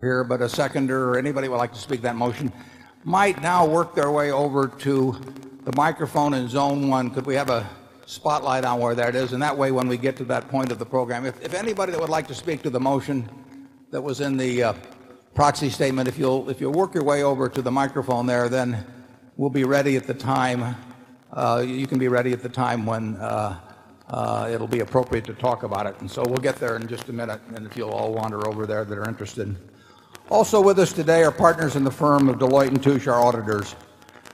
Here, but a seconder or anybody would like to speak that motion might now work their way over to the microphone in zone 1, because we have a spotlight on where that is? And that way, when we get to that point of the program, if anybody that would like to speak to the motion that was in the proxy statement, if you'll work your way over to the microphone there, then we'll be ready at the time. You can be ready at the time when it will be appropriate to talk about it. And so we'll get there in just a minute and if you'll all wander over there that are interested. Also with us today are partners in the firm of Deloitte and Touche, our auditors.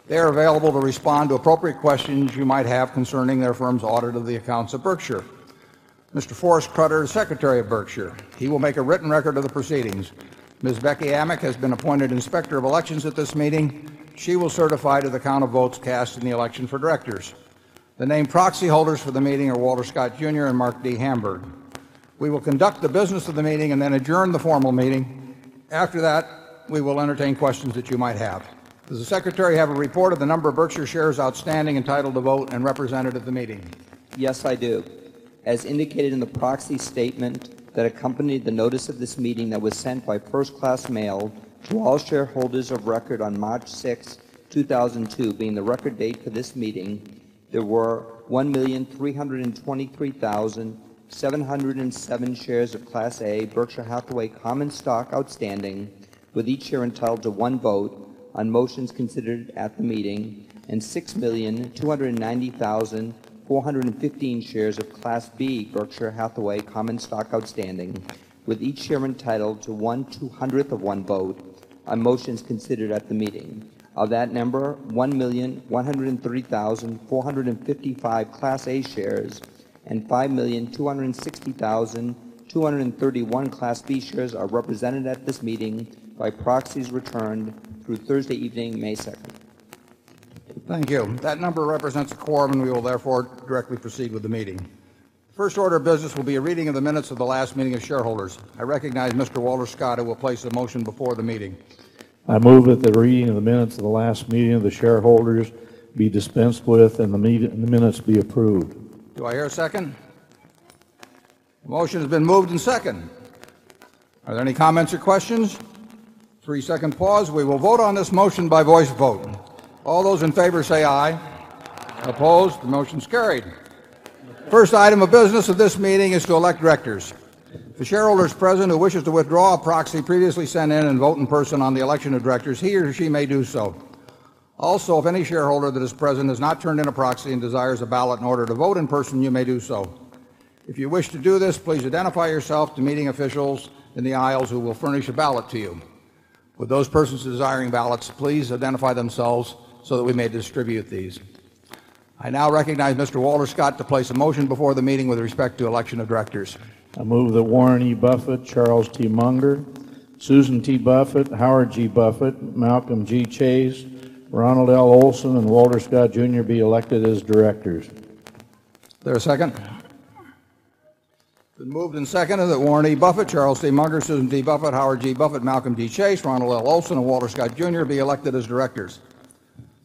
They are available to respond to appropriate questions you might have concerning their firm's audit of the accounts of Berkshire. Mr. Forrest Crother is Secretary of Berkshire. He will make a written record of the proceedings. Ms. Becky Amick has been appointed inspector of elections at this meeting. She will certify to the count of votes cast in the election for directors. The named proxy holders for the meeting are Walter Scott, Jr. And Mark D. Hamburg. We will conduct the business of the meeting and then adjourn the formal meeting. After that, we will entertain questions that you might have. Does the secretary have a report of the number of Berkshire shares outstanding entitled to vote and represented at the meeting? Yes, I do. As indicated in the proxy statement that accompanied the notice of this meeting that was sent by 1st class mail to all shareholders of record on March 6, 2002 being the record date for this meeting, there were 1,323,707 shares of Class A Berkshire Hathaway common stock outstanding with each year entitled to 1 vote on motions considered at the meeting and 6,290,415 shares of Class B Berkshire Hathaway common stock outstanding with each Chairman title to onetwo hundredth of one vote on motions considered at the meeting. Of that number, 1,103,455 Class A Shares and 5,260,231 Class B Shares are represented at this meeting by proxies returned through Thursday evening, May 2. Thank you. That number represents a quorum and we will therefore directly proceed with the meeting. First order of business will be a reading of the minutes of the last meeting of shareholders. I recognize Mr. Walter Scott who will place the motion before the meeting. I move that the reading of the minutes of the last meeting of the shareholders be dispensed with and the minutes be approved. Do I hear a second? Motion has been moved and seconded. Are there any comments or questions? 3 second pause. We will vote on this motion by voice vote. All those in favor, say aye. Aye. Opposed? The motion is carried. The first item of business of this meeting is to elect directors. The shareholders present who wishes to withdraw a proxy previously sent in and vote in person on the election of directors, he or she may do so. Also, if any shareholder that is present has not turned in a proxy and desires a ballot in order to vote in person, you may do so. If you wish to do this, please identify yourself to meeting officials in the aisles who will furnish a ballot to you. Would those persons desiring ballots please identify themselves so that we may distribute these? I now recognize mister Walter Scott to place a motion before the meeting with respect to election of directors. I move that Warren E. Buffet, Charles T. Munger, Susan T. Buffet, Howard G. Buffet, Malcolm G. Chase, Ronald L. Olson and Walter Scott, Jr. Be elected as directors. Is there a second? It's been moved and seconded that Warren E. Buffet, Charles C. Munger, Susan D. Buffet, Howard G. Buffet, Malcolm D. Chase, Ronald L. Olson and Walter Scott Jr. Be elected as Directors.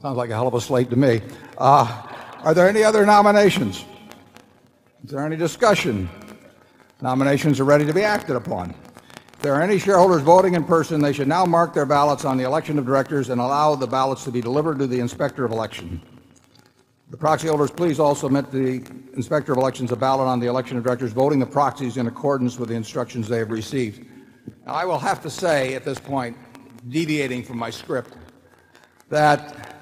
Sounds like a hell of a slate to me. Are there any other nominations? Is there any discussion? Nominations are ready to be acted upon. If there are any shareholders voting in person, they should now mark their ballots on the election of directors and allow the ballots to be delivered to the Inspector of Election. The proxy holders, please also submit the Inspector of Elections a ballot on the election of directors voting the proxies in accordance with the instructions they have received. I will have to say at this point, deviating from my script, that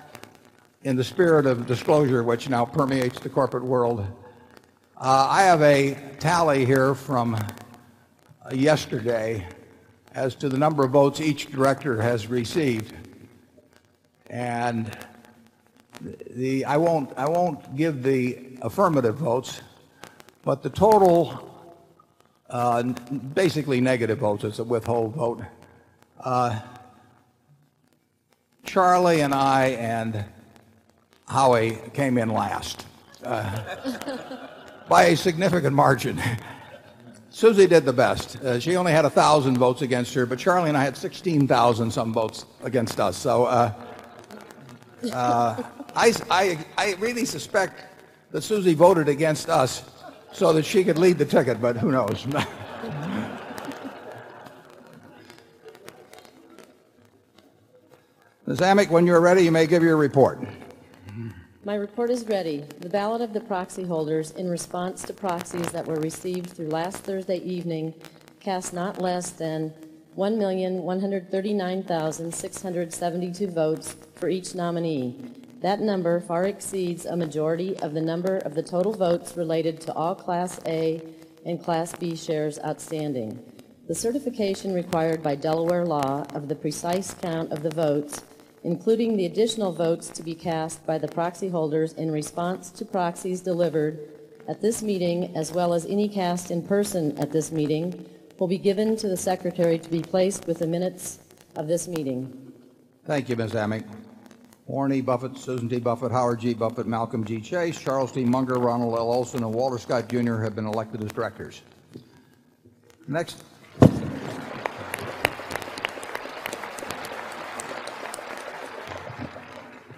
in the spirit of disclosure, which now permeates the corporate world, I have a tally here from yesterday as to the number of votes each director has received. And I won't give the affirmative votes, but the total, basically negative vote is a withhold vote. Charlie and I and Howie came in last by a significant margin. Susie did the best. She only had 1,000 votes against her, but Charlie and I had 16,000 some votes against us. So I really suspect that Susie voted against us that she could lead the ticket, but who knows. Ms. Amick, when you're ready, you may give your report. My report is ready. The ballot of the proxy holders in response to proxies that were received through last Thursday evening cast not less than 1,139,672 votes for each nominee. That number far exceeds a majority of the number of the total votes related to all Class A and Class B shares outstanding. The certification required by Delaware law of the precise count of the votes, including the additional votes to be cast by the proxy holders in response to proxies delivered at this meeting as well as any cast in person at this meeting will be given to the secretary to be placed with the minutes of this meeting. Thank you, Ms. Amick. Warren E. Buffet, Susan D. Buffet, Howard G. Buffet, Malcolm D. Chase, Charles D. Munger, Ronald L. Olson and Walter Scott Jr. Have been elected as Directors.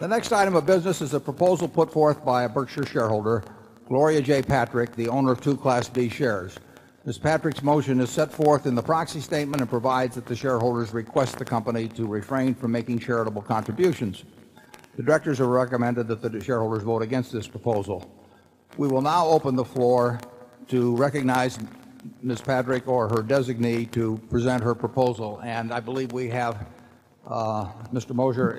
The next item of business is a proposal put forth by a Berkshire shareholder, Gloria J. Patrick, the owner of 2 Class B Shares. Ms. Patrick's motion is set forth in the proxy statement and provides that the shareholders request the company to refrain from making charitable contributions. The directors have recommended that the shareholders vote against this proposal. We will now open the floor to recognize Ms. Patrick or her designee to present her proposal. And I believe we have, Mr. Mosier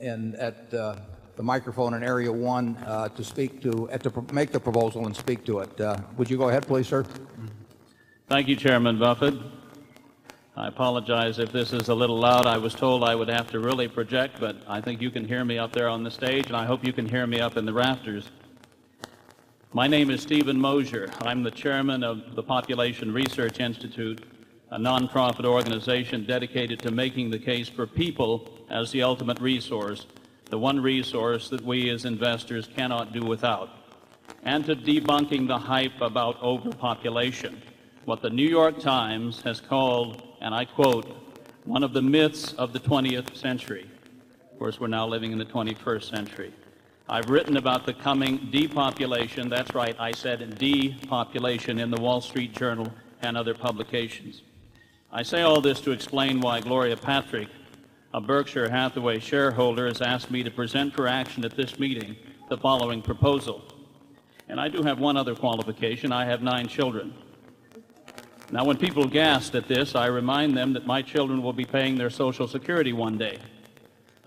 at the microphone in Area 1 to make the proposal and speak to it. Would you go ahead, please, sir? Thank you, Chairman Buffet. I apologize if this is a little loud. I was told I would have to really project, but I think you can hear me up there on the stage and I hope you can hear me up in the rafters. My name is Stephen Mosier. I'm the chairman of the Population Research Institute, a nonprofit organization dedicated to making the case for people as the ultimate resource, the one resource that we as investors cannot do without, and to debunking the hype about overpopulation, what the New York Times has called, and I quote, one of the myths of the 20th century. Of course, we're now living in the 21st century. I've written about the coming depopulation. That's right. I said depopulation in the Wall Street Journal and other publications. I say all this to explain why Gloria Patrick, a Berkshire Hathaway shareholder, has asked me to present her action at this meeting the following proposal. And I do have one other qualification. I have 9 children. Now when people gasp at this, I remind them that my children will be paying their social security one day.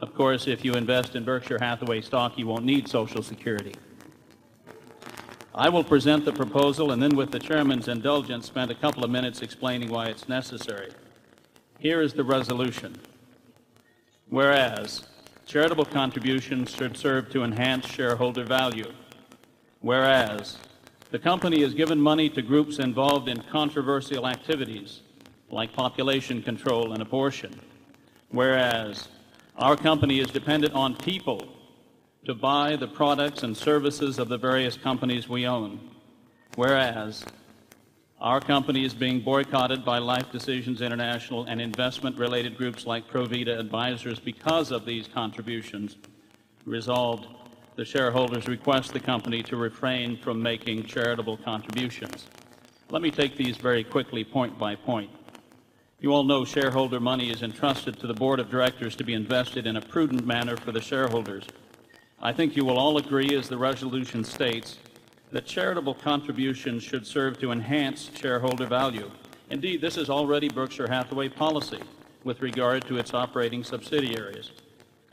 Of course, if you invest in Berkshire Hathaway stock, you won't need Social Security. I will present the proposal and then, with the chairman's indulgence, spend a couple of minutes explaining why it's necessary. Here is the resolution. Whereas charitable contributions should serve to enhance shareholder value, whereas the company has given money to groups involved in controversial activities like population control and apportion, whereas our company is dependent on people to buy the products and services of the various companies we own, whereas our company is being boycotted by Life Decisions International and investment related groups like Provita Advisors because of these contributions. Resolved, the shareholders request the company to refrain from making charitable contributions. Let me take these very quickly point by point. You all know shareholder money is entrusted to the Board of Directors to be invested in a prudent manner for the shareholders. I think you will all agree, as the resolution states, that charitable contributions should serve to enhance shareholder value. Indeed, this is already Berkshire Hathaway policy with regard to its operating subsidiaries.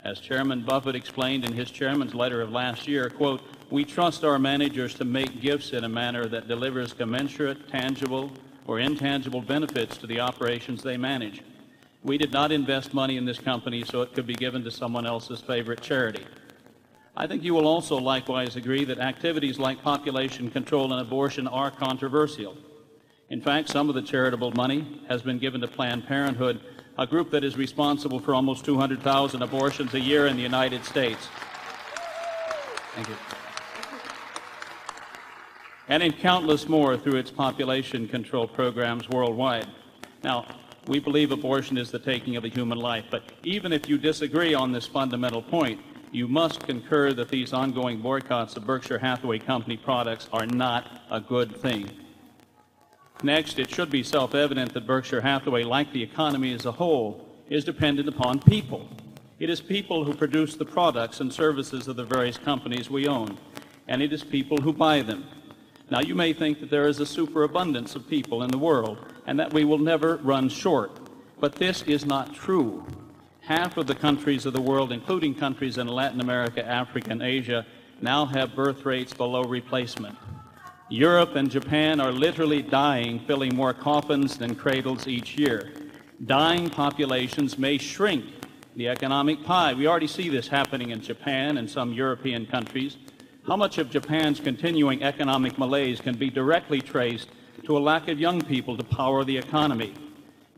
As chairman Buffett explained in his chairman's letter of last year, quote, we trust our managers to make gifts in a manner that delivers commensurate, tangible, or intangible benefits to the operations they manage. We did not invest money in this company so it could be given to someone else's favorite charity. I think you will also likewise agree that activities like population control and abortion are controversial. In fact, some of the charitable money has been given to Planned Parenthood, a group that is responsible for almost 200,000 abortions a year in the United States. Thank you. And in countless more through its population control programs worldwide. Now we believe abortion is the taking of a human life, but even if you disagree on this fundamental point, you must concur that these ongoing boycotts of Berkshire Hathaway Company products are not a good thing. Next, it should be self evident that Berkshire Hathaway, like the economy as a whole, is dependent upon people. It is people who produce the products and services of the various companies we own, and it is people who buy them. Now, you may think that there is a superabundance of people in the world and that we will never run short, but this is not true. Half of the countries of the world, including countries in Latin America, Africa, and Asia, now have birth rates below replacement. Europe and Japan are literally dying filling more coffins than cradles each year. Dying populations may shrink the economic pie. We already see this happening in Japan and some European countries. How much of Japan's continuing economic malaise can be directly traced to a lack of young people to power the economy?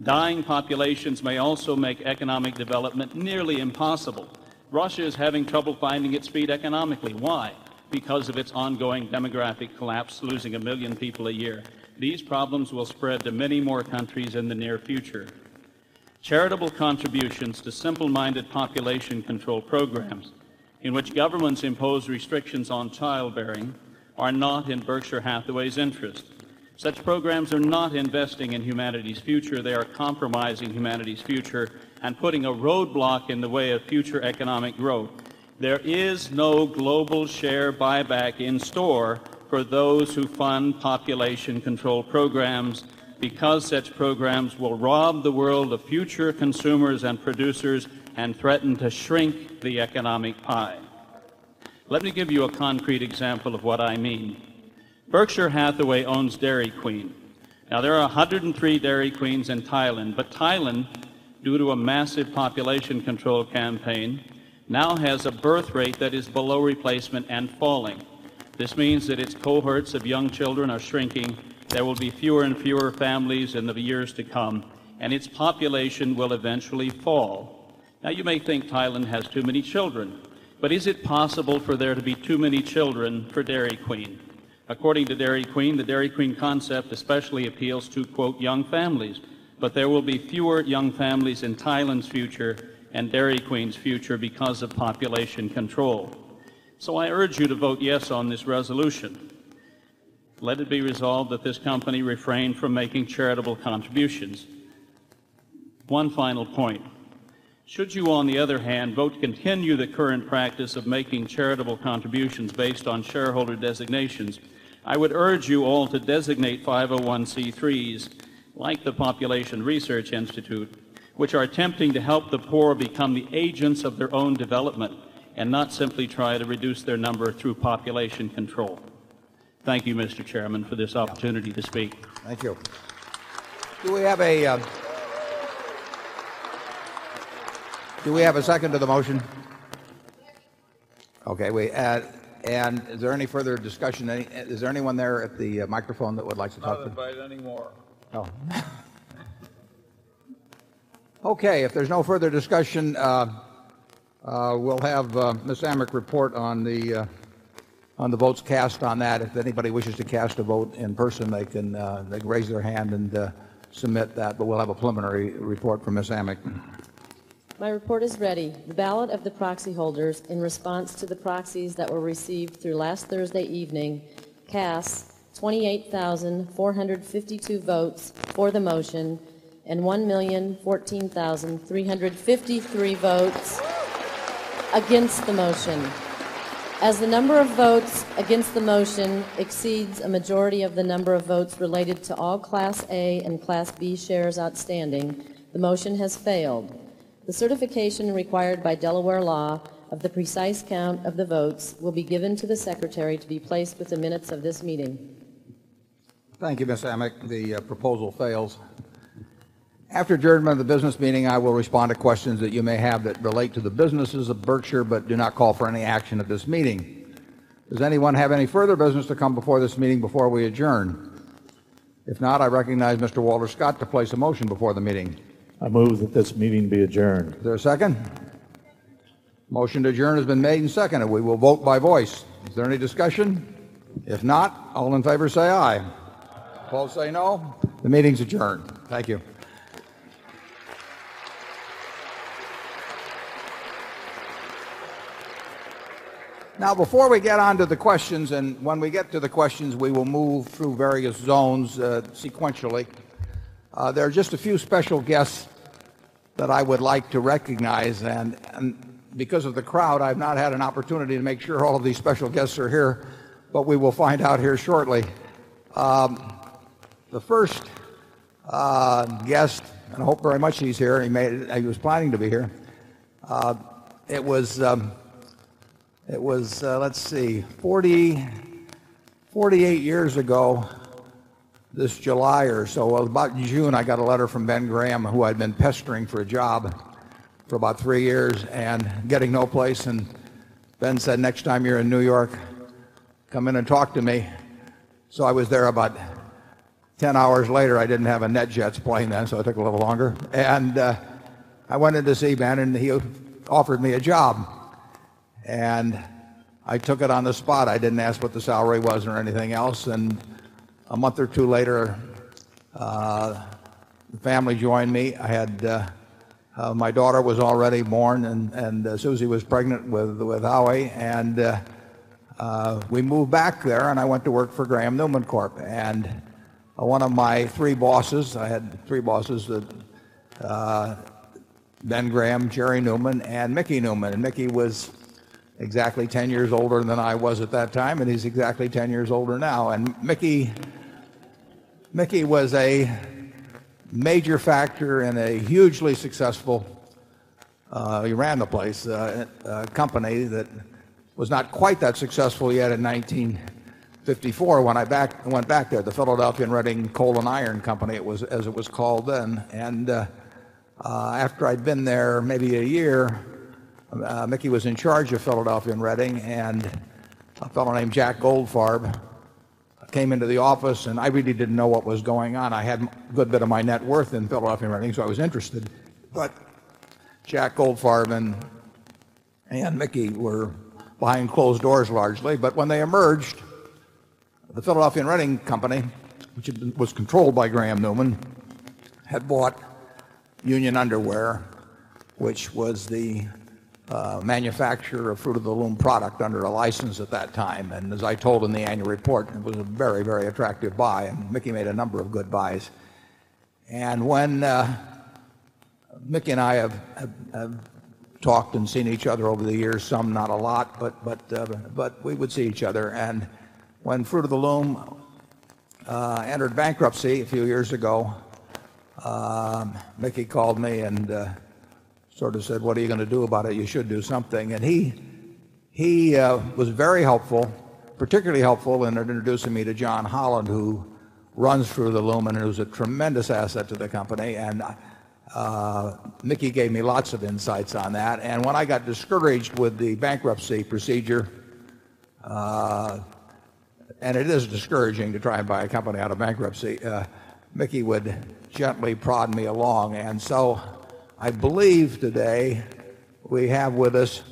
Dying populations may also make economic development nearly impossible. Russia is having trouble finding its speed economically. Why? Because of its ongoing demographic collapse, losing a 1000000 people a year. These problems will spread to many more countries in the near future. Charitable contributions to simple minded population control programs in which governments impose restrictions on childbearing are not in Berkshire Hathaway's interest. Such programs are not investing in humanity's future. They are compromising humanity's future and putting a roadblock in the way of future economic growth. There is no global share buyback in store for those who fund population control programs because such programs will rob the world of future consumers and producers and threaten to shrink the economic pie. Let me give you a concrete example of what I mean. Berkshire Hathaway owns Dairy Queen. Now, there are 103 Dairy Queens in Thailand. But Thailand, due to a massive population control campaign, now has a birth rate that is below replacement and falling. This means that its cohorts of young children are shrinking. There will be fewer and fewer families in the years to come, and its population will eventually fall. Now you may think Thailand has too many children, But is it possible for there to be too many children for Dairy Queen? According to Dairy Queen, the Dairy Queen concept especially appeals to, quote, young families. But there will be fewer young families in Thailand's future and Dairy Queen's future because of population control. So I urge you to vote yes on this resolution. Let it be resolved that this company refrain from making charitable contributions. One final point. Should you, on the other hand, vote to continue the current practice of making charitable contributions based on shareholder designations, I would urge you all to designate 501(3s) like the Population Research Institute, which are attempting to help the poor become the agents of their own development and not simply try to reduce their number through population control. Thank you, Mr. Chairman, for this opportunity to speak. Thank you. Do we have a second to the motion? Yes. Okay. And is there any further discussion? Is there anyone there at the microphone that would like to talk to? I don't have to fight anymore. Okay. If there's no further discussion, we'll have Ms. Amrick report on the votes cast on that. If anybody wishes to cast a vote in person, they can raise their hand and submit that. But we'll have a preliminary report from Ms. Amick. My report is ready. The ballot of the proxy holders in response to the proxies that were received through last Thursday evening cast 28,452 votes for the motion and 1,014,353 votes against the motion. As the number of votes against the motion exceeds a majority of the number of votes related to all Class A and Class B shares outstanding, the motion has failed. The certification required by Delaware law of the precise count of the votes will be given to the secretary to be placed with the minutes of this meeting. Thank you, Ms. Amick. The proposal fails. After adjournment of the business meeting, I will respond to questions that you may have that relate to the businesses of Berkshire, but do not call for any action at this meeting. Does anyone have any further business to come before this meeting before we adjourn? If not, I recognize Mr. Walter Scott to place a motion before the meeting. I move that this meeting be adjourned. Is there a second? The motion to adjourn has been made and seconded. We will vote by voice. Is there any discussion? If not, all in favor say aye. Aye. All say no. The meeting is adjourned. Thank you. Now before we get on to the questions, and when we get to the questions, we will move through various zones sequentially. There are just a few special guests that I would like to recognize. And because of the crowd, I've not had an opportunity to make sure all of these special guests are here, but we will find out here shortly. The first guest, and I hope very much he's here, he made it, he was planning to be here, it was It was, let's see, 48 years ago, this July or so. About June, I got a letter from Ben Graham, who I'd been for a job for about 3 years and getting no place. And Ben said, next time you're in New York, come in and talk to me. So I was there about 10 hours later. I didn't have a NetJets plane then, so it took a little longer. And I went in to see Ben and he offered me a job. And I took it on the spot. I didn't ask what the salary was or anything else. And a month or 2 later, the family joined me. I had my daughter was already born and Susie was pregnant with Howie. And we moved back there and I went to work for Graham Newman Corp. And one of my 3 bosses, I had 3 bosses, Ben Graham, Jerry Newman and Mickey Newman. Mickey was exactly 10 years older than I was at that time and he's exactly 10 years older now. And Mickey Mickey was a major factor in a hugely successful, he ran the place, a company that was not quite that successful yet in 1954 when I went back there, the Philadelphia Redding Coal and Iron Company, as it was called then. And after I'd been there maybe a year, Mickey was in charge of Philadelphia and Reading and a fellow named Jack Goldfarb came into the office and I really didn't know what was going on. I had a good bit of my net worth in Philadelphia and Redding, so I was interested. But Jack Goldfarb and Mickey were behind closed doors largely. But when they emerged, the Philadelphian Renting Company, which was controlled by Graham Newman, had bought union underwear, which was the manufacturer of fruit of the loom product under a license at that time. And as I told in the annual report, it was a very, very attractive buy and Mickey made a number of good buys. And when Mickey and I have talked and seen each other over the years, some not a lot, but we would see each other. And when Fruit of the Loom entered bankruptcy a few years ago, Mickey called me and sort of said, what are you going to do about it? You should do something. And he was very helpful, particularly helpful in introducing me to John Holland, who runs through the lumen, who's a tremendous asset to the company. And Mickey gave me lots of insights on that. And when I got discouraged with the bankruptcy procedure, and it is discouraging to try and buy a company out of bankruptcy, Mickey would gently prod me along. And so I believe today we have with us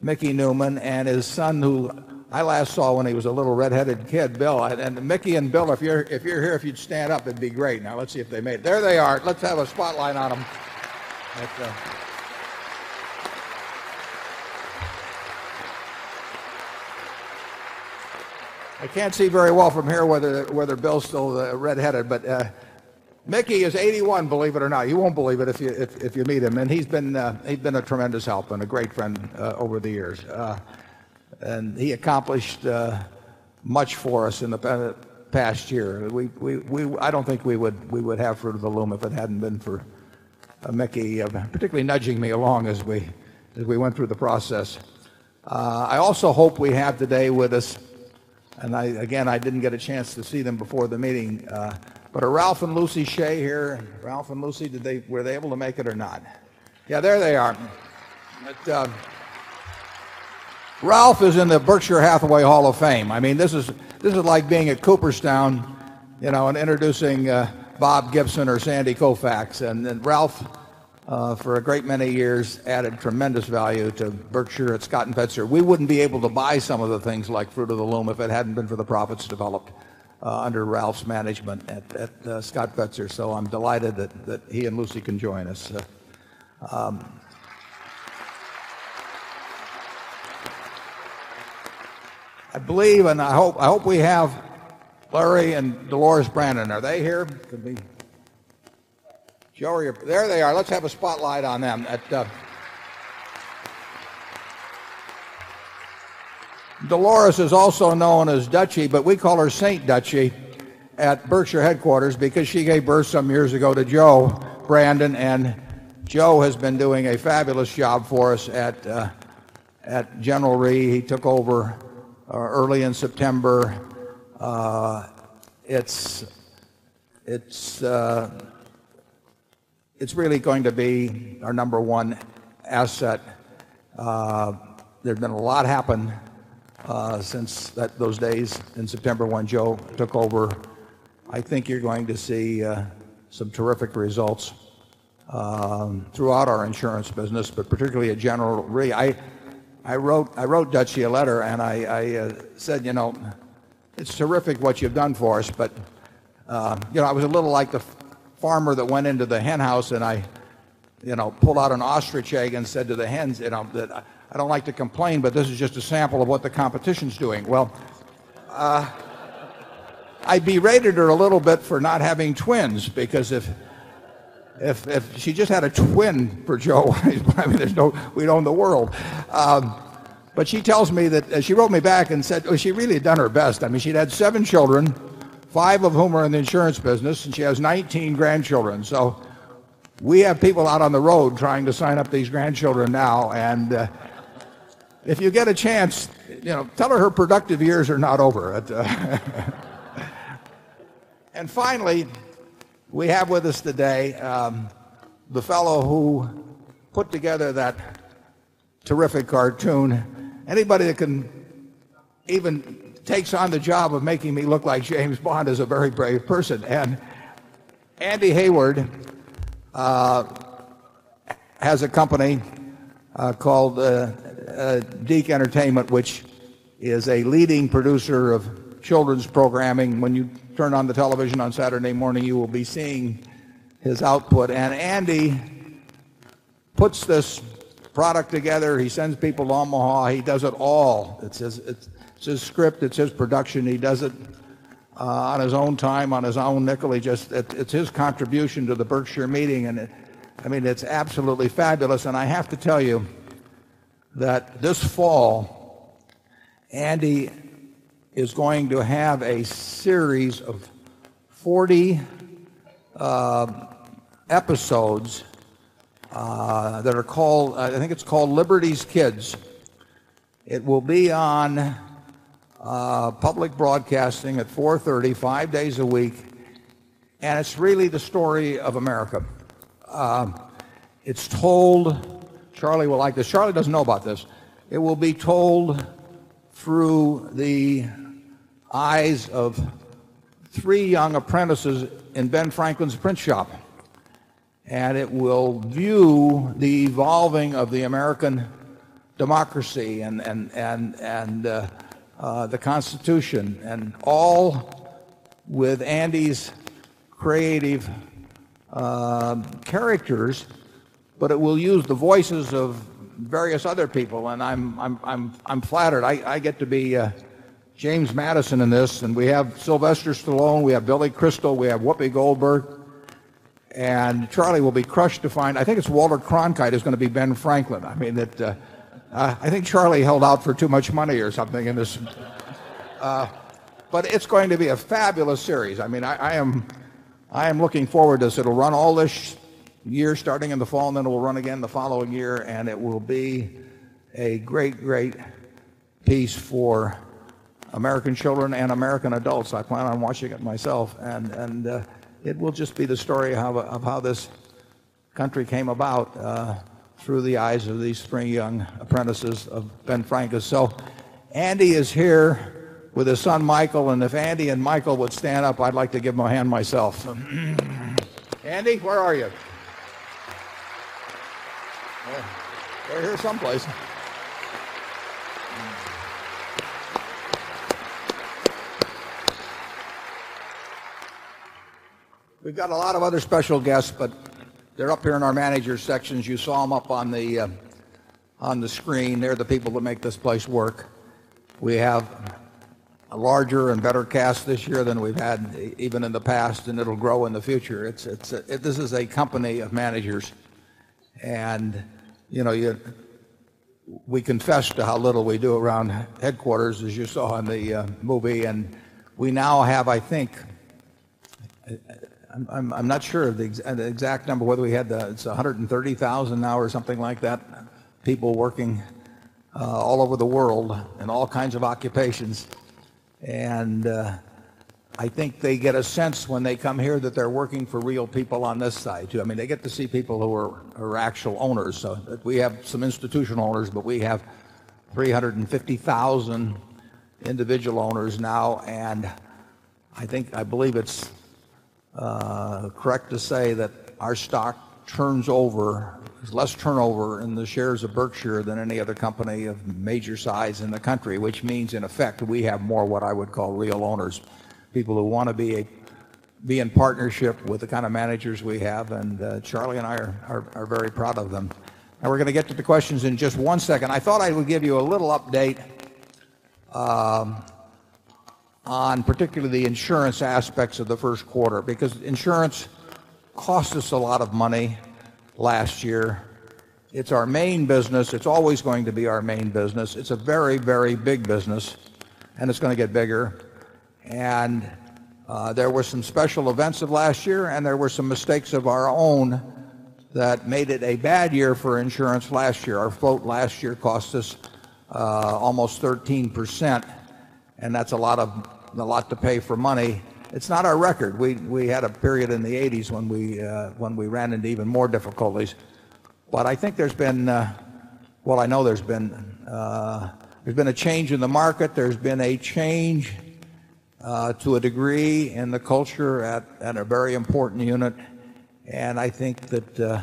Mickey Newman and his son who I last saw when he was a little red headed kid, Bill. And Mickey and Bill, if you're here, if you'd stand up, it'd be great. Now let's see if they made it. There they are. Let's have a spotlight on them. I can't see very well from here whether Bill is still redheaded, but Mickey is 81 believe it or not. You won't believe it if you meet him. And he's been a tremendous help and a great friend over the years. And he accomplished much for us in the past year. I don't think we would have frugaloom if it hadn't been for Mickey, particularly nudging me along as we went through the process. I also hope we have today with us, And again, I didn't get a chance to see them before the meeting. But are Ralph and Lucy Hsieh here? Ralph and Lucy, did they were they able to make it or not? Yes, there they are. But Ralph is in the Berkshire Hathaway Hall of Fame. I mean, this is like being at Cooperstown and introducing Bob Gibson or Sandy Koufax. And Ralph, for a great many years, added tremendous value to Berkshire at Scott and Betzer. We wouldn't be able to buy some of the things like Fruit of the Loom if it hadn't been for the profits developed under Ralph's management at Scott Fetzer. So I'm delighted that he and Lucy can join us. I believe and I hope we have Larry and Dolores Brannan. Are they here? There they are. Let's have a spotlight on them. Dolores is also known as Duchy, but we call her Saint Duchy at Berkshire headquarters because she gave birth some years ago to Joe Brandon. And Joe has been doing a fabulous job for us at General Re. He took over early in September. It's really going to be our number one asset. There's been a lot happened since those days in September when Joe took over. I think you're going to see some terrific results throughout our insurance business, but particularly at General Re. I wrote Duchy a letter and I said, you know, it's terrific what you've done for us. But, you know, I was a little like the farmer that went into the hen house and I, you know, pulled out an ostrich egg and said to the hens, you know, that I don't like to complain, but this is just a sample of what the competition is doing. Well, I'd be rated her a little bit for not having twins because if she just had a twin for Joe, I mean, there's no we don't the world. But she tells me that she wrote me back and said, oh, she really done her best. I mean, she'd had 7 children, 5 of whom are in the insurance business and she has 19 grandchildren. So we have people out on the road trying to sign up these grandchildren now. And if you get a chance, you know, tell her her productive years are not over. And finally, we have with us today, the fellow who put together that terrific cartoon. Anybody that can even takes on the job of making me look like James Bond is a very brave person. And Andy Hayward has a company called, Deac Entertainment, which is a leading producer of children's programming. When you turn on the television on Saturday morning, you will be seeing his output. And Andy puts this product together. He sends people to Omaha. He does it all. It's his script. It's his production. He does it on his own time, on his own nickel. It's his contribution to the Berkshire meeting, and it's absolutely fabulous. And I have to tell you that this fall, Andy is going to have a series of 40 episodes that are called, I think it's called Liberty's Kids. It will be on public broadcasting at 4:30, 5 days a week. And it's really the story of America. It's told, charlie will like this. Charlie doesn't know about this. It will be told through the eyes of 3 young apprentices in Ben Franklin's print shop. And it will view the evolving of the American democracy and and and and, the constitution and all with Andy's creative characters, but it will use the voices of various other people. And I'm flattered. I get to be James Madison in this. And we have Sylvester Stallone, we have Billy Crystal, we have Whoopi Goldberg and Charlie will be crushed to find, I think it's Walter Cronkite is going to be Ben Franklin. I mean that I think Charlie held out for too much money or something in this. But it's going to be a fabulous series. I mean, I am looking forward to this. It will run all this year starting in the fall, and then it will run again the following year. And it will be a great, great piece for American children and American adults. I plan on watching it myself and it will just be the story of how this country came about, through the eyes of these spring young apprentices of Ben Franklin. So Andy is here with his son Michael and if Andy and Michael would stand up, I'd like to give him a hand myself. Andy, where are you? We're here someplace. We've got a lot of other special guests but they're up here in our manager sections. You saw them up on the screen. They're the people that make this place work. We have a larger and better cast this year than we've had even in the past and it'll grow in the future. This is a company of managers. And we confessed to how little we do around headquarters, as you saw in the movie. And we now have, I think, I'm not sure of the exact number, whether we had the it's 130,000 now or something like that, people working all over the world in all kinds of occupations. And I think they get a sense when they come here that they're working for real people on this side. They get to see people who are actual owners. We have some institutional owners, but we have 350,000 individual owners now. And I think, I believe it's correct to say that our stock turns over, there's less turnover in the shares of Berkshire than any other company of major size in the country, which means in effect, we have more what I would call real owners, people who want to be in partnership with the kind of managers we have. And Charlie and I are very proud of them. Now we're going to get to the questions in just one second. I thought I would give you a little update on particularly the insurance aspects of the first quarter because insurance cost us a lot of money last year. It's our main business. It's always going to be our main business. It's a very, very big business and it's going to get bigger. And there were some special events of last year and there were some mistakes of our own that made it a bad year for insurance last year. Our float last year cost us almost 13% And that's a lot of a lot to pay for money. It's not our record. We had a period in the 80s when we ran into even more difficulties. What I think there's been well, I know there's been a change in the market. There's been a change to a degree in the culture at a very important unit. And I think that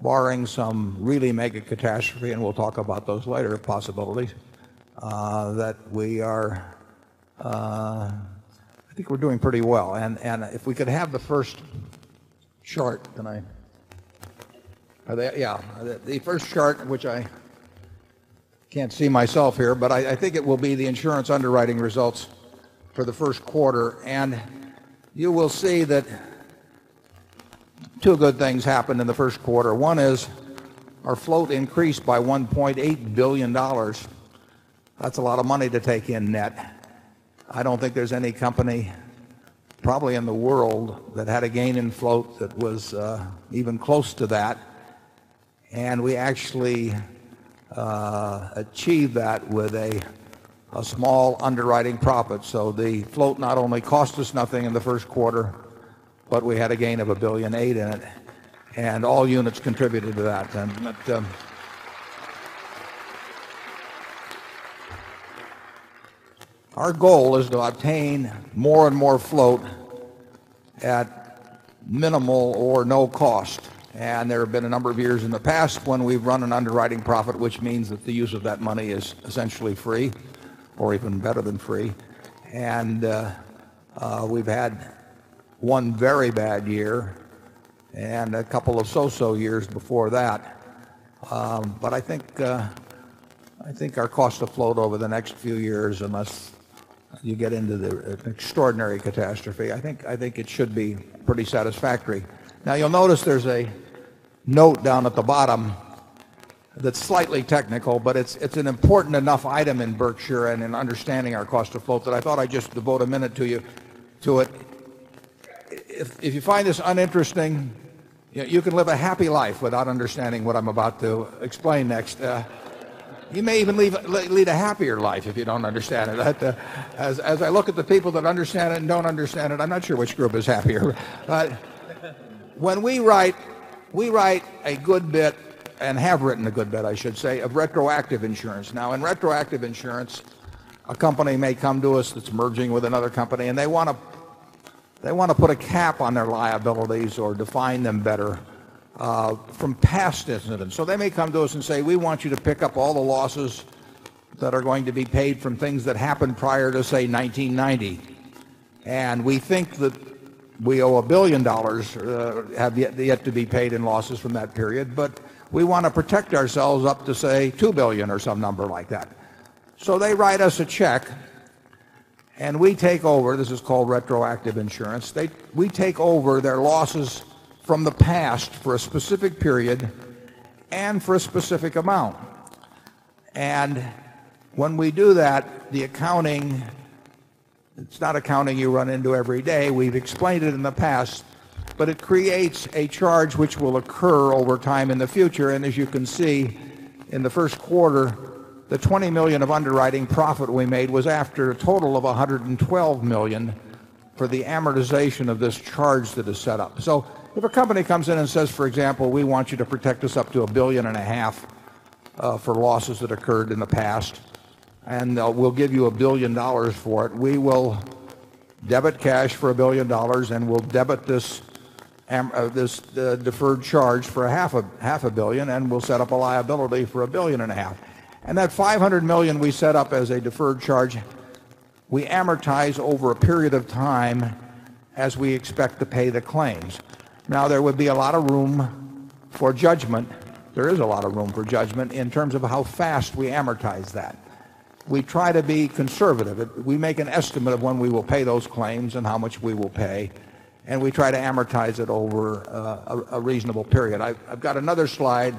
barring some really mega catastrophe, and we'll talk about those later possibilities, that we are, I think we're doing pretty well. And if we could have the first chart, can I yes, the first chart, which I can't see myself here, but I think it will be the insurance underwriting results for the Q1? And you will see that 2 good things happened in the Q1. 1 is our float increased by $1,800,000,000 That's a lot of money to take in net. I don't think there's any company probably in the world that had a gain in float that was even close to that. And we actually achieved that with a small underwriting profit. So the float not only cost us nothing in the Q1, but we had a gain of $1,800,000,000 in it and all units contributed to that. Minimal or no cost. And there have been a number of years in the past when we've run an underwriting profit, which means that the use of that money is essentially free or even better than free. And, we've had one very bad year and a couple of so so years before that. But I think our costs have flowed over the next few years unless you get into the extraordinary catastrophe. I think it should be pretty satisfactory. Now you'll notice there's a note down at the bottom that's slightly technical but it's an important enough item in Berkshire and in understanding our cost of float that I thought I'd just devote a minute to you to it. If you find this uninteresting, you can live a happy life without understanding what I'm about to explain next. You may even leave a happier life if you don't understand it. As I look at the people that understand it and don't understand it, I'm not sure which group is happier. When we write, we write a good bit and have written a good bit, I should say, of retroactive insurance. Now in retroactive insurance, a company may come to us that's merging with another company and they want to put a cap on their liabilities or define them better from past, isn't it? And so they may come to us and say, we want you to pick up all the losses that are going to be paid from things that happened prior to, say, 19.90. And we think that we owe $1,000,000,000 have yet to be paid in losses from that period, but we want to protect ourselves up to, say, 2,000,000,000 or some number like that. So they write us a check and we take over, this is called retroactive insurance, we take over their losses from the past for a specific period and for a specific amount. And when we do that, the accounting it's not accounting you run into every day, we've explained it in the past, but it creates a charge which will occur over time in the future. And as you can see, in the Q1, the $20,000,000 of underwriting profit we made was after a total of $112,000,000 for the amortization of this charge that is set up. So if a company comes in and says for example, we want you to protect us up to a 1,000,000,000 and a half for losses that occurred in the past and we'll give you a $1,000,000,000 for it. We will debit cash for a $1,000,000,000 and we'll debit this and this deferred charge for a half a half a 1,000,000,000 and we'll set up a liability for a 1,000,000,000 and a half. And that 500,000,000 we set up as a deferred charge, we amortize over a period of time as we expect to pay the claims. Now there would be a lot of room for judgment. There is a lot of room for judgment in terms of how fast we amortize that. We try to be conservative. We make an estimate of when we will pay those claims and how much we will pay. And we try to amortize it over a reasonable period. I've got another slide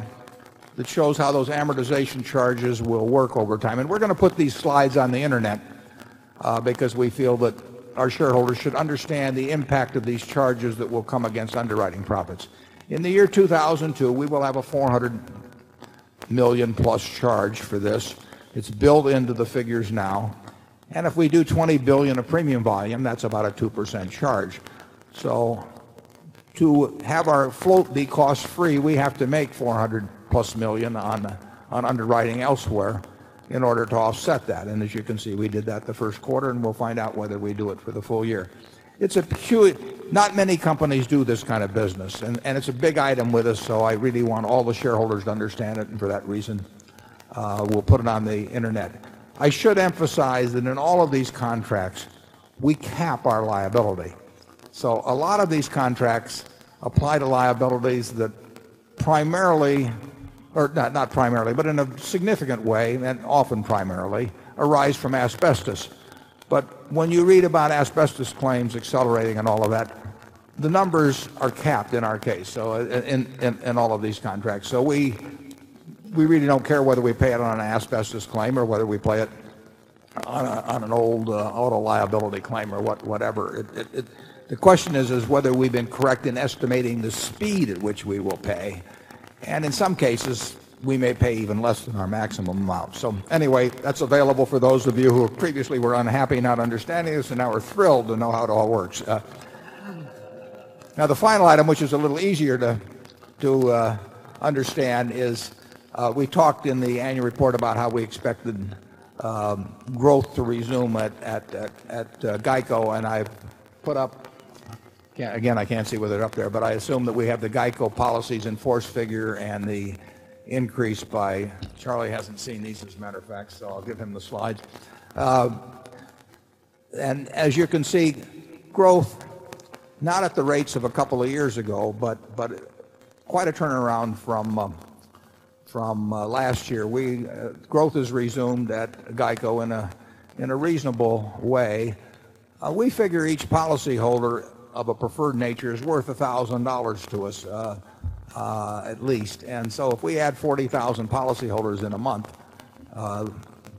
that shows how those amortization charges will work over time. And we're going to put these slides on the internet because we feel that our shareholders should understand the impact of these charges that will come against underwriting profits. In the year 2,002, we will have a 400 1,000,000 plus charge for this. It's built into the figures now. And if we do 20,000,000,000 of premium volume, that's about a 2% charge. So to have our float be cost free we have to make 400 plus 1,000,000 on underwriting elsewhere in order to offset that. And as you can see, we did that the Q1 and we'll find out whether we do it for the full year. It's a huge not many companies do this kind of business and it's a big item with us. So I really want all the shareholders to understand it and for that reason, we'll put it on the internet. I should emphasize that in all of these contracts, we cap our liability. So a lot of these contracts apply to liabilities that primarily or not primarily, but in a significant way and often primarily arise from asbestos. But when you read about asbestos claims accelerating and all of that, the numbers are capped in our case, so in all of these contracts. So we really don't care whether we pay it on an asbestos claim or whether we play it on an old auto liability claim or whatever. The question is, is whether we've been correct in estimating the speed at which we will pay. And in some cases, we may pay even less than our maximum amount. So anyway, that's available for those of you who previously were unhappy not understanding this and now we're thrilled to know how it all works. Now the final item, which is a little easier to understand is we talked in the annual report about how we expected growth to resume at GEICO and I've put up again, I can't see whether it's up there, but I assume that we have the GEICO policies in force figure and the increase by Charlie hasn't seen these as a matter of fact, so I'll give him the slides. And as you can see, growth not at the rates of a couple of years ago, but quite a turnaround from last year. We growth has resumed at GEICO in a reasonable way. We figure each policyholder of a preferred nature is worth $1,000 to us at least. And so if we add 40,000 policyholders in a month,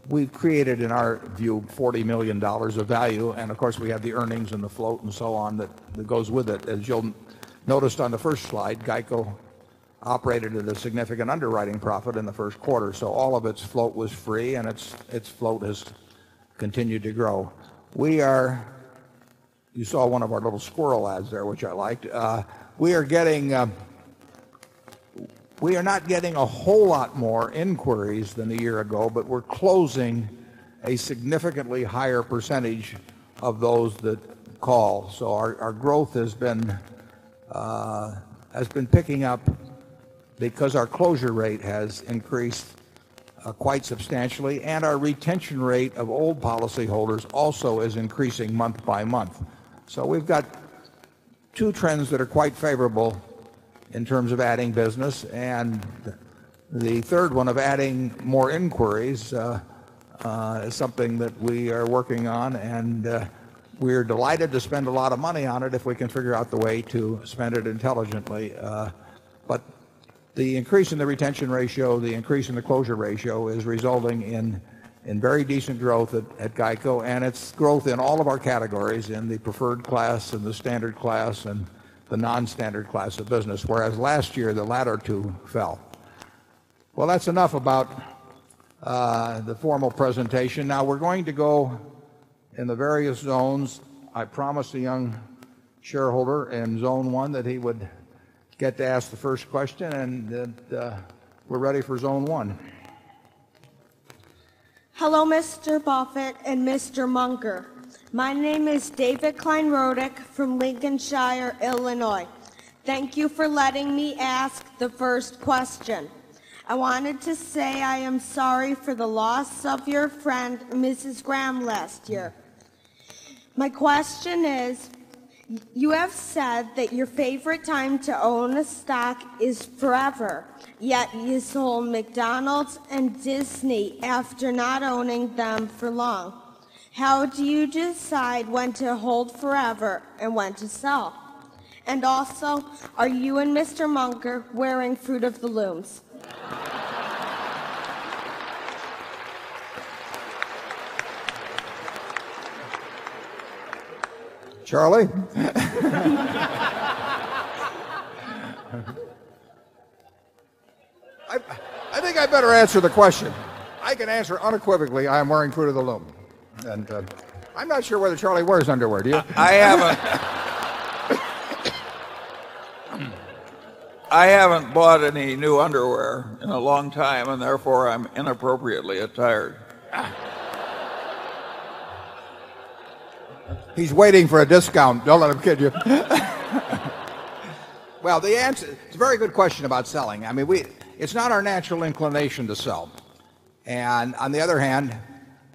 we've created in our view $40,000,000 of value. And of course, we have the earnings and the float and so on that goes with it. As you'll notice on the first slide, GEICO operated at a significant underwriting profit in the Q1. So all of its float was free and its float has continued to grow. We are you saw one of our little squirrel ads there, which I liked. We are not getting a whole lot more inquiries than a year ago, but we're closing a significantly higher percentage of those that call. So our growth has been picking up because our closure rate has increased quite substantially and our retention rate of old policyholders also is increasing month by month. So we've got 2 trends that are quite favorable in terms of adding business. And the third one of adding more inquiries is something that we are working on and we are delighted to spend a lot of money on it if we can figure out the way to spend it intelligently. But the increase in the retention ratio, the increase in the closure ratio is resulting in very decent growth at GEICO. And it's growth in all of our categories in the preferred class and the standard class and the non standard class of business, whereas last year the latter two fell. Well, that's enough about the formal presentation. Now we're going to go in the various zones. I promised the young shareholder in Zone 1 that he would get to ask the first question and that we're ready for Zone 1. Hello, Mr. Buffet and Mr. Munger. My name is David Klein Rodick from Lincolnshire, Illinois. Thank you for letting me ask the first question. I wanted to say I am sorry for the loss of your friend, Mrs. Graham, last year. My question is, you have said that your favorite time to own a stock is forever, yet you sold McDonald's and Disney after not owning them for long. How do you decide when to hold forever and when to sell? And also, are you and Mr. Munger wearing Fruit of Balloons? Charlie? I think I better answer the question. I can answer unequivocally, I am wearing Fruit of the Loom. And I'm not sure whether Charlie wears underwear. Do you? I haven't I haven't bought any new underwear in a long time, and therefore, I'm inappropriately attired. He's waiting for a discount. Don't let him kid you. Well, the answer it's a very good question about selling. I mean, we it's not our natural inclination to sell. And on the other hand,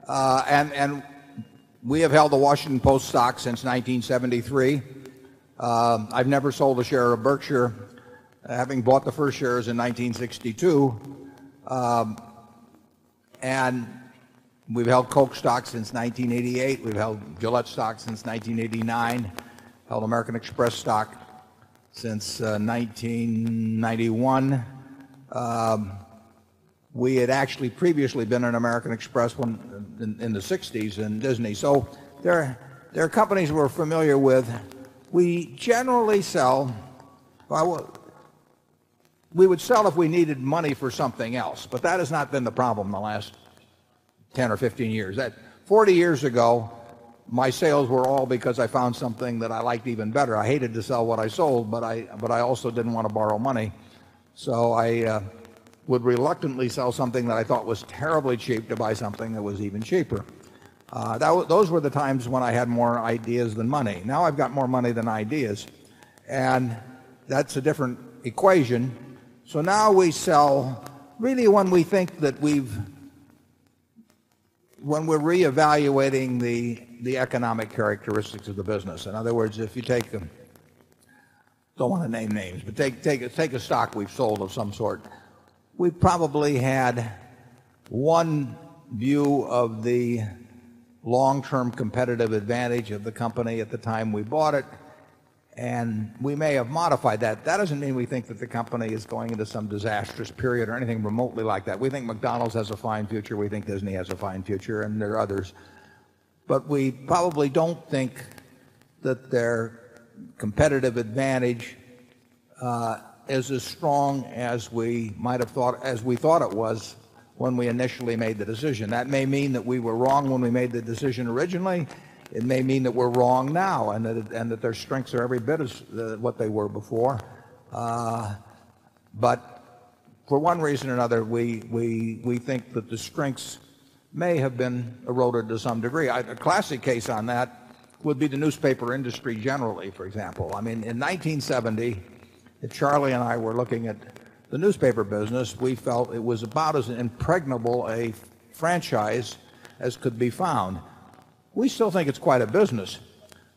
and we have held the Washington Post stock since 1973. I've never sold a share of Berkshire, having bought the first shares in 1962. And we've held Coke stock since 1988. We've held Gillette stock since 1989, held American Express stock since 1991. We had actually previously been an American Express in the '60s in Disney. So there are companies we're familiar with. We generally sell we would sell if we needed money for something else. But that has not been the problem in the last 10 or 15 years. That 40 years ago, my sales were all because I found something that I liked even better. I hated to sell what I sold, but I also didn't want to borrow money. So I would reluctantly sell something that I thought was terribly cheap to buy something that was even cheaper. Those were the times when I had more ideas than money. Now I've got more money than ideas and that's a different equation. So now we sell really when we think that we've when we're reevaluating the economic characteristics of the business. In other words, if you take them don't want to name names, but take a stock we've sold of some sort, we probably had one view of the long term competitive advantage of the company at the time we bought it and we may have modified that. That doesn't mean we think the company is going into some disastrous period or anything remotely like that. We think McDonald's has a fine future. We think Disney has a fine future and there are others. But we probably don't think that their competitive advantage is as strong as we might have thought as we thought it was when we initially made the decision. That may mean that we were wrong when we made the decision originally. It may mean that we're wrong now and that their strengths are every bit as what they were before. But for one reason or another, we think that the strengths may have been eroded to some degree. A classic case on that would be the newspaper industry generally, for example. I mean, in 1970, Charlie and I were looking at the newspaper business, we felt it was about as impregnable a franchise as could be found. We still think it's quite a business,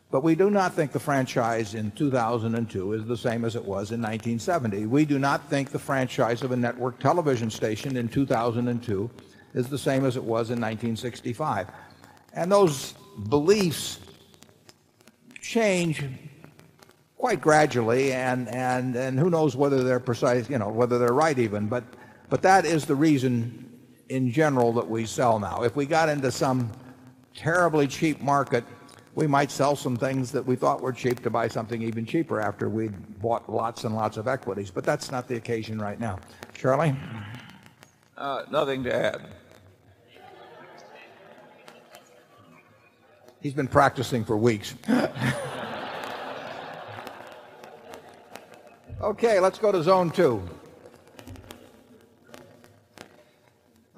but we do not think the franchise in 2000 and 2 is the same as it was in 1970. We do not think the franchise of a network television station in 2,002 is the same as it was in 1965. And those beliefs change quite gradually and who knows whether they're precise, whether they're right even. But that is the reason in general that we sell now. If we got into some terribly cheap market, we might sell some things that we thought were cheap to buy something even cheaper after we bought lots and lots of equities. But that's not the occasion right now. Charlie? Nothing to add. He's been practicing for weeks. Okay, let's go to zone 2.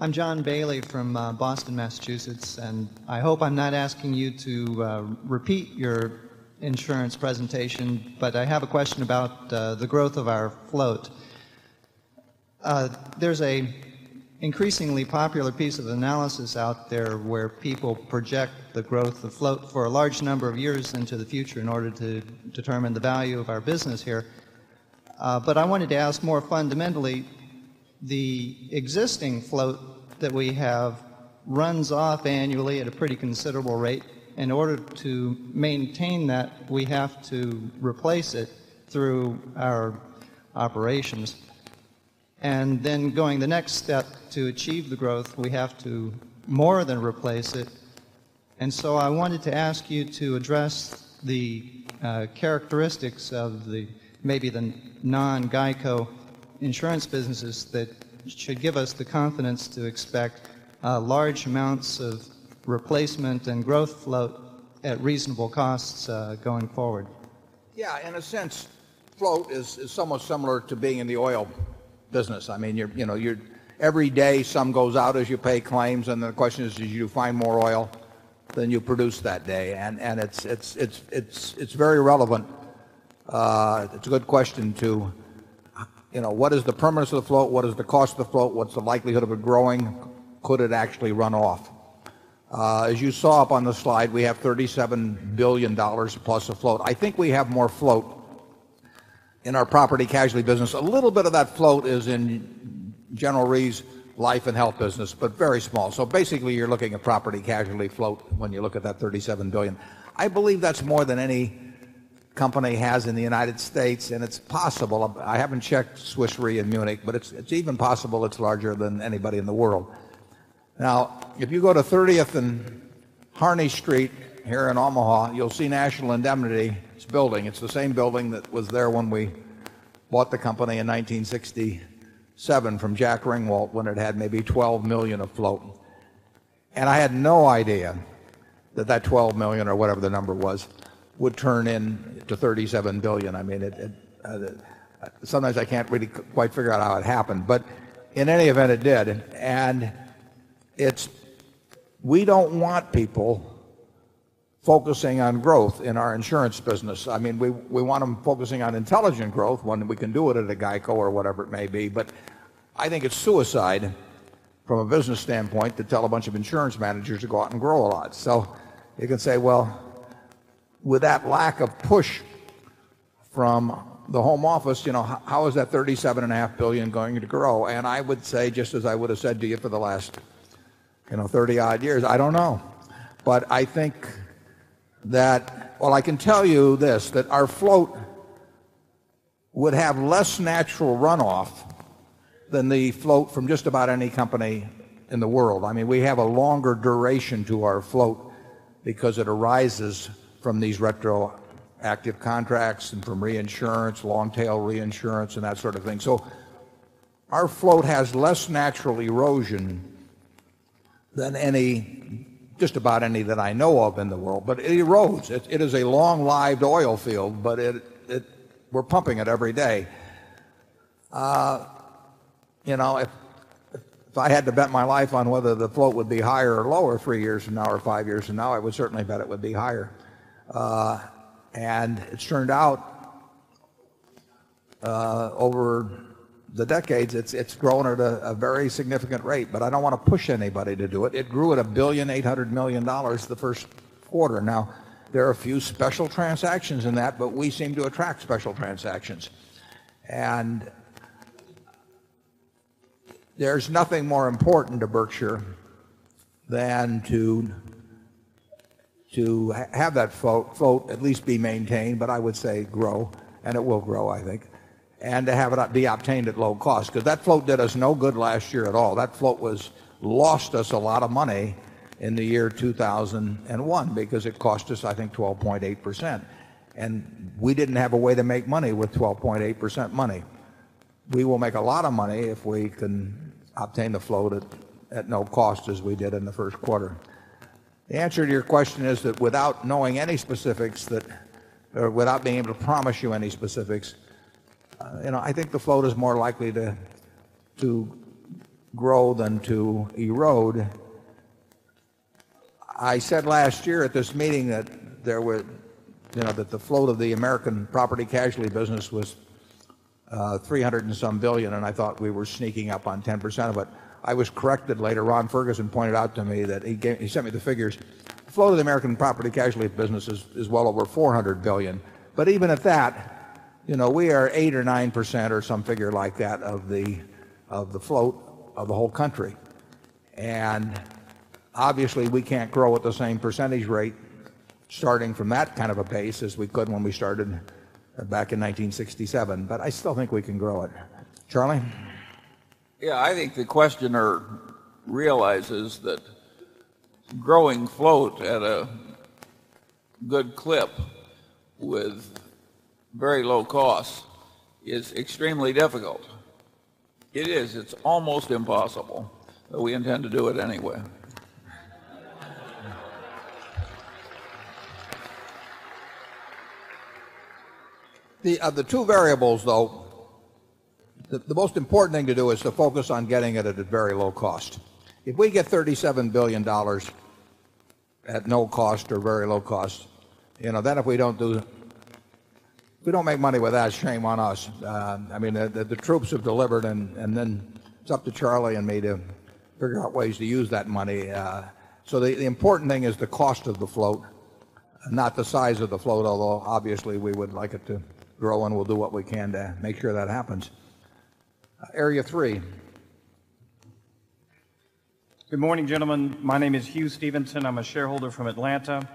I'm John Bailey from Boston, Massachusetts and I hope I'm not asking you to repeat your insurance presentation, but I have a question about the growth of our float. There's an increasingly popular piece of analysis out there where people project the growth of float for a large number of years into the future in order to determine the value of our business here. But I wanted to ask more fundamentally, the existing float that we have runs off annually at a pretty considerable rate. In order to maintain that, we have to replace it through our operations. And then going the next step to achieve the growth, we have to more than replace it. And so I wanted to ask you to address the characteristics of the maybe the non GEICO insurance businesses that should give us the confidence to expect large amounts of replacement and growth float at reasonable costs going forward? Yes. In a sense, float is somewhat similar to being in the oil business. I mean, you're every day some goes out as you pay claims and the question is, did you find more oil than you produce that day? And it's very relevant. It's a good question to what is the premise of the float? What is the cost of the float? What's the likelihood of it growing? Could it actually run off? As you saw up on the slide, we have $37,000,000,000 plus afloat. I think we have more float in our property casualty business. A little bit of that float is in General Re's Life and Health business, but very small. So basically, you're looking at property casualty float when you look at that $37,000,000,000 I believe that's more than any company has in the United States, and it's possible. I haven't checked Swiss Re and Munich, but it's even possible it's larger than anybody in the world. Now if you go to 30th and Harney Street here in Omaha, you'll see National Indemnity is building. It's the same building that was there when we bought the company in 1967 from Jack Ringwalt when it had maybe $12,000,000 of float. And I had no idea that, that $12,000,000 or whatever the number was, would turn into $37,000,000,000 I mean, sometimes I can't really quite figure out how it happened. But in any event, it did. And it's we don't want people focusing on growth in our insurance business. I mean, managers to go out and grow a lot. So you can say, well, with that lack of push from the home office, how is that $37,500,000,000 going to grow? And I would say just as I would have said to you for the last 30 odd years, I don't know. But I think that well, I can tell you this, that our float would have less natural runoff than the float from just about any company in the world. I mean we have a longer duration to our float because it arises from these retro active contracts and from reinsurance, long tail reinsurance and that sort of thing. So our float has less natural erosion than any just about any that I know of in the world, but it erodes. It is a long lived oil field, but we're pumping it every day. If I had to bet my life on whether the float would be higher or lower 3 years from now or 5 years from now, I would certainly bet it would be higher. And it's turned out over the decades, it's grown at a very significant rate, but I don't want to push anybody to do it. It grew at $1,800,000,000 the first quarter. Now there are a few special transactions in that but we seem to attract special transactions. And there's nothing more important to Berkshire than to have that float at least be maintained but I would say grow and it will grow I think. And to have it be obtained at low cost because that float did us no good last year at all. That float was lost us a lot of money in the year 2001 because it cost us I think 12.8%. And we didn't have a way to make money with 12.8 percent money. We will make a lot of money if we can obtain the float at no cost as we did in the Q1. The answer to your question is that without knowing any specifics that without being able to promise you any specifics, I think the float is more likely to grow than to erode. I said last year at this meeting that there were that the flow of the American property casualty business was 300 and some 1,000,000,000 and I thought we were sneaking up on 10% of it. I was corrected later Ron Ferguson pointed out to me that he gave he sent me the figures. The flow of the American property casualty business is well over $400,000,000,000 But even at that, we are 8% or 9% or some figure like that of the float of the whole country. And obviously we can't grow at the same percentage rate starting from that kind of a pace as we could when we started back in 1967. But I still think we can grow it. Charlie? Yes, I think the questioner realizes that growing float at a good clip with very low cost is extremely difficult. It is, it's almost impossible. We intend to do it anyway. The other two variables though, the most important thing to do is to focus on getting it at a very low cost. If we get $37,000,000,000 at no cost or very low cost, then if we don't do we don't make money with that, shame on us. I mean, the troops have delivered and then it's up to Charlie and me to figure out ways to use that money. So the important thing is the cost of the float, not the size of the float, although obviously we would like it to grow and we'll do what we can to make sure that happens. Area 3. Good morning, gentlemen. My name is Hugh Stephenson. I'm a shareholder from Atlanta.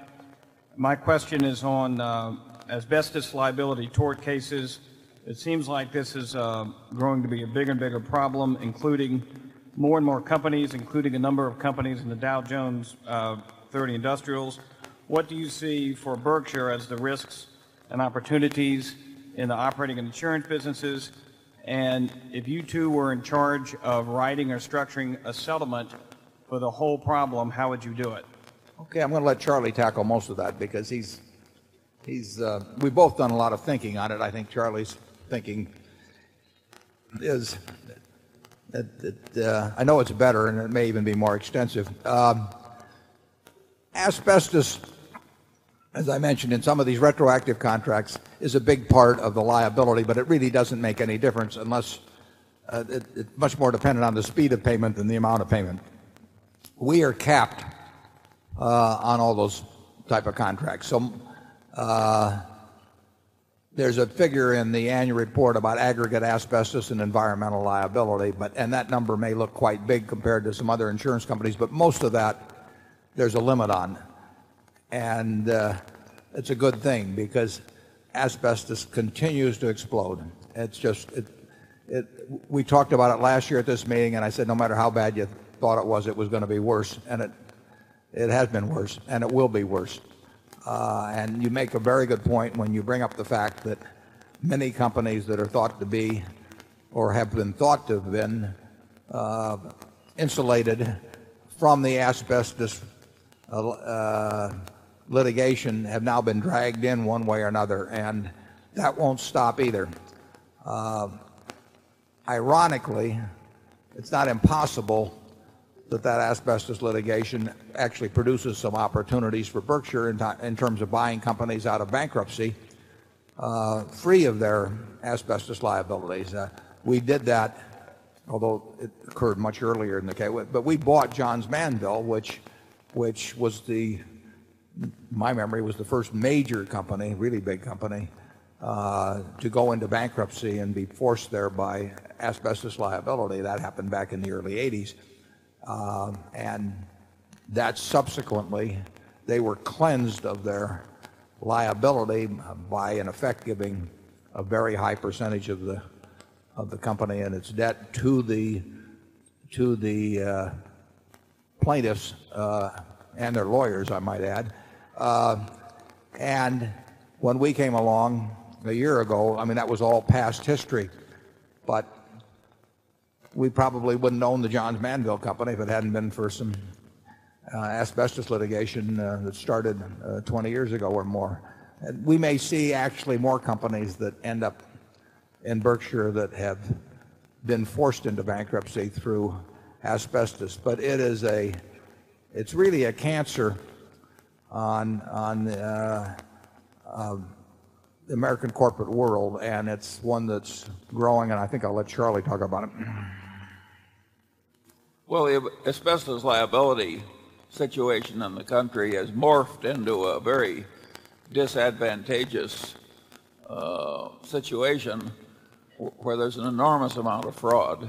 My question is on asbestos liability tort cases. It seems like this is growing to be a bigger and bigger problem, including more and more companies, including a number of companies in the Dow Jones 30 Industrials. What do you see for Berkshire as the risks and opportunities in the operating and insurance businesses? And if you 2 were in charge of writing or structuring a settlement for the whole problem, how would you do it? Okay. I'm going to let Charlie tackle most of that because he's we've both done a lot of thinking on it. I think Charlie's thinking is I know it's better and it may even be more extensive. Asbestos, as I mentioned in some of these retroactive contracts, is a big part of the liability, but it really doesn't make any difference unless it's much more dependent on the speed of payment than the amount of payment. We are capped on all those type of contracts. So there's a figure in the annual report about aggregate asbestos and environmental liability and that number may look quite big compared some other insurance companies, but most of that there's a limit on. And it's a good thing because asbestos continues to explode. It's just we talked about it last year at this meeting and I said no matter how bad you thought it was, it was going to be worse. And it has been worse and it will be worse. And you make a very good point when you bring up the fact that many companies that are thought to be or have been thought to have been insulated from the asbestos litigation have now been dragged in one way or another, and that won't stop either. Ironically, it's not impossible that that asbestos litigation actually produces some opportunities for Berkshire in terms of buying companies out of bankruptcy, 3 of their asbestos liabilities. We did that although it occurred much earlier in the K. But we bought Johns Manville which was the my memory was the first major company, really big company, to go into bankruptcy and be forced there by asbestos liability. That happened back in the early '80s. And that subsequently, they were cleansed of their liability by, in effect, giving a very high percentage of the company and its debt to the plaintiffs and their lawyers, I might add. And when we came along a year ago, I mean that was all past history. But we probably wouldn't own the John's Manville company if it hadn't been for some asbestos litigation that started 20 years ago or more. We may see actually more companies that end up in Berkshire that have been forced into bankruptcy through asbestos. But it's really a cancer on the American corporate world and it's one that's growing and I think I'll let Charlie talk about it. Well, the asbestos liability situation in the country has morphed into a very disadvantageous situation where there's an enormous amount of fraud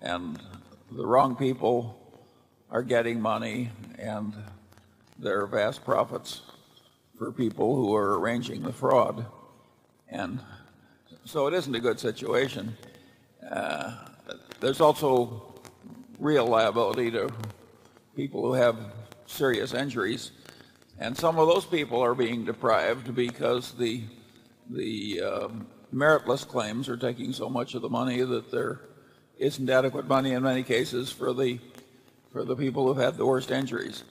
and the wrong people are getting money and there are vast profits for people who are arranging the fraud. And so it isn't a good situation. There's also real liability to people who have serious injuries. And some of those people are being deprived because the meritless claims are taking so much of the money that there isn't adequate money in many cases for the for the people who've had the worst injuries.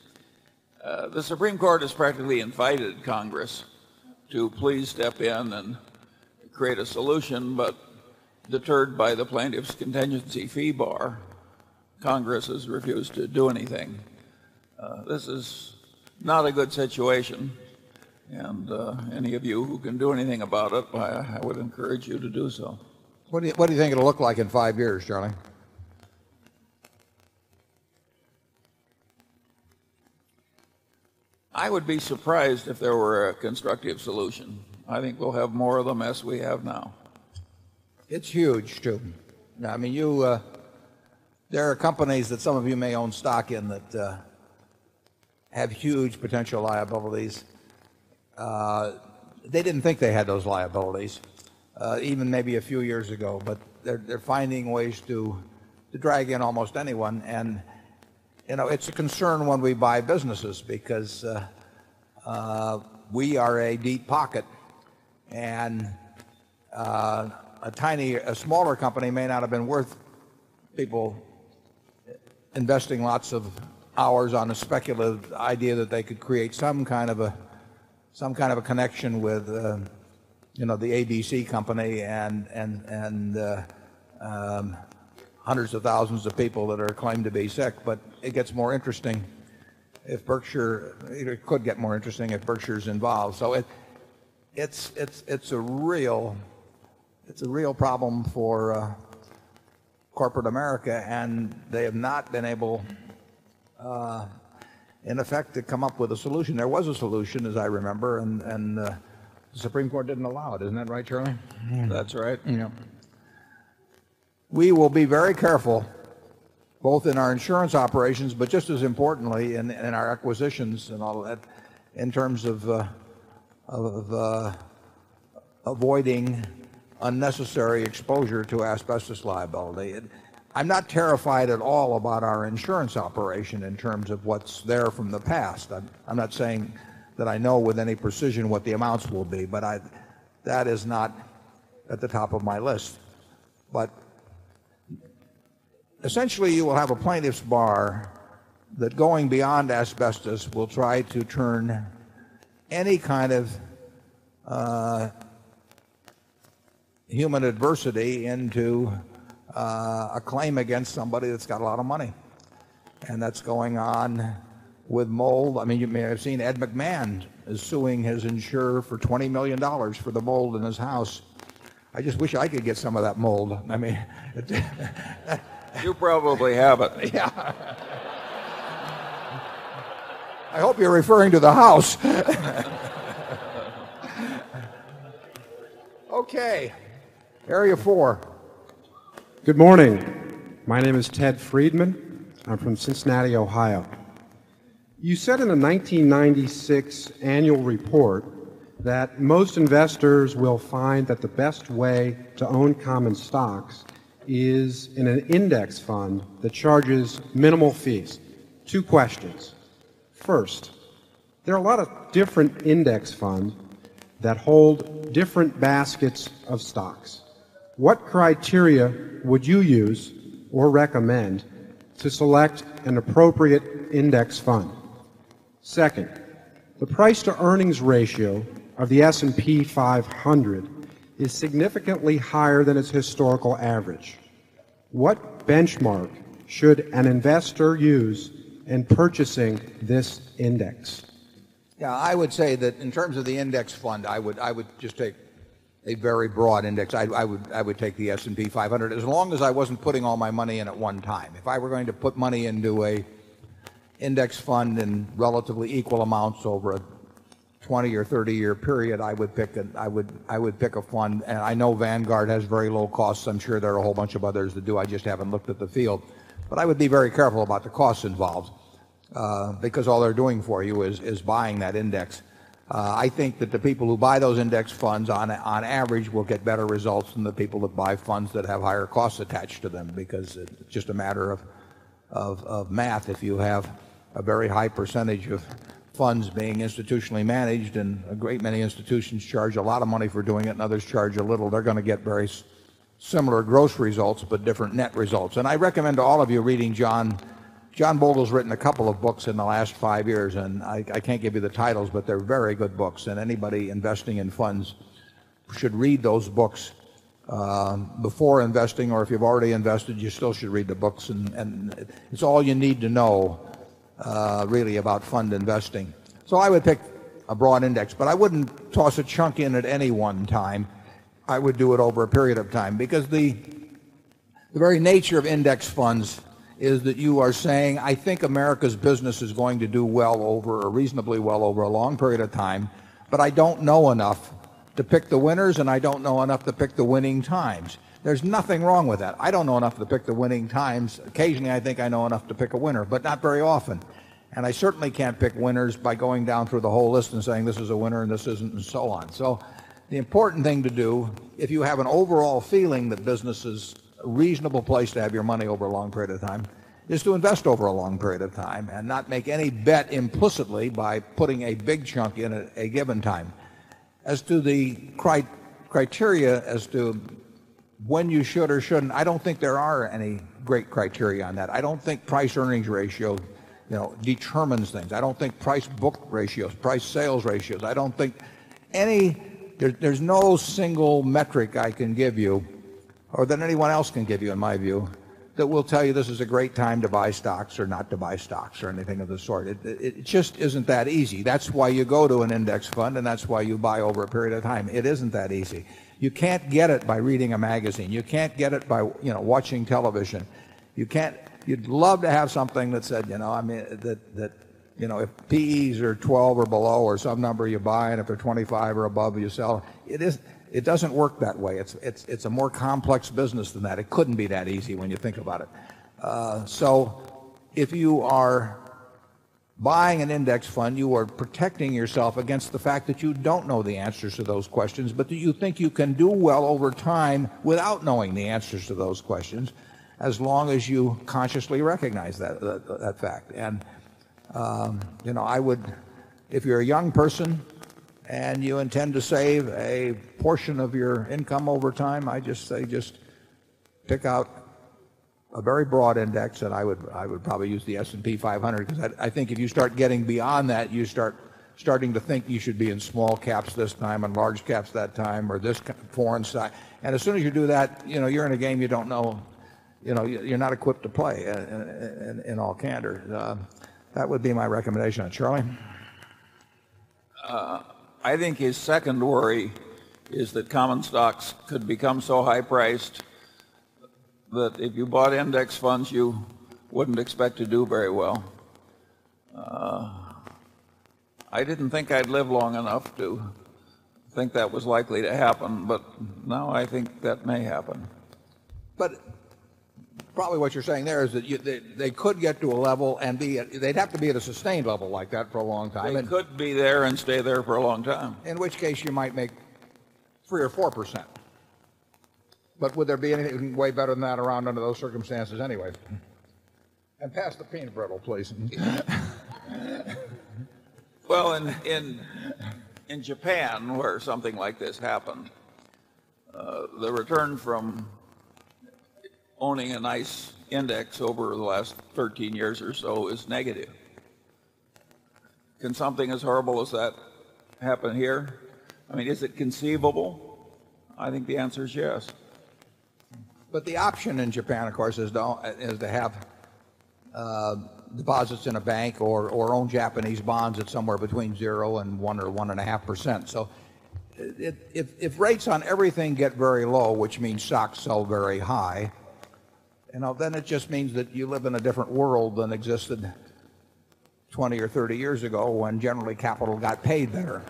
The Supreme Court has practically invited Congress to please step in and create a solution, but deterred by the plaintiff's contingency fee bar, Congress has refused to do anything. This is not a good situation. And any of you who can do anything about it, I would encourage you to do so. What do you think it'll look like in 5 years, Charlie? I would be surprised if there were a constructive solution. I think we'll have more of them as we have now. It's huge, Stuart. I mean, you there are companies that some of you may own stock in that have huge potential liabilities. They didn't think they had those liabilities even maybe a few years ago, but they're finding ways to drag in almost anyone. And it's a concern when we buy businesses because we are a deep pocket and a tiny a smaller company may not have been worth people investing lots of hours on a speculative idea that they could create some kind of a connection with the ABC company and 100 of 1000 of people that are claimed to be sick, but it gets more interesting if Berkshire it could get more interesting if Berkshire is involved. So it's a real problem for corporate America and they have not been able in effect to come up with a solution. There was a solution as I remember and the Supreme Court didn't allow it. Isn't that right, Charlie? That's right. We will be very careful both in our insurance operations but just as importantly in our acquisitions and all that in terms of avoiding unnecessary exposure to asbestos liability. I'm not terrified at all about our insurance operation in terms of what's there from the past. I'm not saying that I know with any precision what the amounts will be, but that is not at the top of my list. But essentially you will have a plaintiff's bar that going beyond asbestos will try to turn any kind of human adversity into a claim against somebody that's got a lot of money. And that's going on with mold. I mean, you may have seen Ed McMahon is suing his insurer for $20,000,000 for the mold in his house. I just wish I could get some of that mold. I mean You probably haven't. I hope you're referring to the house. Okay. Area 4. Good morning. My name is Ted Friedman. I'm from Cincinnati, Ohio. You said in the 1996 Annual Report that most investors will find that the best way to own common stocks is in an index fund that charges minimal fees. Two questions. First, there are a lot of different index fund that hold different baskets of stocks. What criteria would you use or recommend to select an appropriate index fund? 2nd, the price to earnings ratio of the S and P 500 is significantly higher than its historical average. What benchmark should an investor use in purchasing this index? Yes, I would say that in terms of the index fund, I would just take a very broad index. I would take the S and P 500 as long as I wasn't putting all my money in at one time. If I were going to put money into a index fund in relatively equal amounts over a 20 or 30 year period, I would pick a fund. And I know Vanguard has very low cost. I'm sure there are a whole bunch of others that do. I just haven't looked at the field. But I would be very careful about the cost involved because all they're doing for you is buying that index. I think that the people who buy those index funds on average will get better results than the people that buy funds that have higher costs attached to them because it's just a matter of math. If you have a very high percentage of funds being institutionally managed and a great many institutions charge a lot of money for doing it and others charge a little. They're going to get very similar gross results but different net results. And I recommend all of you reading John. John Bouldle has written a couple of books in the last 5 years and I can't give you the titles, but they're very good books and anybody investing in funds should read those books before investing or if you've already invested, you still should read the books and it's all you need to know really about fund investing. So I would take a broad index but I wouldn't toss a chunk in at any one time. I would do it over a period of time because the very nature of index funds is that you are saying, I think America's business is going to do well over or reasonably well over a long period of time, But I don't know enough to pick the winners and I don't know enough to pick the winning times. There's nothing wrong with that. I don't know enough to pick the winning times. And I think that's a very important point. And I think that's a very important point. And I think that's a very important point. And I think that's a very important point. And the important thing to do, if you have an overall feeling that business is a reasonable place to have your money over a long period of time, is to invest over a long period of time and not make any bet implicitly by putting a big chunk in a given time. As to the criteria as to when you should or shouldn't, I don't think there are any great criteria on that. I don't think price earnings ratio determines things. I don't think price book ratios, price sales ratios. I don't think any there's no single metric I can give you or that anyone else can give you in my view that will tell you this is a great time to buy stocks or not to buy stocks or anything of the sort. Just isn't that easy. That's why you go to an index fund and that's why you buy over a period of time. It isn't that easy. You can't get it by reading a magazine. You can't get it by watching television. You can't you'd love to have something that said, you know, I mean, that's It is it doesn't work that way. It's a more complex business than that. It couldn't be that easy when you think about it. So if you are buying an index fund, you are protecting yourself against the fact that you don't know the answers to those questions. But do you think you can do well over time without knowing the answers to those questions and you intend to save a portion of your income over time, I just say just pick out a very broad index and I would probably use the S and P 500 because I think if you start getting beyond that, you start starting to think you should be in small caps this time and large caps that time or this foreign side. And as soon as you do that, you're in a game you don't know, you're not equipped to play in all candor. That would be my recommendation. And Charlie? I think his second worry is that common stocks could become so high priced that if you bought index funds, you wouldn't expect to do very well. I didn't think I'd live long enough to think that was likely to happen, but now I think that may happen. But probably what you're saying there is that they could get to a level and be they'd have to be at a sustained level like that for a long time. They could be there and stay there for a long time. In which case you might make 3% or 4%. But would there be anything way better than that around under those circumstances anyway? And pass the peanut brittle, please. Well, in Japan, where something like this happened, the return from owning a nice index over the last 13 years or so is negative. Can something as horrible as that happen here? I mean, is it conceivable? I think the answer is yes. But the option in Japan, of course, is to have deposits in a bank or own Japanese bonds at somewhere between 0% and 1% or 1.5%. So if rates on everything get very low, which means stocks sell very high, And then it just means that you live in a different world than existed 20 or 30 years ago when generally capital got paid there.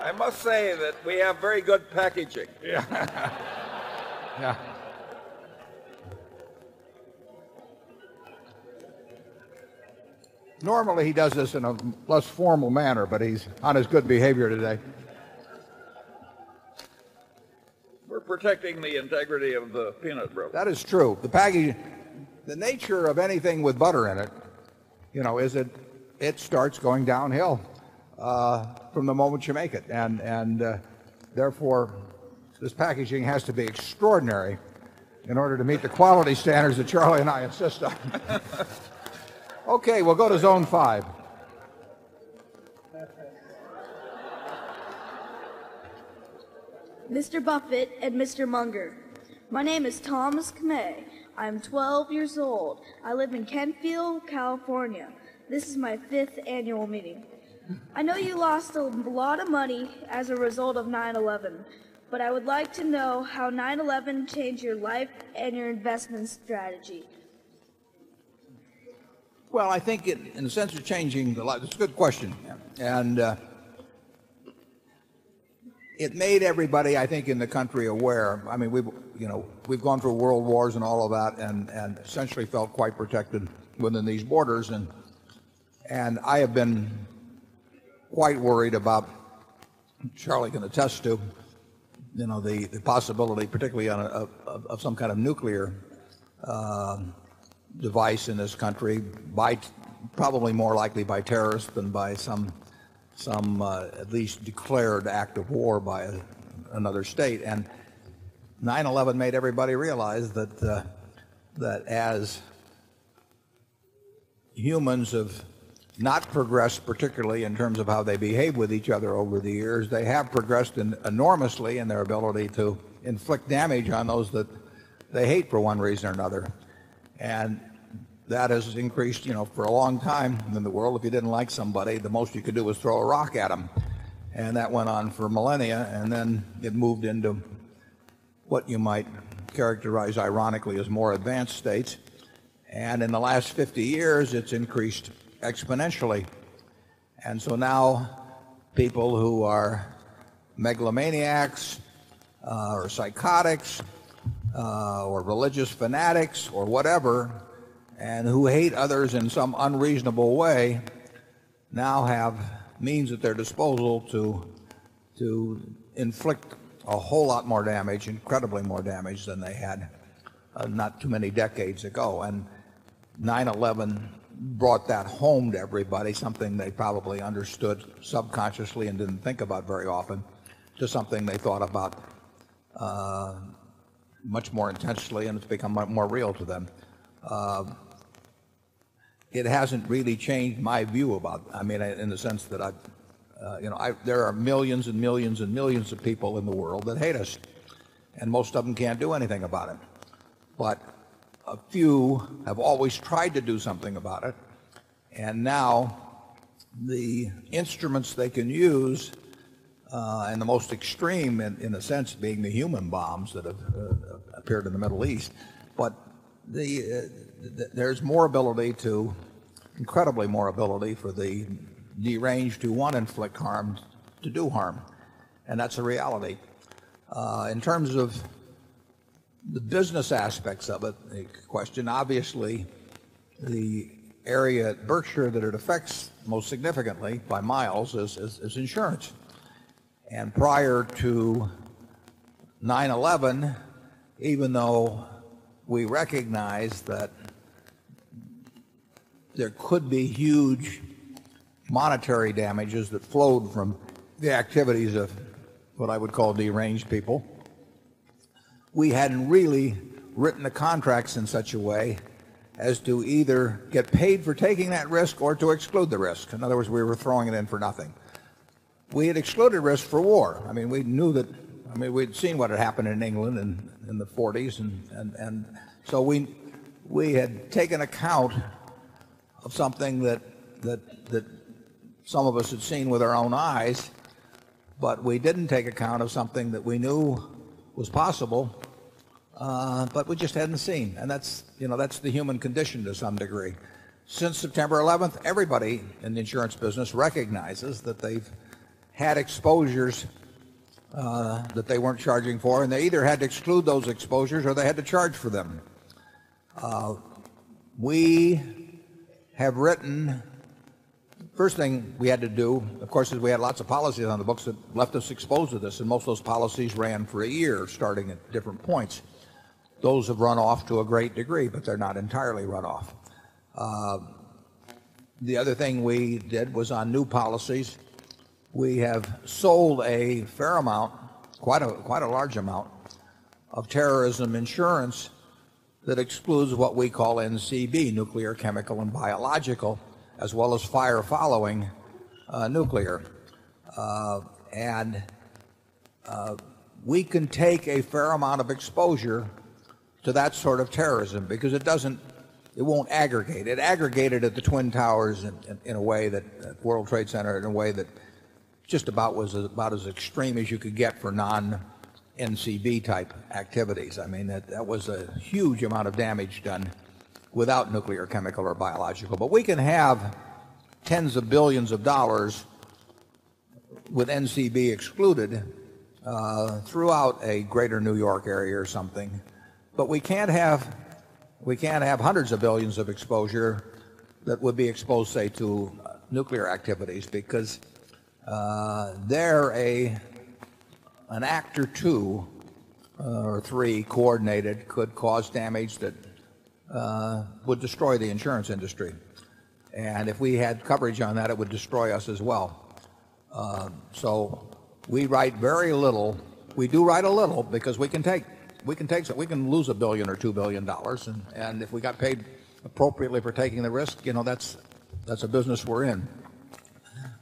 I must say that we have very good packaging. Normally he does this in a less formal manner but he's on his good behavior today. We're protecting the integrity of the peanut butter. That is true. The package the nature of anything with butter in it, you know, is it, it starts going downhill, from the moment you make it. And therefore, this packaging has to be extraordinary in order to meet the quality standards that Charlie and I insist on. Okay, we'll go to Zone 5. Mr. Buffet and Mr. Munger, my name is Thomas Kamay. I'm 12 years old. I live in Kentfield, California. This is my 5th annual meeting. I know you lost a lot of money as a result of 9eleven, but I would like to know how 9eleven changed your life and your investment strategy. Well, I think in the sense of changing the life, it's a good question. And it made everybody I think in the country aware. I mean, we've you know we've gone through world wars and all of that and essentially felt quite protected within these borders and I have been quite worried about, Charlie can attest to, you know, the possibility particularly on some kind of nuclear device in this country by probably more likely by terrorists than by some some, at least declared act of war by another state. And 911 made everybody realize that, that as humans have not progressed, particularly in terms of how they behave with each other over the years, they have progressed enormously in their ability to inflict damage on those that they hate for one reason or another. And that has increased for a long time. And in the world, if you didn't like somebody, the most you could do is throw a rock at them. And that went on for millennia and then it moved into what you might characterize ironically as more advanced states. And in the last 50 years, it's increased exponentially. And so now people who are megalomaniacs, or psychotics, or religious fanatics or whatever and who hate others in some unreasonable way now have means at their disposal to to inflict a whole lot more damage, incredibly more damage than they had not too many decades ago. And nineeleven brought that home to everybody, something they probably understood subconsciously and didn't think about very often to something they thought about much more intensely and it's become more real to them. It hasn't really changed my view about I mean in the sense that I've there are millions and millions and millions of people in the world that hate us and most of them can't do anything about it. But a few have always tried to do something about it. And now the instruments they can use and the most extreme in the sense being the human bombs that have appeared in the Middle East. But there's more ability to incredibly more ability for the derange to want to inflict harm to do harm. And that's a reality. In terms of the business aspects of it, a question, obviously the area at Berkshire that it affects most significantly by miles is insurance. And prior to nineeleven, even though we recognize that there could be huge monetary damages that flowed from the activities of what I would call deranged people. We hadn't really written the contracts in such a way as to either get paid for taking that risk or to exclude the risk. In other words, we were throwing it in for nothing. We had excluded risk for war. I mean, we knew that I mean, we'd seen what had happened in England in the '40s. And so we had taken account of something that some of us had seen with our own eyes, but we didn't take account of something that we knew was possible, but we just hadn't seen. And that's the human condition to some degree. Since September 11, everybody in the insurance business recognizes that they've had exposures that they weren't charging for and they either had to exclude those exposures or they had to charge for them. We have written first thing we had to do, of course, is we had lots of policies on the books that left us exposed to this and most of those policies ran for a year starting at different points. Those have run off to a great degree, but they're not entirely run off. The other thing we did was on new policies. We have sold a fair amount, quite a large amount of terrorism insurance that excludes what we call NCB, nuclear, chemical and biological, as well as fire following nuclear. And we can take a fair amount of exposure to that sort of terrorism because it doesn't it won't aggregate. It aggregated at the twin towers in a way that World Trade Center in a way that just about was about as extreme as you could get for non NCB type activities. I mean, that was a huge amount of damage done without nuclear, chemical or biological. But we can have tens of 1,000,000,000 of dollars with NCB excluded throughout a Greater New York area or something, but we can't have 100 of 1,000,000,000 of exposure that would be exposed, say, to nuclear activities because they're an Act or 2 or 3 coordinated could cause damage that would destroy the insurance industry. And if we had coverage on that, it would destroy us as well. So we write very little.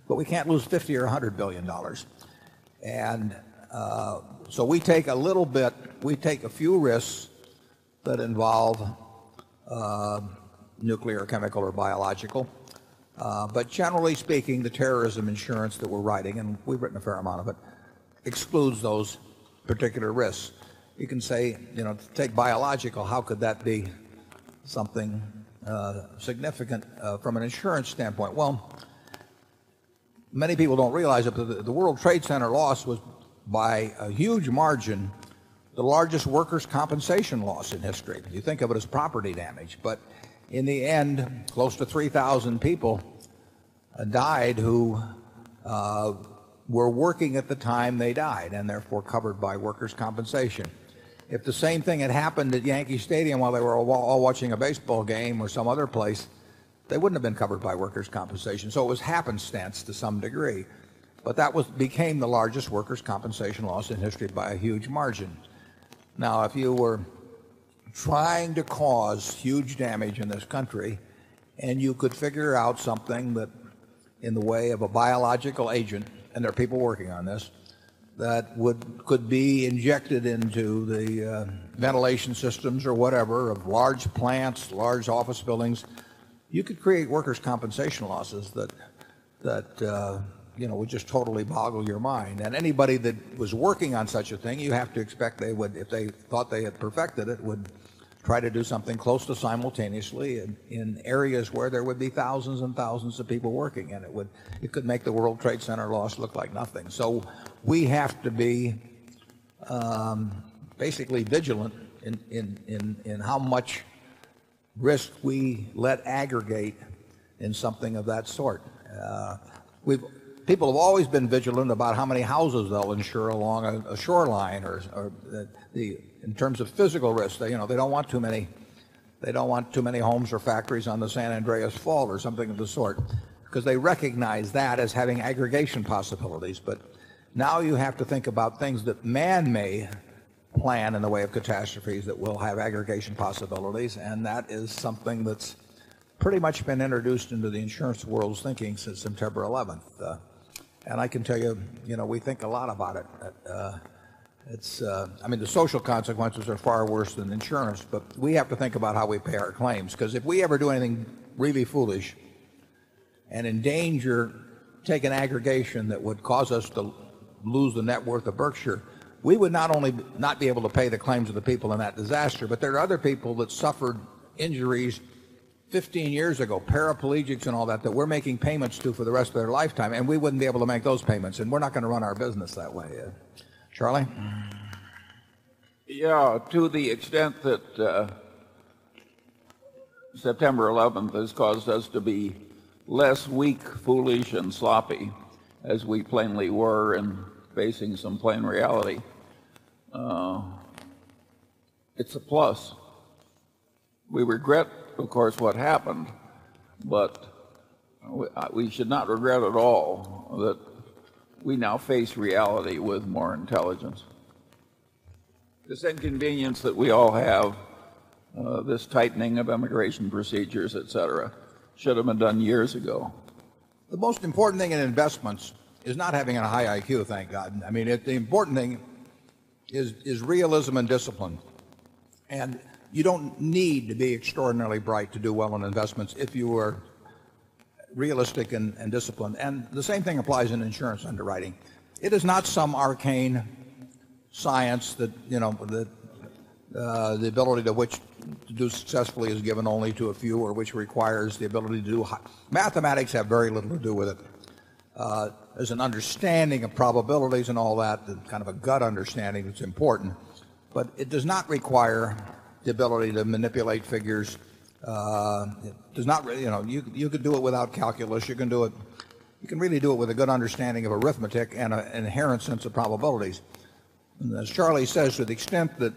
But we can't lose $50,000,000,000 or $100,000,000,000 And so we take a little bit, we take a few risks that involve nuclear, chemical or biological. But generally speaking, the terrorism insurance that we're writing and we've written a fair amount of excludes those particular risks. You can say, take biological, how could that be something significant from an insurance standpoint? Well, many people don't realize that the World Trade Center loss was by a huge margin the largest workers compensation loss in history. You think of it as property damage. But in the end, close to 3,000 people died who were working at the time they died and therefore covered by workers' compensation. If the same thing had happened at Yankee Stadium while they were all watching a baseball game or some other place, they wouldn't have been covered by workers compensation. So it was happenstance to some degree. But that was became the largest workers' compensation loss in history by a huge margin. Now if you were trying to cause huge damage in this country and you could figure out something that in the way of a biological agent and there are people working on this that would could be injected into the ventilation systems or whatever of large plants, large office buildings, you could create workers' compensation losses that would just totally boggle your mind. And anybody that was working on such a thing, you have to expect they would if they thought they had perfected it would try to do something close to simultaneously in areas where there would be thousands and thousands of people working and It could make the World Trade Center loss look like nothing. So we have to be basically vigilant in how much risk we let aggregate in something of that sort. People have always been vigilant about how many houses they'll insure along a shoreline or in terms of physical risk, they don't want too many homes or factories on the San Andreas fall or something of the sort because they recognize that as having aggregation possibilities. But now you have to think about things that man may plan in the way of catastrophes that will have aggregation possibilities. And that is something that's pretty much been introduced into the insurance world's thinking since September 11th. And I can tell you, we think a lot about it. It's I mean, the social consequences are far worse than insurance, but we have to think about how we pay our claims. Because if we ever do anything really foolish and in danger take an aggregation that would cause us to lose the net worth of Berkshire, we would not only not be able to pay the claims of the people in that disaster, but there are other people that suffered injuries 15 years ago, paraplegics and all that that we're making payments to for the rest of their lifetime and we wouldn't be able to make those payments and we're not going to run our business that way. Charlie? Yeah. To the extent that September 11 has caused us to be less weak, foolish and sloppy as we plainly were and facing some plain reality. It's a plus. We regret, of course, what happened, but we should not regret at all that we now face reality with more intelligence. This inconvenience that we all have, this tightening of immigration procedures, etcetera, should have been done years ago. The most important thing in investments is not having a high IQ, thank God. I mean, the important thing is realism and discipline. And you don't need to be extraordinarily bright to do well on investments if you were realistic and disciplined. And the same thing applies in insurance underwriting. It is not some arcane science that the ability to which to do successfully is given only to a few or which requires the ability to do mathematics have very little to do with it. As an understanding of probabilities and all that, kind of a gut understanding, it's important. But it does not require the ability to manipulate figures. It does not really you could do it without calculus, you can do it you really do it with a good understanding of arithmetic and an inherent sense of probabilities. And as Charlie says, to the extent that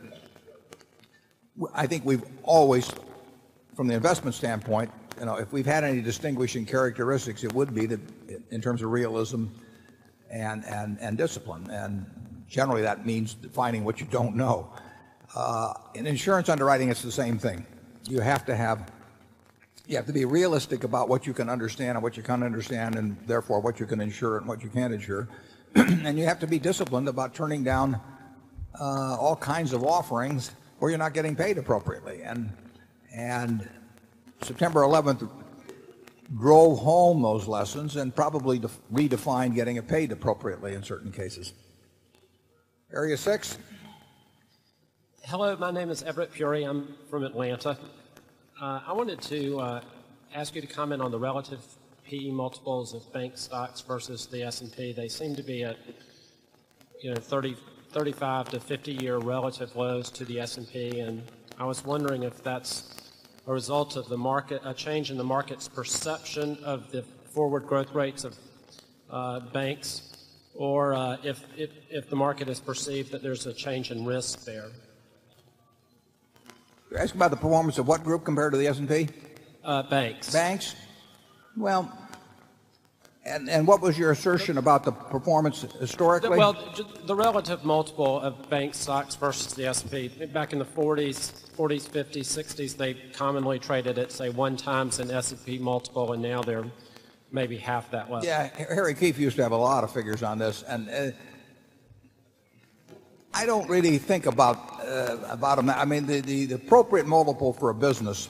I think we've always from the investment standpoint, if we've had any distinguishing characteristics, it would be that in terms of realism and discipline. And generally that means defining what you don't know. In insurance underwriting, it's the same thing. You have to have you have to be realistic about what you can understand and what you can't understand and therefore what you can insure and what you can't insure. And you have to be disciplined about turning down all kinds of offerings where you're not getting paid appropriately. And September 11th drove home those lessons and probably redefined getting it paid appropriately in certain cases. Area 6. Hello. My name is Everett Puri. I'm from Atlanta. I wanted to ask you to comment on the relative PE multiples of bank stocks versus the S and P. They seem to be at 30, 35 to 50 year relative lows to the S and P. And I was wondering if that's a result of the market a change in the market's perception of the forward growth rates of banks or if the market is perceived that there's a change in risk there? You're asking about the performance of what group compared to the S and P? Banks. Banks? Well, and what was your assertion about the performance historically? Well, the relative multiple of bank stocks versus the S and P back in the 40s, 40s, 50s, 60s, they commonly traded at, say, one times an S and P multiple, and now they're maybe half that level. Yes. Harry Keefe used to have a lot of figures on this. And I don't really think about a I mean, the appropriate multiple for a business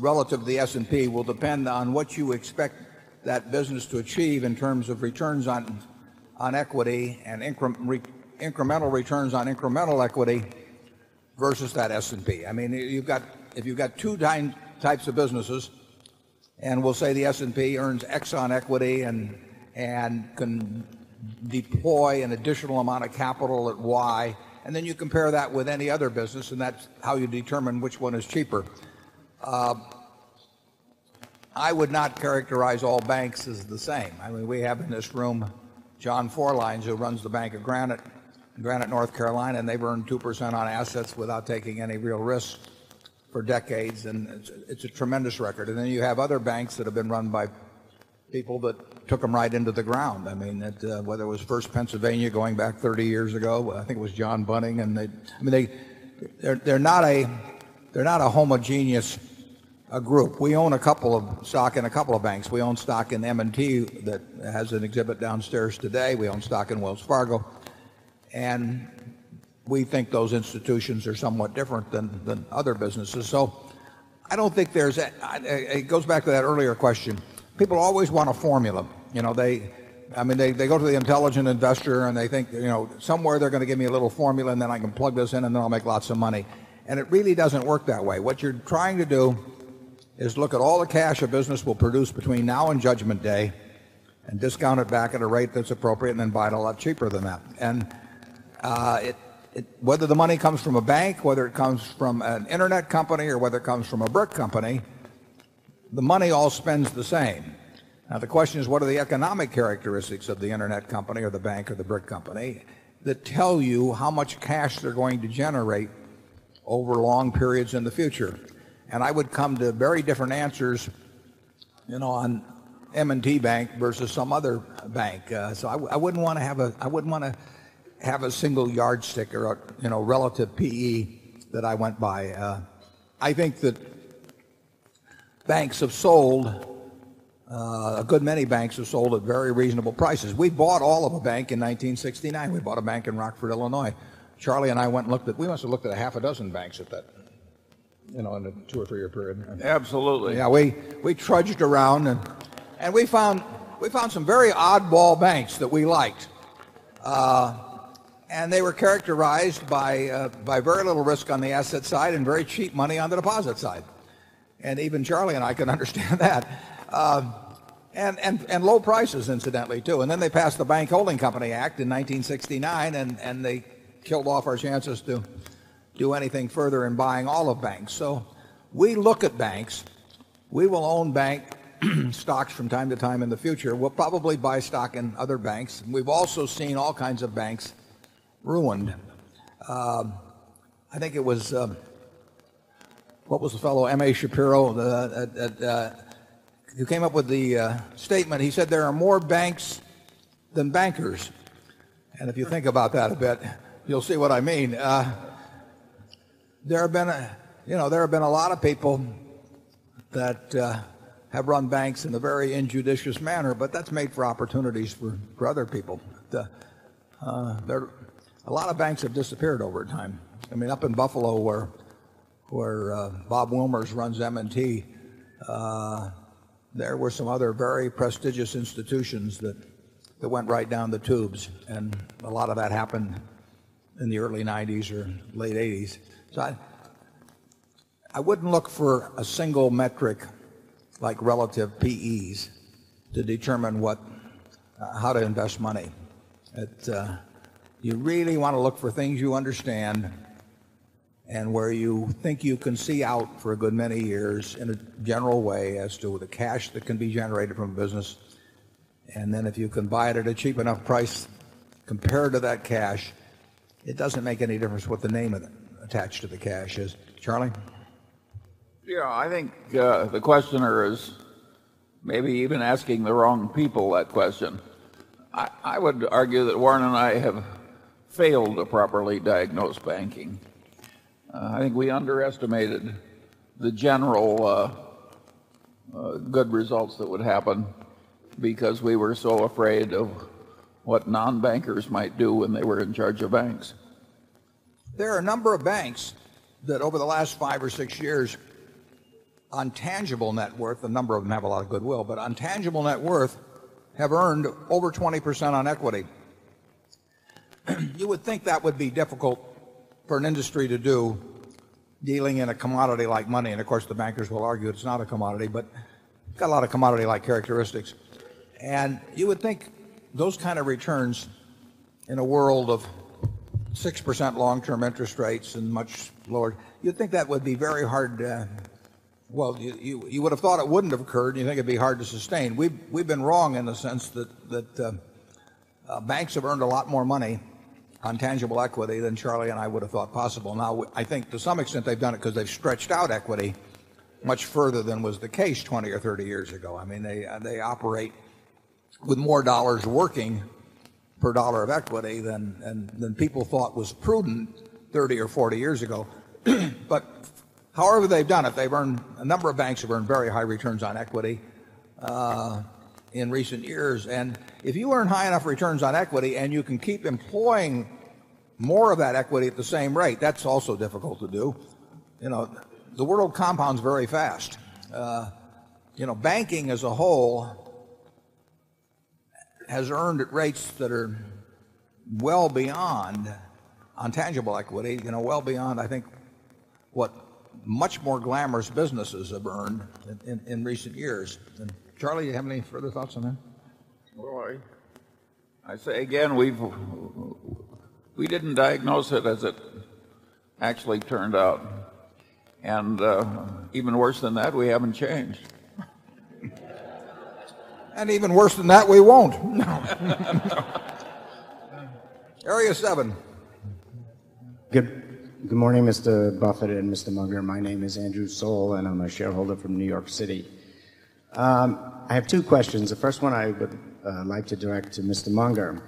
relative to the S and P will depend on what you expect that business to achieve in terms of returns on equity and incremental returns on incremental equity versus that S and P. I mean, you've got if you've got 2 types of businesses and we'll say the S and P earns Exxon Equity and can deploy an additional amount of capital at Y and then you compare that with any other business and that's how you determine which one is cheaper. I would not characterize all banks as the same. I mean, we have in this room John Forlines, who runs the Bank of Granite in Granite, North Carolina, and they've earned 2% on assets without taking any real risk for decades and it's a tremendous record. And then you have other banks that have been run by people that took them right into the ground. I mean, whether it was First Pennsylvania going back 30 years ago, I think it was John Bunting and they I mean, they they're not a homogeneous group. We own a couple of stock in a couple of banks. We own stock in M and T that has an exhibit downstairs today. We own stock in Wells Fargo. And we think those institutions are somewhat different than other businesses. So I don't think there's it goes back to that earlier question. People always want a formula. They I mean, they go to the intelligent investor and they think somewhere they're going to give me a little formula and then I can plug this in and then I'll make lots of money. And it really doesn't work that way. What you're trying to do is look at all the cash a business will produce between now and judgment day and discount it back at a rate that's appropriate and then buy it a lot cheaper than that. And whether the money comes from a bank, whether it comes from an Internet company, or whether it comes from a BRIC company, the money all spends the same. Now the question is what are the economic characteristics of the internet company or the bank of the brick company that tell you how much cash they're going to generate over long periods in the future. And I would come to very different answers on M and T Bank versus some other bank. So I wouldn't want to have a single yardstick or relative PE that I went by. I think that banks have sold, a good many banks have sold at very reasonable prices. We bought all of bank in 1969. We bought a bank in Rockford, Illinois. Charlie and I went and looked at we must have looked at a half a dozen banks at that in a 2 or 3 year period. Absolutely. We trudged around and we found some very oddball banks that we liked. And they were characterized by very little risk on the asset side and very cheap money on the deposit side. And even Charlie and I can understand that. And low prices incidentally too. And then they passed the Bank Holding Company Act in 1969 and they killed off our chances to do anything further in buying all of banks. So we look at banks. We will own bank stocks from time to time in the future. We'll probably buy stock in other banks. We've also seen all kinds of banks ruined. I think it was what was the fellow, M. A. Shapiro, who came up with the statement. He said, There are more banks than bankers. And if you think about that a bit, you'll see what I mean. There have been a, you know, there have been a lot of people that have run banks in a very injudicious manner but that's made for opportunities for other people. A lot of banks have disappeared over time. I mean, up in Buffalo where Bob Womers runs M and T, there were some other very prestigious institutions that went right down the tubes and a lot of that happened in the early '90s or late '80s. So I wouldn't look for a single metric like relative PEs to determine what how to invest money. You really want to look for things you understand and where you think you can see out for a good many years in a general way as to the cash that can be generated from a business. And then if you can buy it at a cheap enough price compared to that cash, it doesn't make any difference what the name of it attached to the cash is. Charlie? Yeah. I think, the questioner is maybe even asking the wrong people that question. I would argue that Warren and I have failed to properly diagnose banking. I think we underestimated the general good results that would happen because we were so afraid of what non bankers might do when they were in charge of banks. There are a number of banks that over the last 5 or 6 years on tangible net worth, a number of them have a lot of goodwill, but on tangible net worth have earned over 20% on equity. You would think that would be difficult for an industry to do dealing in a commodity like money. And of course, the bankers will argue it's not a commodity, but got a lot of commodity like characteristics. And you would think those kind of returns in a world of 6% long term interest rates and much lower, you think that would be very hard. Well, you would have thought it wouldn't have occurred. You think it'd be hard to sustain. We've been wrong in the sense that banks have earned a lot more money on tangible equity than Charlie and I would have thought possible. Now I think to some extent they've done it because they've stretched out equity much further than was the case 20 or 30 years ago. I mean they operate with more dollars working per dollar of equity than people thought was prudent 30 or 40 years ago. But however they've done it, they've earned a number of banks have earned very high returns on equity in recent years. And if you earn high enough returns on equity and you can keep employing more of that equity at the same rate, that's also difficult to do. The world compounds very fast. Banking as a whole has earned at rates that are well beyond on tangible equity, well beyond I think what much more glamorous businesses have earned in recent years. And Charlie, you have any further thoughts on that? Well, I say again, we've, we didn't diagnose it as it actually turned out. And even worse than that, we haven't changed. And even worse than that, we won't. No. Area 7. Good morning, Mr. Buffet and Mr. Munger. My name is Andrew Soll and I'm a shareholder from New York City. I have two questions. The first one I would like to direct to Mr. Munger.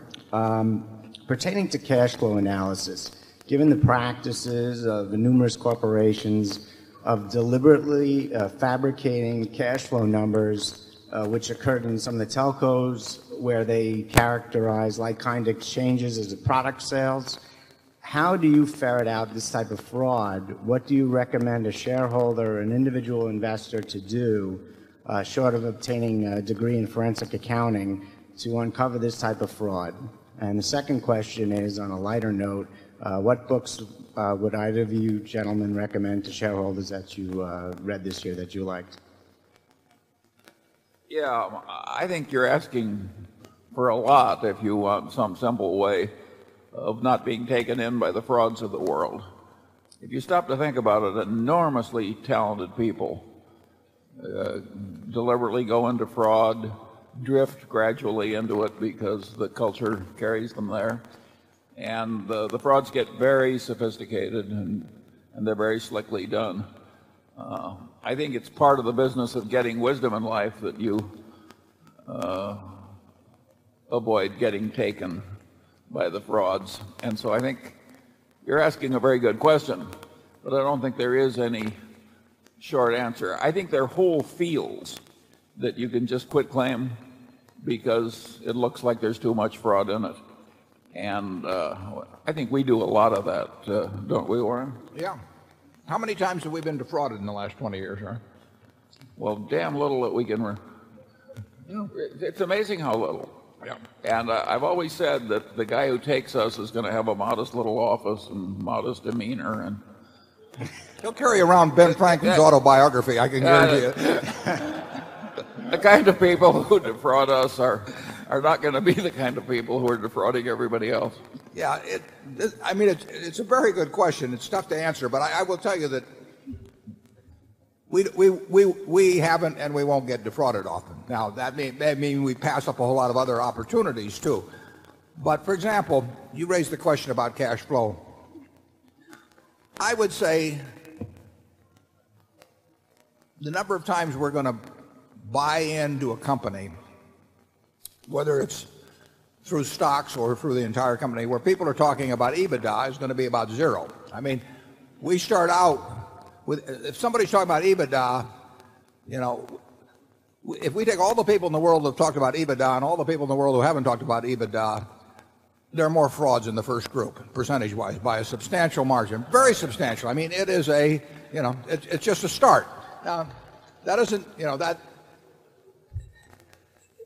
Pertaining to cash flow analysis, given the practices of the numerous corporations of deliberately fabricating cash flow numbers, which occurred in some of the telcos where they characterize like kind exchanges as a product sales. How do you ferret out this type of fraud? What do you recommend a shareholder, an individual investor to do short of obtaining a degree in forensic accounting to uncover this type of fraud? And the second question is on a lighter note, what books would either of you gentlemen recommend to shareholders that you read this year that you liked? Yeah. I think you're asking for a lot, if you want, some simple way of not being taken in by the frauds of the world. If you stop to think about it, enormously talented people deliberately go into fraud, drift gradually into it because the culture carries them there and the frauds get very sophisticated they're very slickly done. I think it's part of the business of getting wisdom in life that you avoid getting taken by the frauds. And so I think you're asking a very good question, but I don't think there is any short answer. I think there are whole fields that you can just quitclaim because it looks like there's too much fraud in it. And I think we do a lot of that, don't we Warren? Yeah. How many times have we been defrauded in the last 20 years, Ryan? Well, damn little that we can run. It's amazing how little. And I've always said that the guy who takes us is going to have a modest little office, and modest demeanor. He'll carry around Ben Franklin's autobiography. I can guarantee The kind of people who defraud us are not going to be the kind of people who are defrauding everybody else. Yeah. I mean, it's a very good question. It's tough to answer. But I will tell you that we haven't and we won't get defrauded often. Now that mean we pass up a whole lot of other opportunities too. But for example, you raised the question about cash flow. I would say the number of times we're going to buy into a company, whether it's through stocks or through the entire company, where people are talking about EBITDA is going to be about 0. I mean, we start out with if somebody's talking about EBITDA, if we take all the people in the world who have talked about EBITDA and all the people the world who haven't talked about EBITDA, there are more frauds in the 1st group, percentage wise, by a substantial margin, very substantial. I mean, it is a it's just a start. That isn't that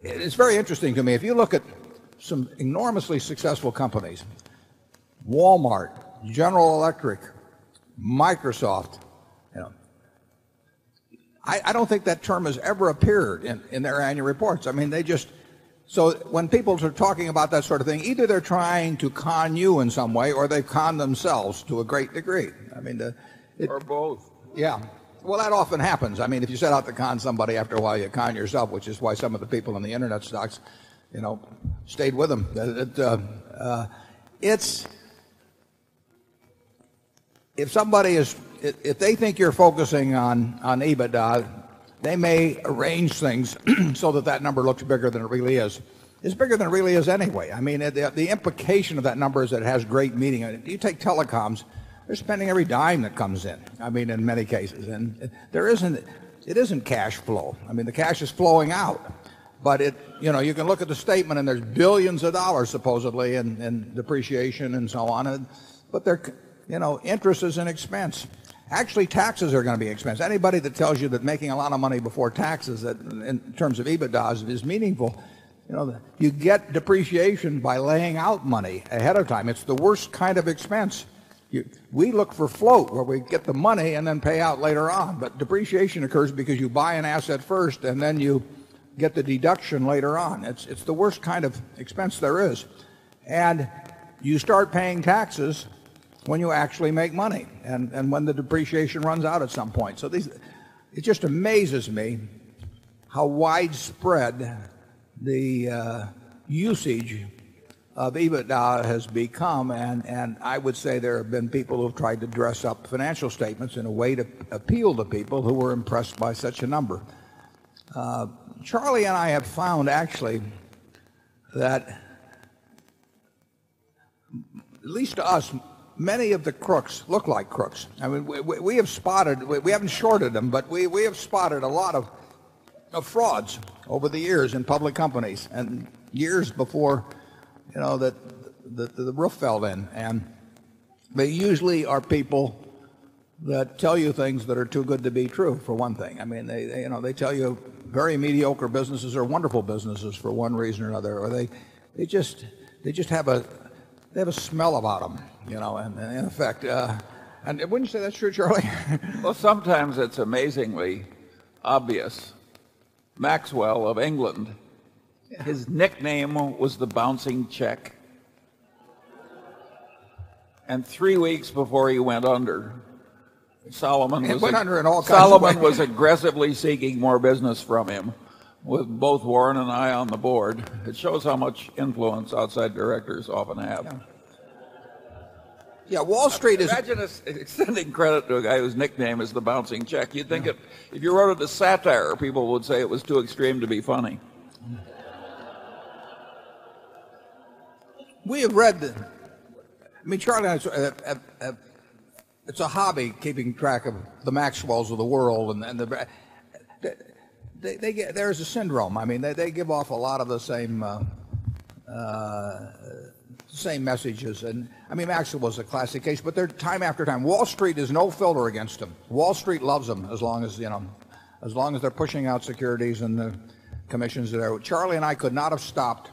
it's very interesting to me. If you look at some enormously successful companies, Walmart, General Electric, Microsoft, I don't think that term has ever appeared in their annual reports. I mean they just so when people are talking about that sort of thing either they're trying to con you in some way or they con themselves to a great degree. I mean or both. Yeah. Well that often happens. I mean if you set out to con somebody after a while you con yourself which is why some of the people in the internet stocks stayed with them. It's if somebody is if they think you're focusing on EBITDA, they may arrange things so that that number looks bigger than it really is. It's bigger than it really is anyway. I mean, the implication of that number is that it has great meaning. You take telecoms, they're spending every dime that comes in, I mean, in many cases. And there isn't it isn't cash flow. I mean, the cash is flowing out. But it you can look at the statement and there's 1,000,000,000 of dollars supposedly in depreciation and so on. But there interest is an expense. Actually, taxes are going to be expense. Anybody that tells you that making a lot of money before taxes in terms of EBITDA is meaningful. You get depreciation by laying out money ahead of time. It's the worst kind of expense. We look for float where we get the money and then pay out later on. But depreciation occurs because you buy an asset first and then you get the deduction later on. It's the worst kind of expense there is. And you start paying taxes when you actually make money and when the depreciation runs out at some point. So it just amazes me how widespread the usage of EBITDA has become. And I would say there have been people who have tried to dress up financial statements in a way to appeal to people who were impressed by such a number. Charlie and I have found actually that at least to us, many of the crooks look like crooks. I mean, we have spotted we haven't shorted them, but we have spotted a lot of frauds over the years in public companies and years before, you know, that the roof fell then. And they usually are people that tell you things that are too good to be true, for one thing. I mean, they, you know, they tell you very mediocre businesses are wonderful businesses for one reason or another. Or they just have a smell about them, you know, and in fact, and wouldn't you that's true, Charlie. Well, sometimes it's amazingly obvious. Maxwell of England, His nickname was the bouncing check. And 3 weeks before he went under, Solomon was He went under in all kinds of things. Solomon was aggressively seeking more business from him with both Warren and I on the board. It shows how much influence outside directors often have. Yeah. Wall Street is I imagine us extending credit to a guy whose nickname is the bouncing check. You'd think if you wrote it as satire, people would say it was too extreme to be funny. We have read that I mean, Charlie, it's a hobby keeping track of the Maxwells of the world and they get there is a syndrome. I mean they give off a lot of the same same messages and I mean, Max was a classic case, but there time after time. Wall Street is no filter against them. Wall Street loves them as long as they're pushing out securities and the commissions there. Charlie and I could not have stopped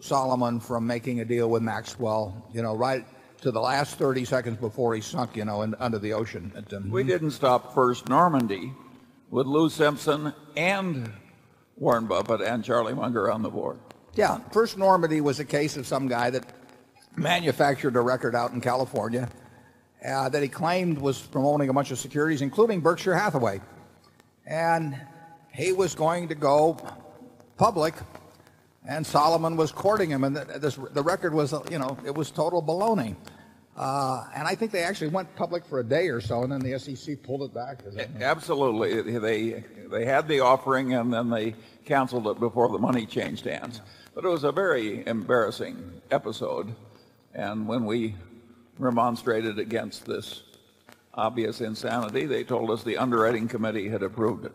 Solomon from making a deal with Maxwell you know right to the last 30 seconds before he sunk you know and under the ocean. We didn't stop First Normandy with Lou Simpson and Warren Buffett and Charlie Munger on the board? Yeah. First Normandy was a case of some guy that manufactured a record out in California that he claimed was promoting a bunch of securities, including Berkshire Hathaway. And he was going to go public and Solomon was courting him and the record was, you know, it was total baloney. And I think they actually went public for a day or so and then the SEC pulled it back. Absolutely. They had the offering and then they canceled it before the money changed hands. But it was a very embarrassing episode. And when we remonstrated against this obvious insanity, they told us the underwriting committee had approved it.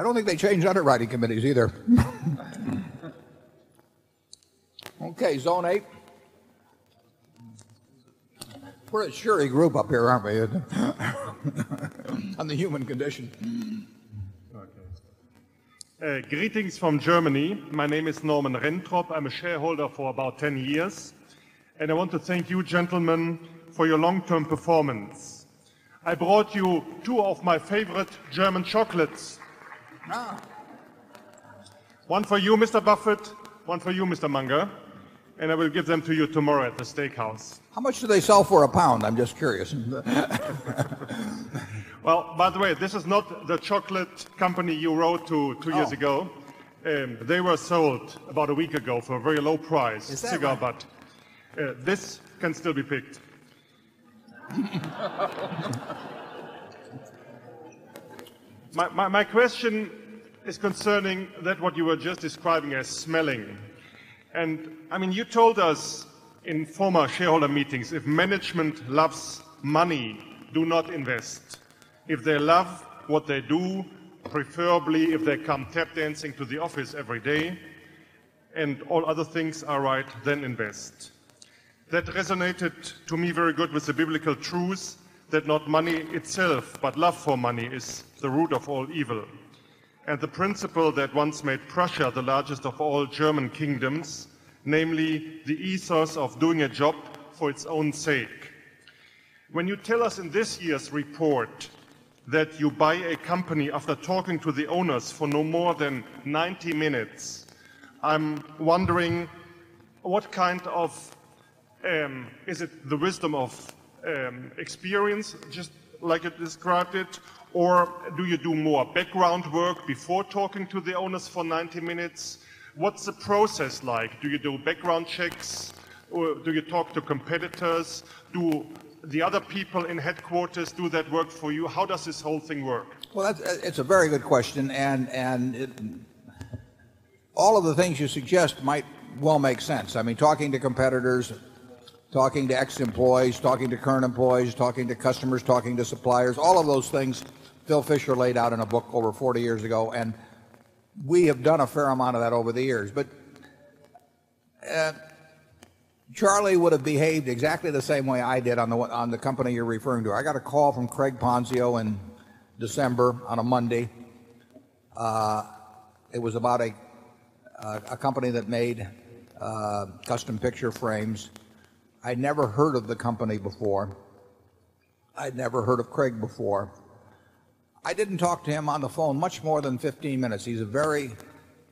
I don't think they change underwriting committees either. Okay, Zone 8. We're a surety group up here, aren't we, on the human condition. Greetings from Germany. My name is Norman Renthrob. I'm a shareholder for about 10 years and I want to thank you gentlemen for your long term performance. I brought you 2 of my favorite German chocolates. 1 for you Mr. Buffett, 1 for you Mr. Munger and I will give them to you tomorrow at the steak house. How much do they sell for a pound? I'm just curious. Well, by the way, this is not the chocolate company you wrote to 2 years ago. They were sold about a week ago for a very low price cigar, but this can still be picked. My question is concerning that what you were just describing as smelling. And I mean, you told us in former shareholder meetings, if management loves money, do not invest. If they love what they do, preferably if they come tap dancing to the office every day and all other things are right, then invest. That resonated to me very good with the biblical truth that not money itself but love for money is the root of all evil and the principle that once made Prussia the largest of all German kingdoms namely the ethos of doing a job for its own sake. When you tell us in this year's report that you buy a company after talking to the owners for no more than 90 minutes, I'm wondering what kind of is it the wisdom of experience just like it is granted or do you do more background work before talking to the owners for 90 minutes? What's the process like? Do you do background checks Or do you talk to competitors? Do the other people in headquarters do that work for you? How does this whole thing work? Well, it's a very good question. And all of the things you suggest might well make sense. I mean, talking to competitors, talking to ex employees, talking to current employees, talking to customers, talking to suppliers, all of those things Phil Fisher laid out in a book over 40 years ago and we have done a fair amount of that over the years. But Charlie would have behaved exactly the same way I did on the company you're referring to. I got a from Craig Ponzio in December on a Monday. It was about a company that made custom picture frames. I never heard of the company before. I'd never heard of Craig before. I didn't talk to him on the phone much more than 15 minutes. He's a very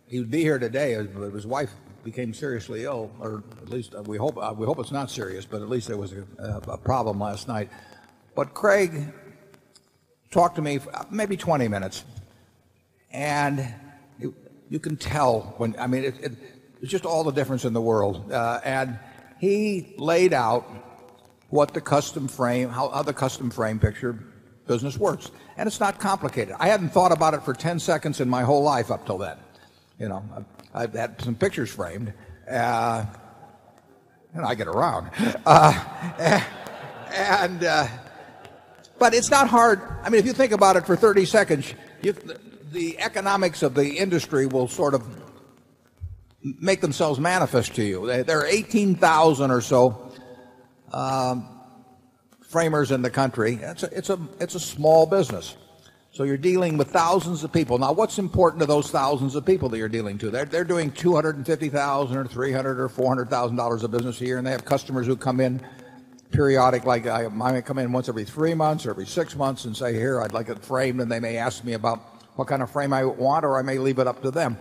he would be here today as his wife became seriously ill or at least we hope it's not serious, but at least there was a problem last night. But Craig talked to me maybe 20 minutes and you can tell when I mean it's just all the difference in the world. And he laid out what the custom frame how other custom frame picture business works. And it's not complicated. I haven't thought about it for 10 seconds in my whole life up till that. You know, I've had some pictures framed and I get around. And but it's not hard. I mean, if you think about it for 30 seconds, the economics of the industry will sort of make themselves manifest to you. There are 18,000 or so framers in the country. It's a small business. So you're dealing with thousands of people. Now what's important to those thousands of people that you're dealing to? They're doing $250,000 or $300,000 or $400,000 of business a year and have customers who come in periodic like I might come in once every 3 months or every 6 months and say here I'd like a frame and they may ask me about what kind of frame I want or I may leave it up to them.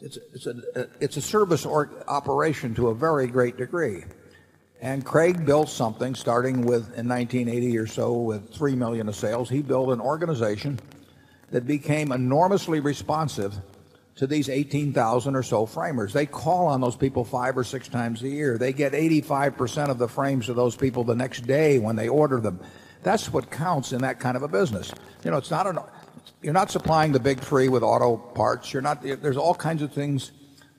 It's a service or operation to a very great degree. And Craig built something starting with in 1980 or so with 3,000,000 of sales. He built an organization that became enormously responsive to these 18,000 or so framers. They call on those people 5 or 6 times a year. They get 85% of the frames of those people the next day when they order them. That's what counts in that kind of a business. You know, it's not an you're not supplying the big three with auto parts. You're not there's all kinds of things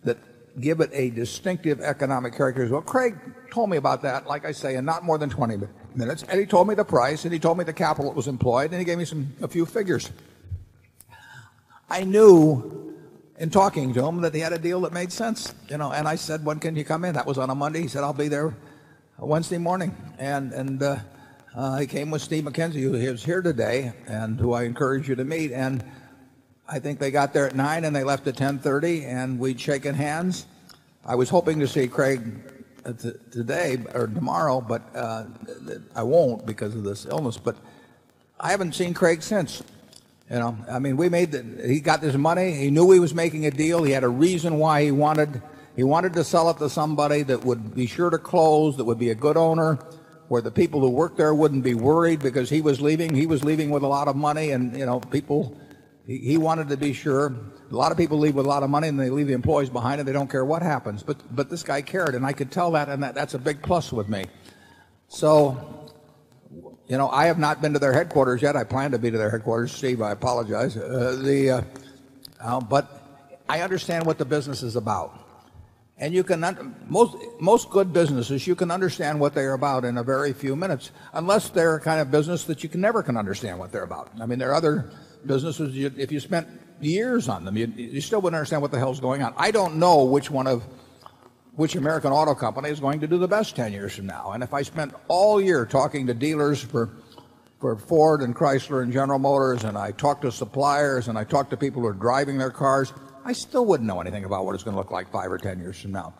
that give it a distinctive economic character as well. Craig told me about that, like I say, and not more than 20 minutes. And he told me the price and he told me the capital that was employed and he gave me some a few figures. I knew in talking to him that he had a deal that made sense. And I said, when can you come in? That was on a Monday. He said, I'll be there Wednesday morning. And I came with Steve McKenzie, who is here today and who I encourage you to meet. And I think they got there at 9 and they left at 10:30 and we'd shaken hands. I was hoping to see Craig today or tomorrow, but I won't because of this illness. But I haven't seen Craig since. I mean, we made he got this money. He knew he was making a deal. He had a reason why he wanted. He wanted to sell it to somebody that would be sure to close, that would be a good owner, where the people who work there wouldn't be worried because he was leaving. He was leaving with a lot of money and people, he wanted to be sure. A lot of people leave with a lot of money and they leave the employees behind and they don't care what happens. But this guy cared and I could tell that and that's a big plus with me. So I have not been to their headquarters yet. I plan to be to their headquarters. Steve, I apologize. But I understand what the business is about. And you can most good businesses, you can understand what they are about in a very few minutes, unless they're kind of business that you can never can understand what they're about. I mean, there are other businesses, if you spent years on them, you still wouldn't understand what the hell is going on. I don't know which one of which American auto company is going to do the best 10 years from now. And if I spent all year talking to dealers for Ford and Chrysler and General Motors and I talked to suppliers and I talked to people who are driving their cars, I still wouldn't know anything about what it's going to look like 5 or 10 years from now.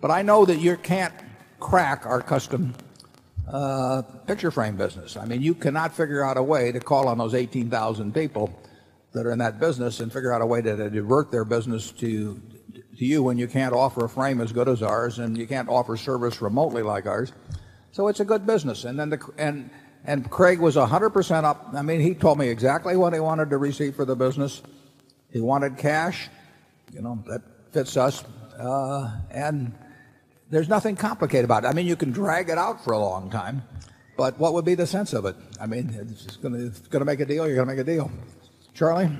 But I know that you can't crack our custom picture frame business. I mean you cannot figure out a way to call on those 18,000 people that are in that business and figure out a way to divert their business to you when you can't offer a frame as good as ours and you can't offer service remotely like ours. So it's a good business. And then and Craig was 100% up. I mean he told me exactly what he wanted to receive for the business. He wanted cash that fits us. And there's nothing complicated about it. I mean, you can drag it out for a long time. But what would be the sense of it? I mean, it's just going to make a deal. You're going to make a deal. Charlie?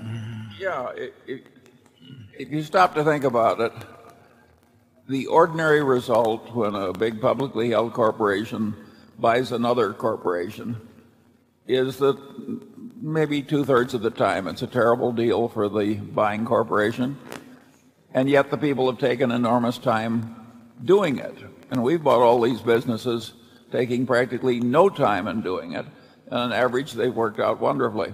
Yeah. If you stop to think about it, the ordinary result when a big publicly held corporation buys another corporation is that maybe 2 thirds of the time, it's a terrible deal for the buying corporation. And yet the people have taken enormous time doing it. And we've bought all these businesses taking practically no time in doing it. On average, they've worked out wonderfully.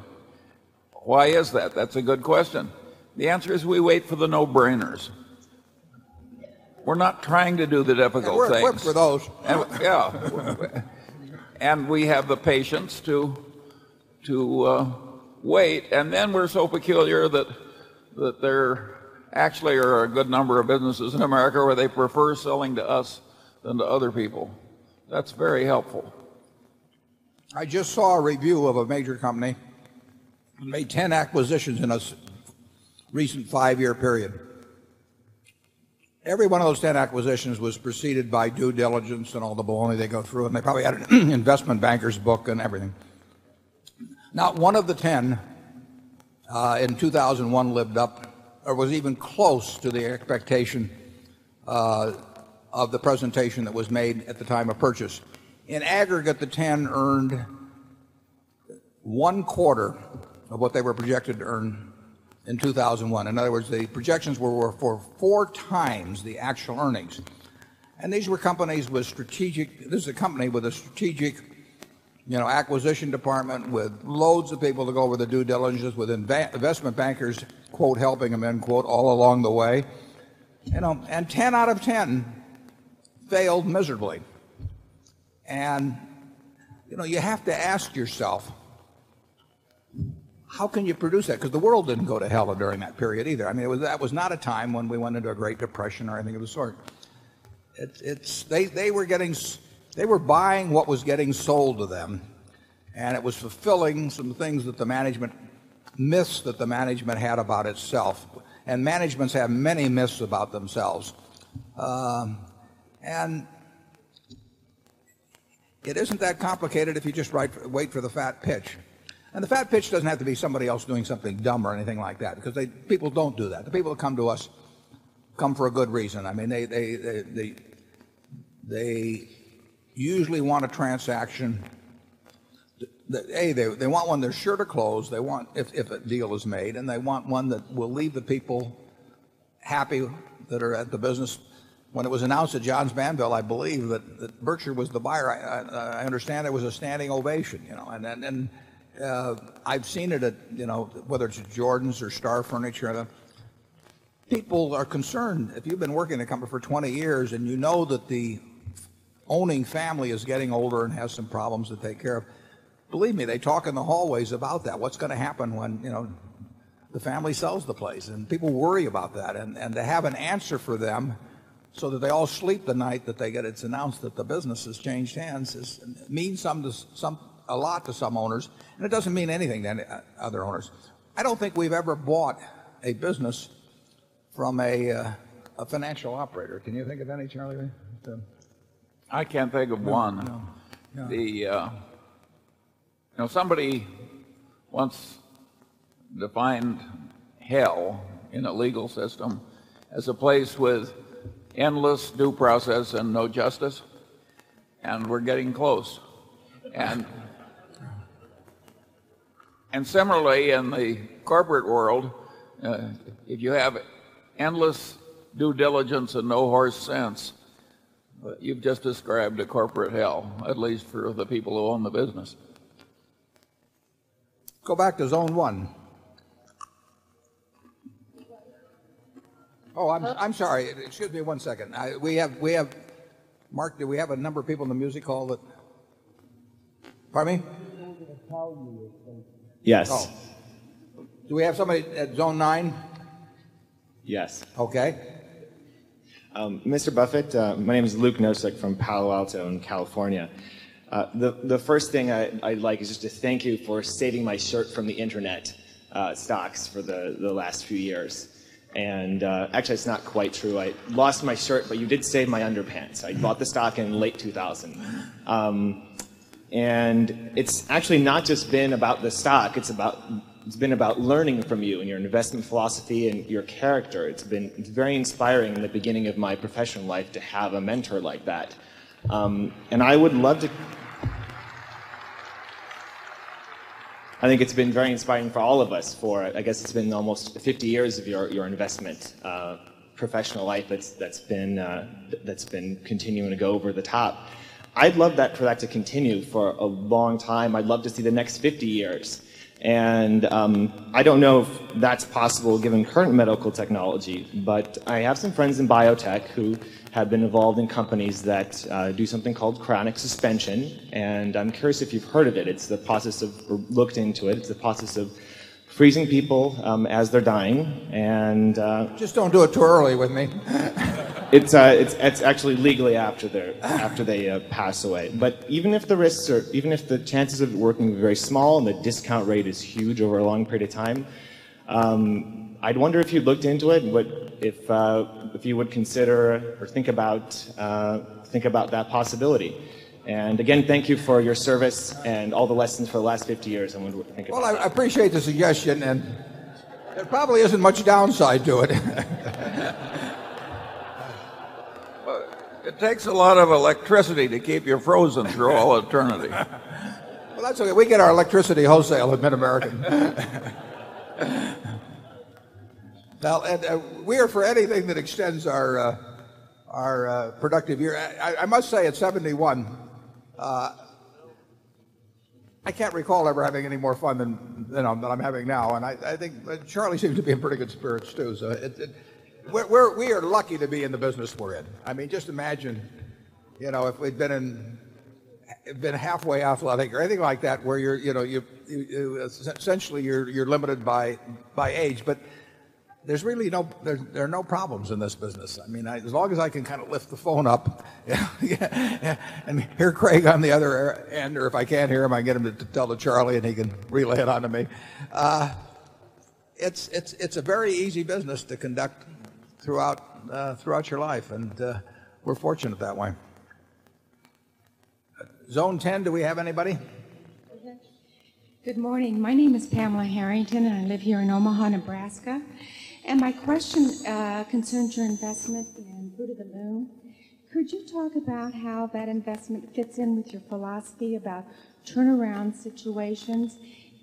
Why is that? That's a good question. The answer is we wait for the no brainers. We're not trying to do the difficult things. We're going to work for those. And, yeah. And we have the patience to, to, wait. And then we're so peculiar that, that there actually are a good number of businesses in America where they prefer selling to us than to other people. That's very helpful. I just saw a review of a major company, made 10 acquisitions in a recent 5 year period. Every one of those 10 acquisitions was preceded by due diligence and all the bull only they go through and they probably had an investment bankers book and everything. Not one of the 10 in 2,001 lived up or was even close to the expectation of the presentation that was made at the time of purchase. In aggregate, the 10 earned one quarter of what they were projected to earn in 2,001. In other words, the projections were for 4x the actual earnings. And these were companies with strategic this is a company with a strategic acquisition department with loads of people to go over the due diligence with investment bankers quote, helping them, unquote, all along the way. And 10 out of 10 failed miserably. And you know, you have to ask yourself, how can you produce that? Because the world didn't go to hell during that period either. I mean, it was that was not a time when we went into a Great Depression or anything of the sort. It's they were getting they were buying what was getting sold to them. And it was fulfilling some things that the management missed that the management had about itself. And managements have many myths about themselves. And it isn't that complicated if you just write wait for the fat pitch. And the fat pitch doesn't have to be somebody else doing something dumb or anything like that because people don't do that. The people who come to us come for a good reason. I mean they usually want a transaction that, A, they want one they're sure to close, they want if a deal is made and they want one that will leave the people happy that are at the business. When it was announced at Johns Banville, I believe that Berkshire was the buyer. I understand it was a standing ovation. And I've seen it at whether it's Jordans or Star Furniture. People are concerned if you've been working to come for 20 years and you know that the owning family is getting older and has some problems to take care of. Believe me, they talk in the hallways about that. What's going to happen when, you know, the family sells the place and people worry about that and and to have an answer for them so that they all sleep the night that they get it's announced that the business has changed hands means some a lot to some owners and it doesn't mean anything to other owners. I don't think we've ever bought a business from a financial operator. Can you think of any, Charlie? I can't think of 1. The, somebody once defined hell in a legal system as a place with endless due process and no justice. And we're getting close. And similarly, in the corporate world, if you have endless due diligence and no horse sense, you've just described a corporate hell, at least for the people who own the business. Go back to Zone 1. Oh, I'm sorry. It should be one second. We have Mark, do we have a number of people in the music hall that pardon me? Yes. Do we have somebody at Zone 9? Yes. Okay. Mr. Buffet, my name is Luke Nosek from Palo Alto in California. The first thing I'd like is just to thank you for saving my shirt from the Internet stocks for the last few years. And actually it's not quite true. I lost my shirt, but you did save my underpants. I bought the stock in late 2000. And it's actually not just been about the stock. It's about it's been about learning from you and your investment philosophy and your character. It's been very inspiring in the beginning of my professional life to have a mentor like that. And I would love to I think it's been very inspiring for all of us for I guess it's been almost 50 years of your investment professional life that's been continuing to go over the top. I'd love that for that to continue for a long time. I'd love to see the next 50 years. And I don't know if that's possible given current medical technology, but I have some friends in biotech who have been involved in companies that do something called chronic suspension And I'm curious if you've heard of it It's the process of looked into it It's the process of freezing people as they're dying and Just don't do it too early with me. It's actually legally after they're after they pass away. But even if the risks are even if the chances of working very small and the discount rate is huge over a long period of time, I'd wonder if you'd looked into it and what if if you would consider or think about Think about that possibility And again, thank you for your service and all the lessons for the last 50 years. I want to thank you. Well, I appreciate the suggestion and probably isn't much downside to it. It takes a lot of electricity to keep you frozen for all eternity. Well, that's okay. We get our electricity wholesale at Mid American. Now Ed, we are for anything that extends our productive year. I must say at 71, I can't recall ever having any more fun than I'm having now. And I think Charlie seems to be in pretty good spirits too. So we are lucky to be in the business we're in. I mean, just imagine if we've been halfway off, I think, or anything like that where you're essentially you're limited by age, but there's really no there are no problems in this business. I mean, as long as I can kind of lift the phone up and hear Craig on the other end. Or if I can't hear him, I get him to tell to Charlie and he can relay it on to me. It's a very easy business to conduct throughout your life and we're fortunate that way. Zone 10, do we have anybody? Good morning. My name is Pamela Harrington, and I live here in Omaha, Nebraska. And my question concerns your investment in Lidivolume. Could you talk about how that investment fits in with your philosophy about turnaround situations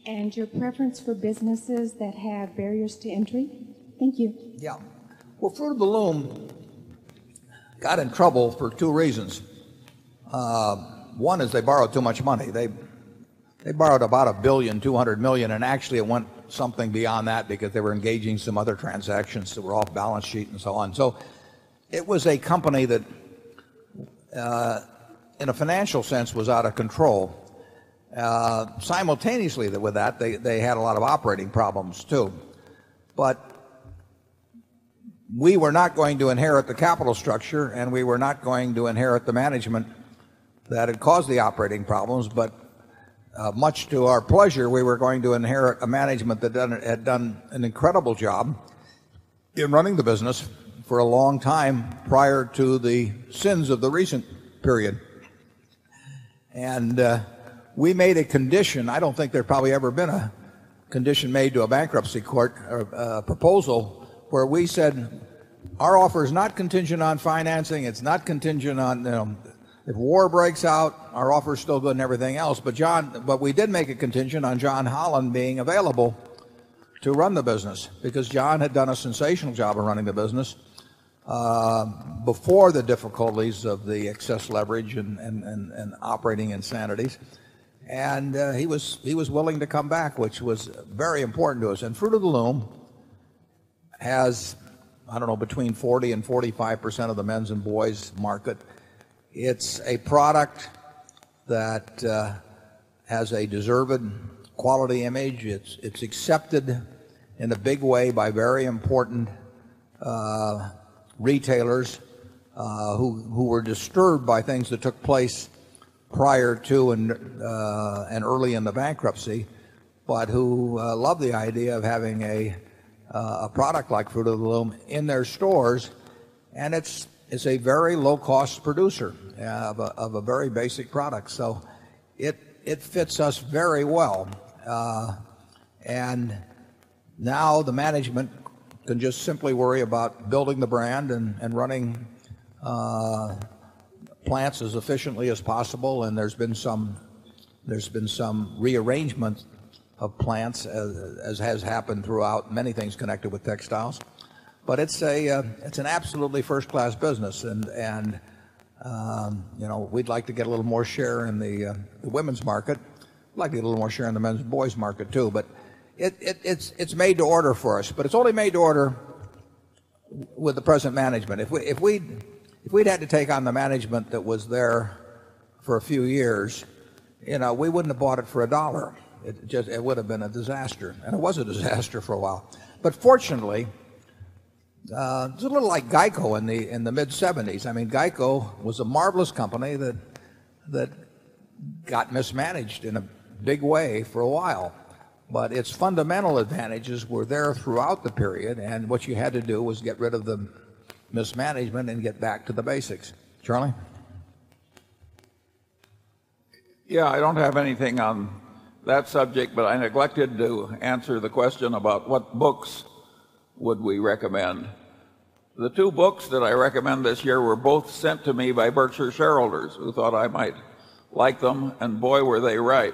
and your preference for businesses that have barriers to entry? Thank you. Yes. Well, Frutar balloon got in trouble for two reasons. One is they borrowed too much money. They borrowed about $1,200,000,000 and actually it went something beyond that because they were engaging some other transactions that were off balance sheet and so on. So it was a company that, in a financial sense was out of control. Simultaneously, with that, they had a lot of operating problems too. But we were not going to inherit the capital structure and we were not going to inherit the management that had caused the operating problems. But much to our pleasure, we were going to inherit a management that had done an incredible job in running the business for a long time prior to the sins of the recent period. And we made a condition, I don't think there probably ever been a condition made to a bankruptcy court proposal where we said our offer is not contingent on financing. It's not contingent on them. If war breaks out, our offer is still good and everything else. But John but we did make a contingent on John Holland being available to run the business because John had done a sensational job of running the business, before the difficulties of the excess leverage and operating insanities. And he was willing to come back, which was very important to us. And Fruit of the Loom has, I don't know, between 40 45 percent of the men's and boys market. It's a product that has a deserved quality image. It's accepted in a big way by very important retailers who were disturbed by things that took place prior to and early in the bankruptcy, but who love the idea of having a product like Fruit of the Loom in their stores and it's a very low cost producer of a very basic product. So it fits us very well. And now the management can just simply worry about building the brand and running plants as efficiently as possible. And there's been some rearrangement of plants as has happened throughout many things connected with textiles. But it's an absolutely first class business. And we'd like to get a little more share in the women's market, likely a little more share in the men's and boys market too. But it's made to order for us. But it's only made to order with the present management. If we'd had to take on the management that was there for a few years, you know, we wouldn't have bought it for a dollar. It just it would have been a disaster and it was a disaster for a while. But fortunately, it's a little like GEICO in the mid-70s. I mean, GEICO was a marvelous company that got mismanaged in a big way for a while. But its fundamental advantages were there throughout the period and what you had to do was get rid of the mismanagement and get back to the basics. Charlie? Yes, I don't have anything on that subject, but I neglected to answer the question about what books would we recommend. The 2 books that I recommend this year were both sent to me by Berkshire shareholders who thought I might like them and boy were they right.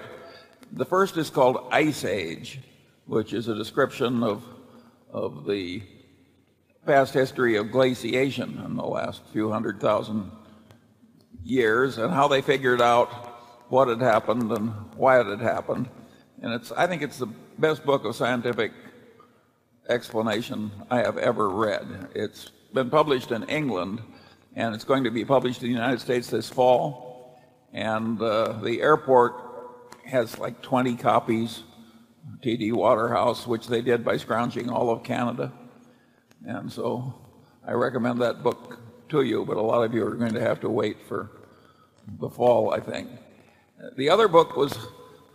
The first is called Ice Age, which is a description of the past history of glaciation in the last few 100000 years and how they figured out what had happened and why it had happened. And it's I think it's the best book of scientific explanation I have ever read. It's been published in England and it's going to be published in the United States this fall. And the airport has like 20 copies, of TD Waterhouse, which they did by scrounging all of Canada. And so I recommend that book to you, but a lot of you are going to have to wait for the fall, I think. The other book was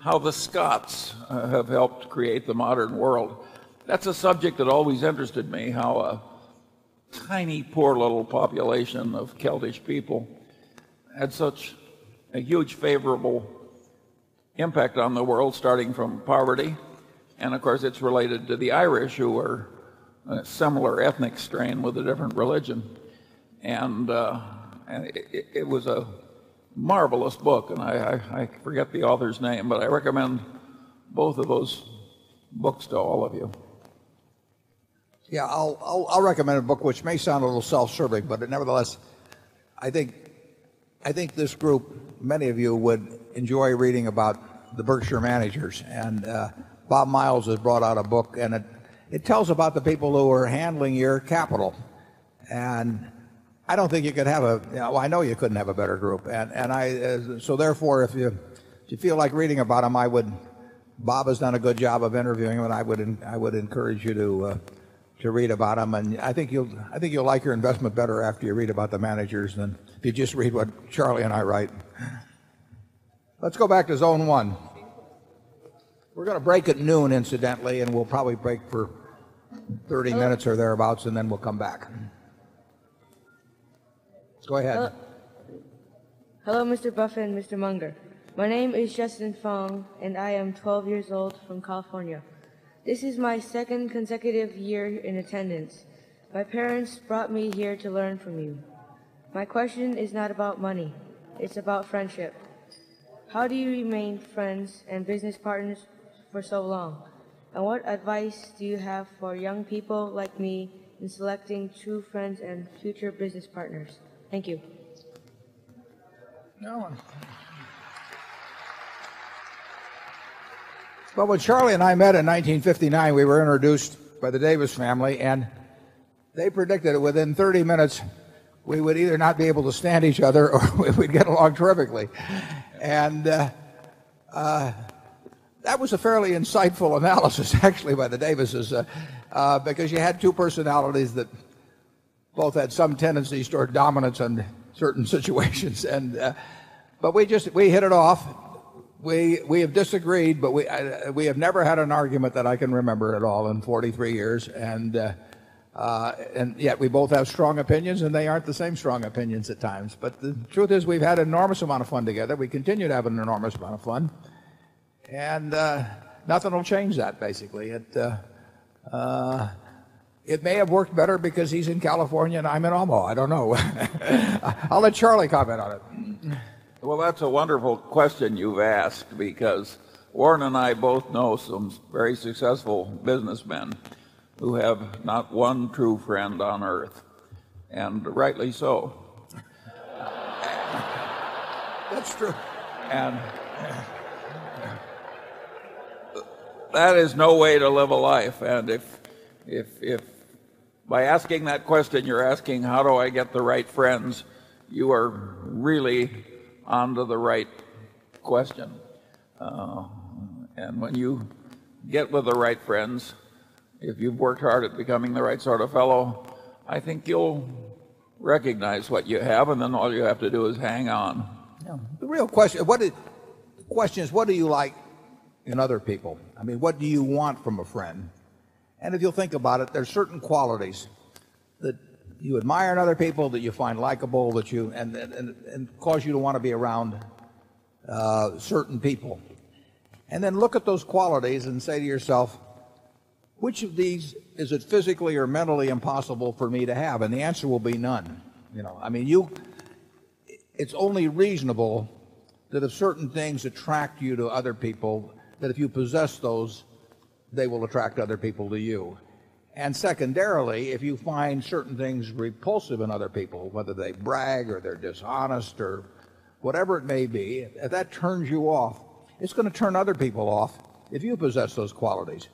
how the Scots have helped create the modern world. That's a subject that always interested me, how a tiny poor little population of Celtic people had such a huge favorable impact on the world starting from poverty. And of course, it's related to the Irish who are a similar ethnic strain with a different religion. And it was a marvelous book and I forget the author's name, but I recommend both of those books to all of you. Yeah. I'll recommend a book which may sound a little self serving, but nevertheless, I think this group, many of you would enjoy reading about the Berkshire Managers. And, Bob Miles has brought out a book and it tells about the people who are handling your capital. And I don't think you could have a I know you couldn't have a better group. And I so therefore, if you feel like reading about them, I would Bob has done a good job of interviewing him and I would encourage you to read about them. And I think you'll like your investment better after you read about the managers and you just read what Charlie and I write. Let's go back to Zone 1. We're going to break at noon incidentally and we'll probably break for 30 minutes or thereabouts and then we'll come back. Go ahead. Hello, Mr Buffen, Mr Munger. My name is Justin Fong and I am 12 years old from California. This is my 2nd consecutive year in attendance. My parents brought me here to learn from you. My question is not about money. It's about friendship. How do you remain friends and business partners for so long? And what advice do you have for young people like me in selecting true friends and future business partners? Thank you. Well, when Charlie and I met in 1959, we were introduced by the Davis family and they predicted within 30 minutes, we would either not be able to stand each other or we'd get along terrifically. And that was a fairly insightful analysis actually by the Davis's because you had 2 personalities that both had some tendencies toward dominance in certain situations. And, but we just, we hit it off. We have disagreed, but we have never had an argument that I can remember at all in 43 years. And yet, we both have strong opinions and they aren't the same strong opinions at times. But the truth is we've had enormous amount of fun together. We continue to have an enormous amount of fun and nothing will change that basically. It may have worked better because he's in California and I'm in Omaha. I don't know. I'll let Charlie comment on it. Well, that's a wonderful question you've asked because Warren and I both know some very successful businessmen who have not one true friend on earth and rightly so. That's true. That's true. And that is no way to live a life. And if by asking that question, you're asking, how do I get the right friends? You are really on to the right question. And when you get with the right friends, if you've worked hard at becoming the right sort of fellow, I think you'll recognize what you have and then all you have to do is hang on. The real question is what do you like in other people? I mean what do you want from a friend? And if you'll think about it there are certain qualities that you admire in other people that you find likable that you and cause you to want to be around certain people. And then look at those qualities and say to yourself, which of these is it physically or mentally impossible for me to have? And the answer will be none. I mean, you it's only reasonable that if certain things attract you to other people that if you possess those they will attract other people to you. And secondarily, if you find certain things repulsive in other people whether they brag or they're dishonest or whatever it may be, that turns you off. It's going to turn other people off if you possess those qualities.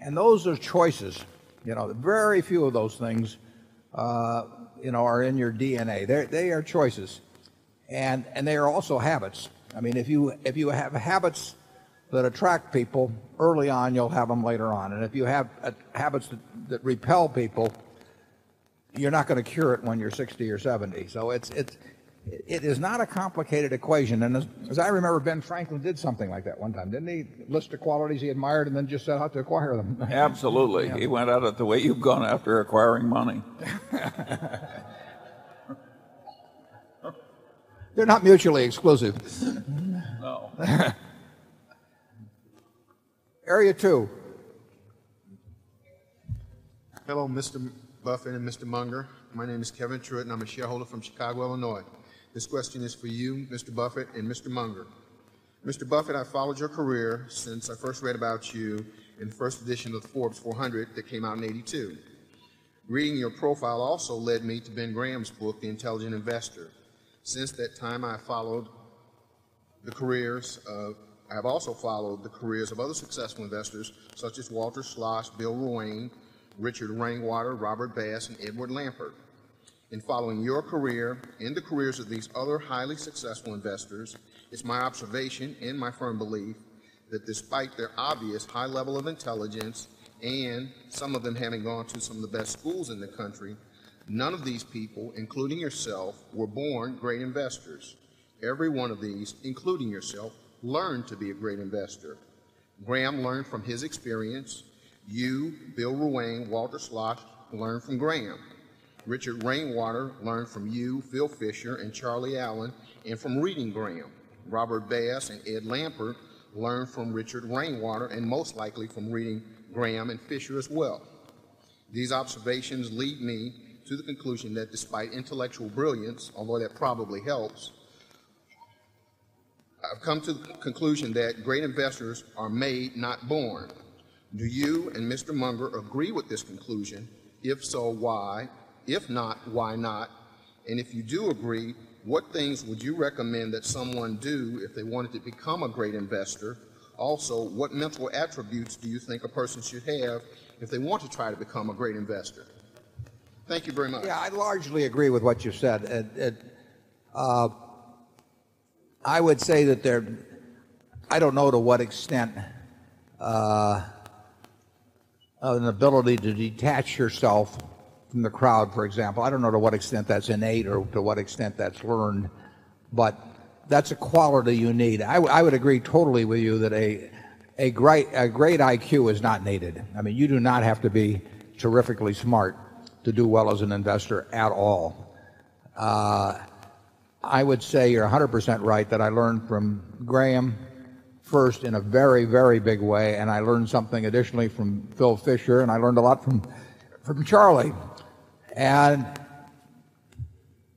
And those are choices, you know, very few of those things, you know, are in your DNA. They are choices and they are also habits. I mean, if you have habits that attract people, early on, you'll have them later on. And if you have habits that repel people, you're not going to cure it when you're 60 or 70. So it's it is not a complicated equation. And as I remember, Ben Franklin did something like that one time, didn't he list the qualities he admired and then just set out to acquire them? Absolutely. He went out of the way you've gone after acquiring money. They're not mutually exclusive. Area 2. Hello, Mr. Buffet and Mr. Munger. My name is Kevin Truitt and I'm a shareholder from Chicago, Illinois. This question is for you, Mr. Buffet and Mr. Munger. Mr. Buffett, I followed your career since I first read about you in the first edition of Forbes 400 that came out in 82. Reading your profile also led me to Ben Graham's book, The Intelligent Investor. Since that time, I followed the careers of I've also followed the careers of other successful investors such as Walter Slosh, Bill Royne, Richard Rainwater, Robert Bass and Edward Lampert. In following your career and the careers of these other highly successful investors, it's my observation and my firm belief that despite their obvious high level of intelligence and some of them having gone to some of the best schools in the country, none of these people, including yourself, were born great investors. Every one of these, including yourself, learned to be a great investor. Graham learned from his experience. You, Bill Ruane, Walter Sloch learned from Graham. Richard Rainwater learned from you, Phil Fisher and Charlie Allen and from Reading Graham. Robert Bass and Ed Lamper learned from Richard Rainwater and most likely from reading Graham and Fisher as well. These observations lead me to the conclusion that despite intellectual brilliance, although that probably helps, I've come to the conclusion that great investors are made, not born. Do you and Mr. Munger agree with this conclusion? If so, why? If not, why not? And if you do agree, what things would you recommend that someone do if they wanted to become a great investor? Also, what mental attributes do you think a person should have if they want to try to become a great investor? Thank you very much. Yeah. I largely agree with what you said. I would say that there I don't know to what extent an ability to detach yourself from the crowd, for example. I don't know to what extent that's innate or to what extent that's learned, but that's a quality you need. I would agree totally with you that a great IQ is not needed. I mean, you do not have to be terrifically smart to do well as an investor at all. I would say you're 100% right that I learned from Graham first in a very, very big way and I learned something additionally from Phil Fisher and I learned a lot from Charlie. And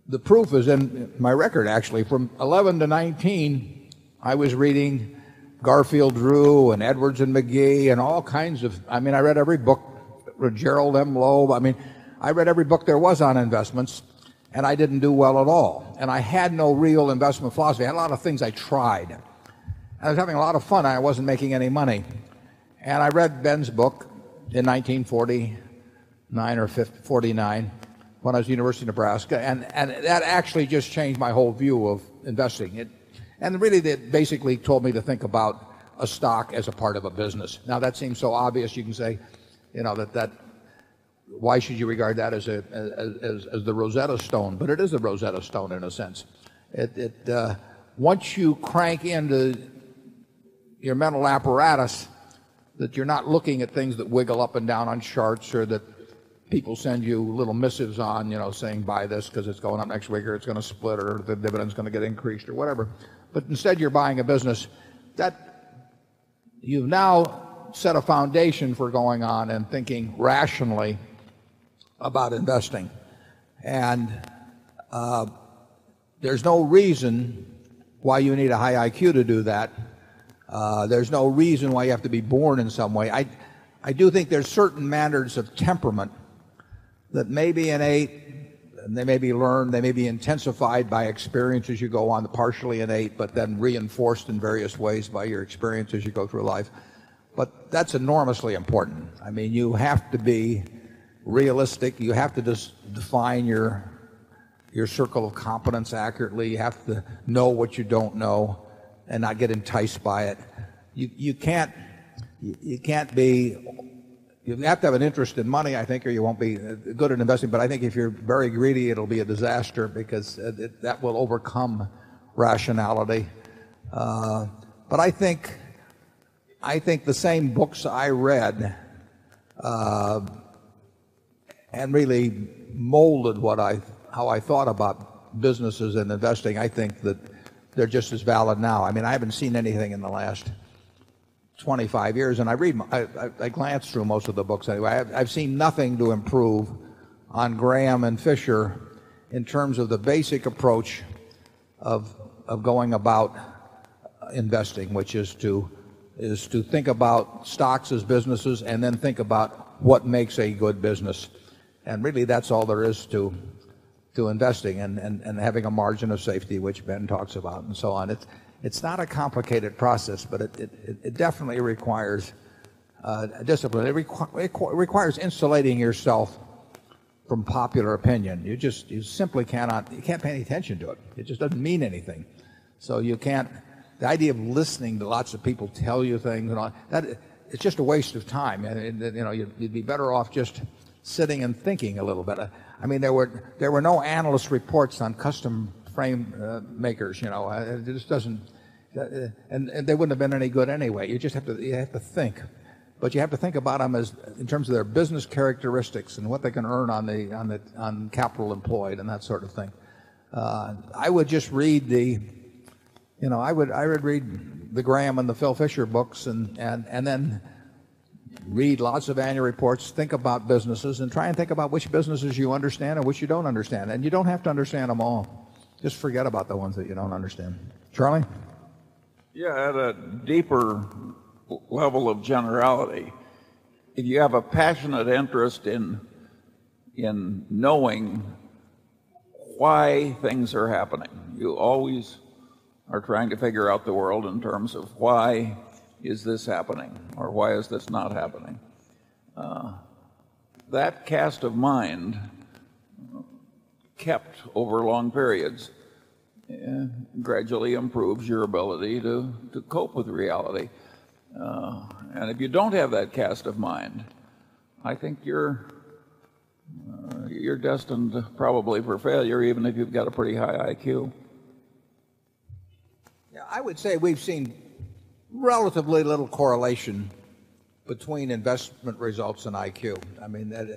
the proof is in my record actually from 2011 to 2019, I was reading Garfield Drew and Edwards and McGee and all kinds of I mean I read every book with Gerald M. Loeb. I mean I read every book there was on investments and I didn't do well at all And I had no real investment philosophy. I had a lot of things I tried. I was having a lot of fun. I wasn't making any money. And I read Ben's book in 1940 9 or 'forty nine when I was at University of Nebraska and that actually just changed my whole view of investing. And really that basically told me to think about a stock as a part of a business. Now that seems so obvious you can say that why should you regard that as the Rosetta Stone, but it is a Rosetta Stone in a sense. Once you crank into your mental apparatus that you're not looking at things that wiggle up and down on charts or that people send you little missives on saying buy this because it's going up next week or it's going to split or the dividend is going to get increased or whatever. But instead you're buying a business that you've now set a foundation for going on and thinking rationally about investing. And there's no reason why you need a high IQ to do that. There's no reason why you have to be born in some way. I do think there's certain manners of temperament that may be innate, they may be learned, they may be intensified by experiences you go on partially innate but then reinforced in various ways by your experiences you go through life. But that's enormously important. I mean you have to be realistic, you have to define your circle of competence accurately, you have to know what you don't know and not get enticed by it. You can't be you have to have an interest in money, I think, or you won't be good at investing, but I think if you're very greedy, it'll be a disaster because that will overcome rationality. But I think the same books I read and really molded what I how I thought about businesses and investing. I think that they're just as valid now. I mean I haven't seen anything in the last 25 years and I read I glanced through most of the books. I've seen nothing to improve on Graham and Fisher in terms of the basic approach of going about investing, which is to think about stocks as businesses and then think about what makes a good business. And really that's all there is to investing and having a margin of safety, which Ben talks about and so on. It's not a complicated process, but it definitely requires discipline. It requires insulating yourself from popular opinion. You just you simply cannot you can't pay any attention to it. It just doesn't mean anything. So you can't the idea of listening to lots of people tell you things and that it's just a waste of time and you'd be better off just sitting and thinking a little bit. I mean there were no analyst reports on custom frame makers. This doesn't and they wouldn't have been any good anyway. You just have to think. But you have to think about them as in terms of their business characteristics and what they can earn on capital employed and that sort of thing. I would read the Graham and the Phil Fisher books and then read lots of annual reports, think about businesses and try and think about which businesses you understand and which you don't understand. And you don't have to understand them all. Just forget about the ones that you don't understand. Charlie? Yeah. At a deeper level of generality, if you have a passionate interest in knowing why things are happening. You always are trying to figure out the world in terms of why is this happening or why is this not happening. That cast of mind kept over long periods gradually improves your ability to cope with reality. And if you don't have that cast of mind, I think you're destined probably for failure even if you've got a pretty high IQ. Yes. I would say we've seen relatively little correlation between investment results and IQ. I mean,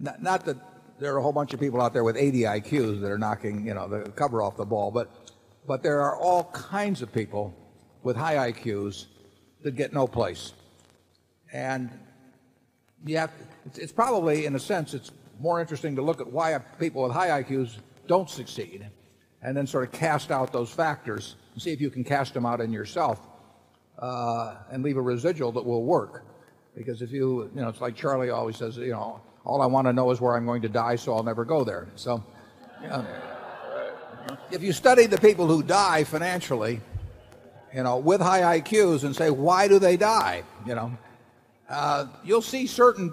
not that there are a whole bunch of people out there with 80 IQs that are knocking the cover off the ball, but there are all kinds of people with high IQs that get no place. And yet it's probably in a sense it's more interesting to look at why people with high IQs don't succeed and then sort of cast out those factors and see if you can cast them out in yourself and leave a residual that will work because if you know it's like Charlie always says you know all I want to know is where I'm going to die so I'll never go there. So if you study the people who die financially, you know, with high IQs and say, why do they die? You know, You'll see certain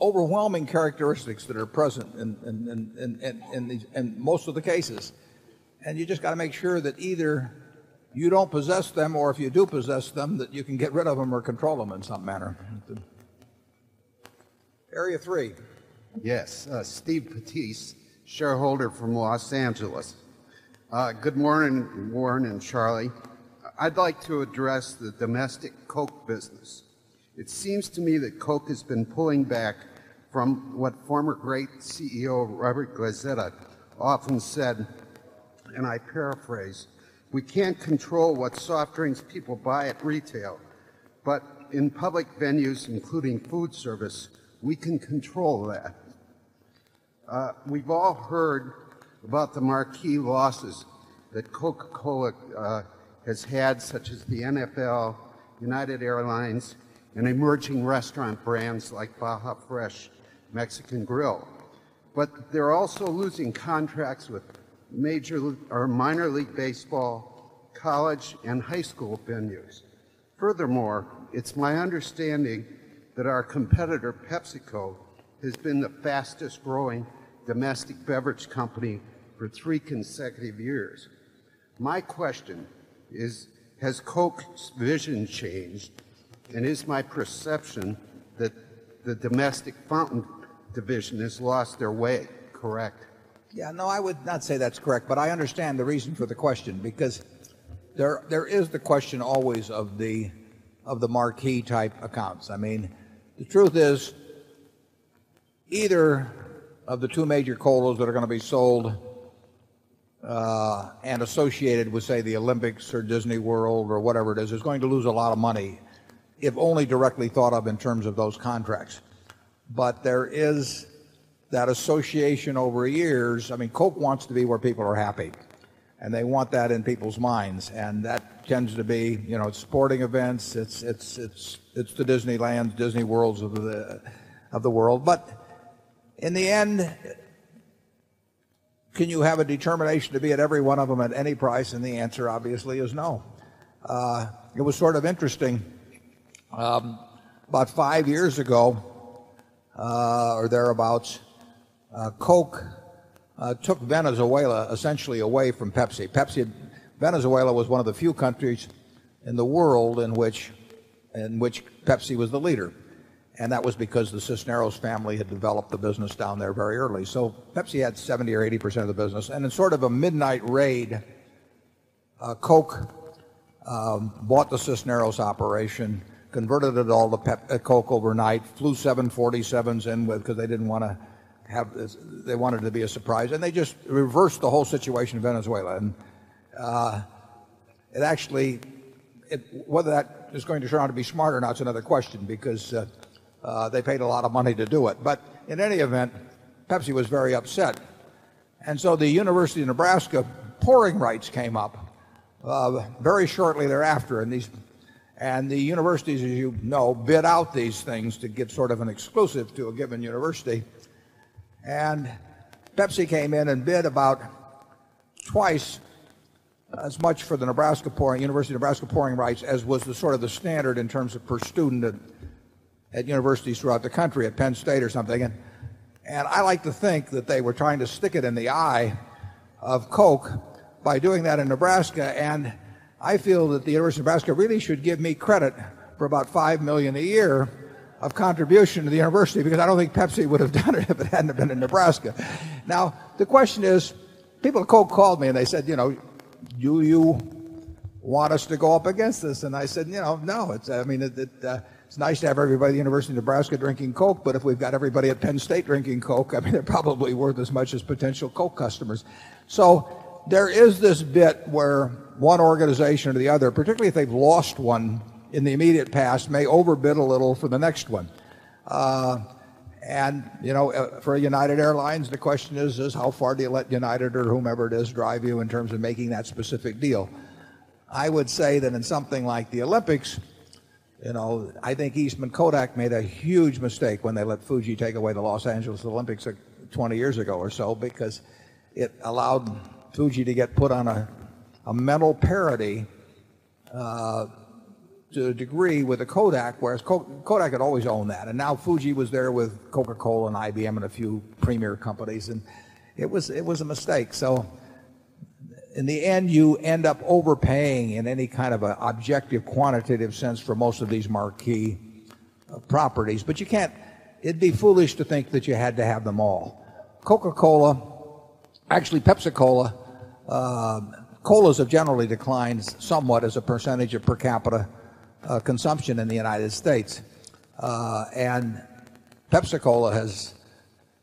overwhelming characteristics that are present in in in in in in most of the cases. And you just got to make sure that either you don't possess them or if you do possess them that you can get rid of them or control them in some manner. Area 3. Yes. Steve Patiste, shareholder from Los Angeles. Good morning, Warren and Charlie. I'd like to address the domestic Coke business. It seems to me that Coke has been pulling back from what former great CEO Robert Gazzetta often said and I paraphrase we can't control what soft drinks people buy at retail but in public venues including food service we can control that. We've all heard about the marquee losses that Coca Cola has had such as the NFL, United Airlines and emerging restaurant brands like Baja Fresh Mexican Grill. But they're also losing contracts with major or minor league baseball college and high school venues. Furthermore, it's my understanding that our competitor, PepsiCo has been the fastest growing domestic beverage company for 3 consecutive years. My question is, has Coke's vision changed and is my perception that the domestic fountain division has lost their way, correct? Yeah. No, I would not say that's correct, but I understand the reason for the question because there is the question always of the marquee type accounts. I mean, the truth is either of the 2 major colos that are going to be sold, and associated with, say, the Olympics or Disney World or whatever it is, is going to lose a lot of money, if only directly thought of in terms of those contracts. But there is that association over years. I mean, Coke wants to be where people are happy. And they want that in people's minds. And that tends to be sporting events. It's the Disneyland, Disney worlds of the world. But in the end, can you have a determination to be at every one of them at any price? And the answer obviously is no. It was sort of interesting, about 5 years ago or thereabouts, Coke took Venezuela essentially away from Pepsi. Pepsi Venezuela was one of the few countries in the world in which Pepsi was the leader. And that was because the Cisneros family had developed the business down there very early. So Pepsi had 70% or 80% of the business and in sort of a midnight raid, Coke bought the Cisneros operation, converted it all to Coke overnight, flew 747s in because they didn't want to have this they wanted to be a surprise and they just reversed the whole situation in Venezuela. And it actually whether that is going to turn out to be smart or not is another question because they paid a lot of money to do it. But in any event, Pepsi was very upset. And so the University of Nebraska pouring rights came up very shortly thereafter and these and the universities as you know bid out these things to get sort of an exclusive to a given university. And Pepsi came in and bid about twice as much for the Nebraska pouring University of Nebraska pouring rights as was the sort of the standard in terms of per student at universities throughout the country, at Penn State or something. And I like to think that they were trying to stick it in the eye of Coke by doing that in Nebraska. And I feel that the University of Nebraska really should give me credit for about 5,000,000 a year of contribution to the university because I don't think Pepsi would have done it if it hadn't been in Nebraska. Now the question is, people have called me and they said, do you want us to go up against this? And I said, no, it's nice to have everybody at University of Nebraska drinking Coke, but if we've got everybody at Penn State drinking Coke, I mean, it probably worth as much as potential Coke customers. So there is this bit where one organization or the other, particularly if they've lost 1 in the immediate past, may overbid a little for the next one. And for United Airlines, the question is how far do you let United or whomever it is drive you in terms of making that specific deal. I would say that in something like the Olympics, I think Eastman Kodak made a huge mistake when they let Fuji take away the Los Angeles Olympics 20 years ago or so because it allowed Fuji to get put on a metal parity to a degree with a Kodak whereas Kodak had always owned that and now Fuji was there with Coca Cola and IBM and a few premier companies and it was a mistake. So in the end, you end up overpaying in any kind of objective quantitative sense for most of these marquee properties, but you can't, it'd be foolish to think that you had to have them all. Coca Cola, actually Pepsi Cola, Colas have generally declined somewhat as a percentage of per capita consumption in the United States. And Pepsi Cola has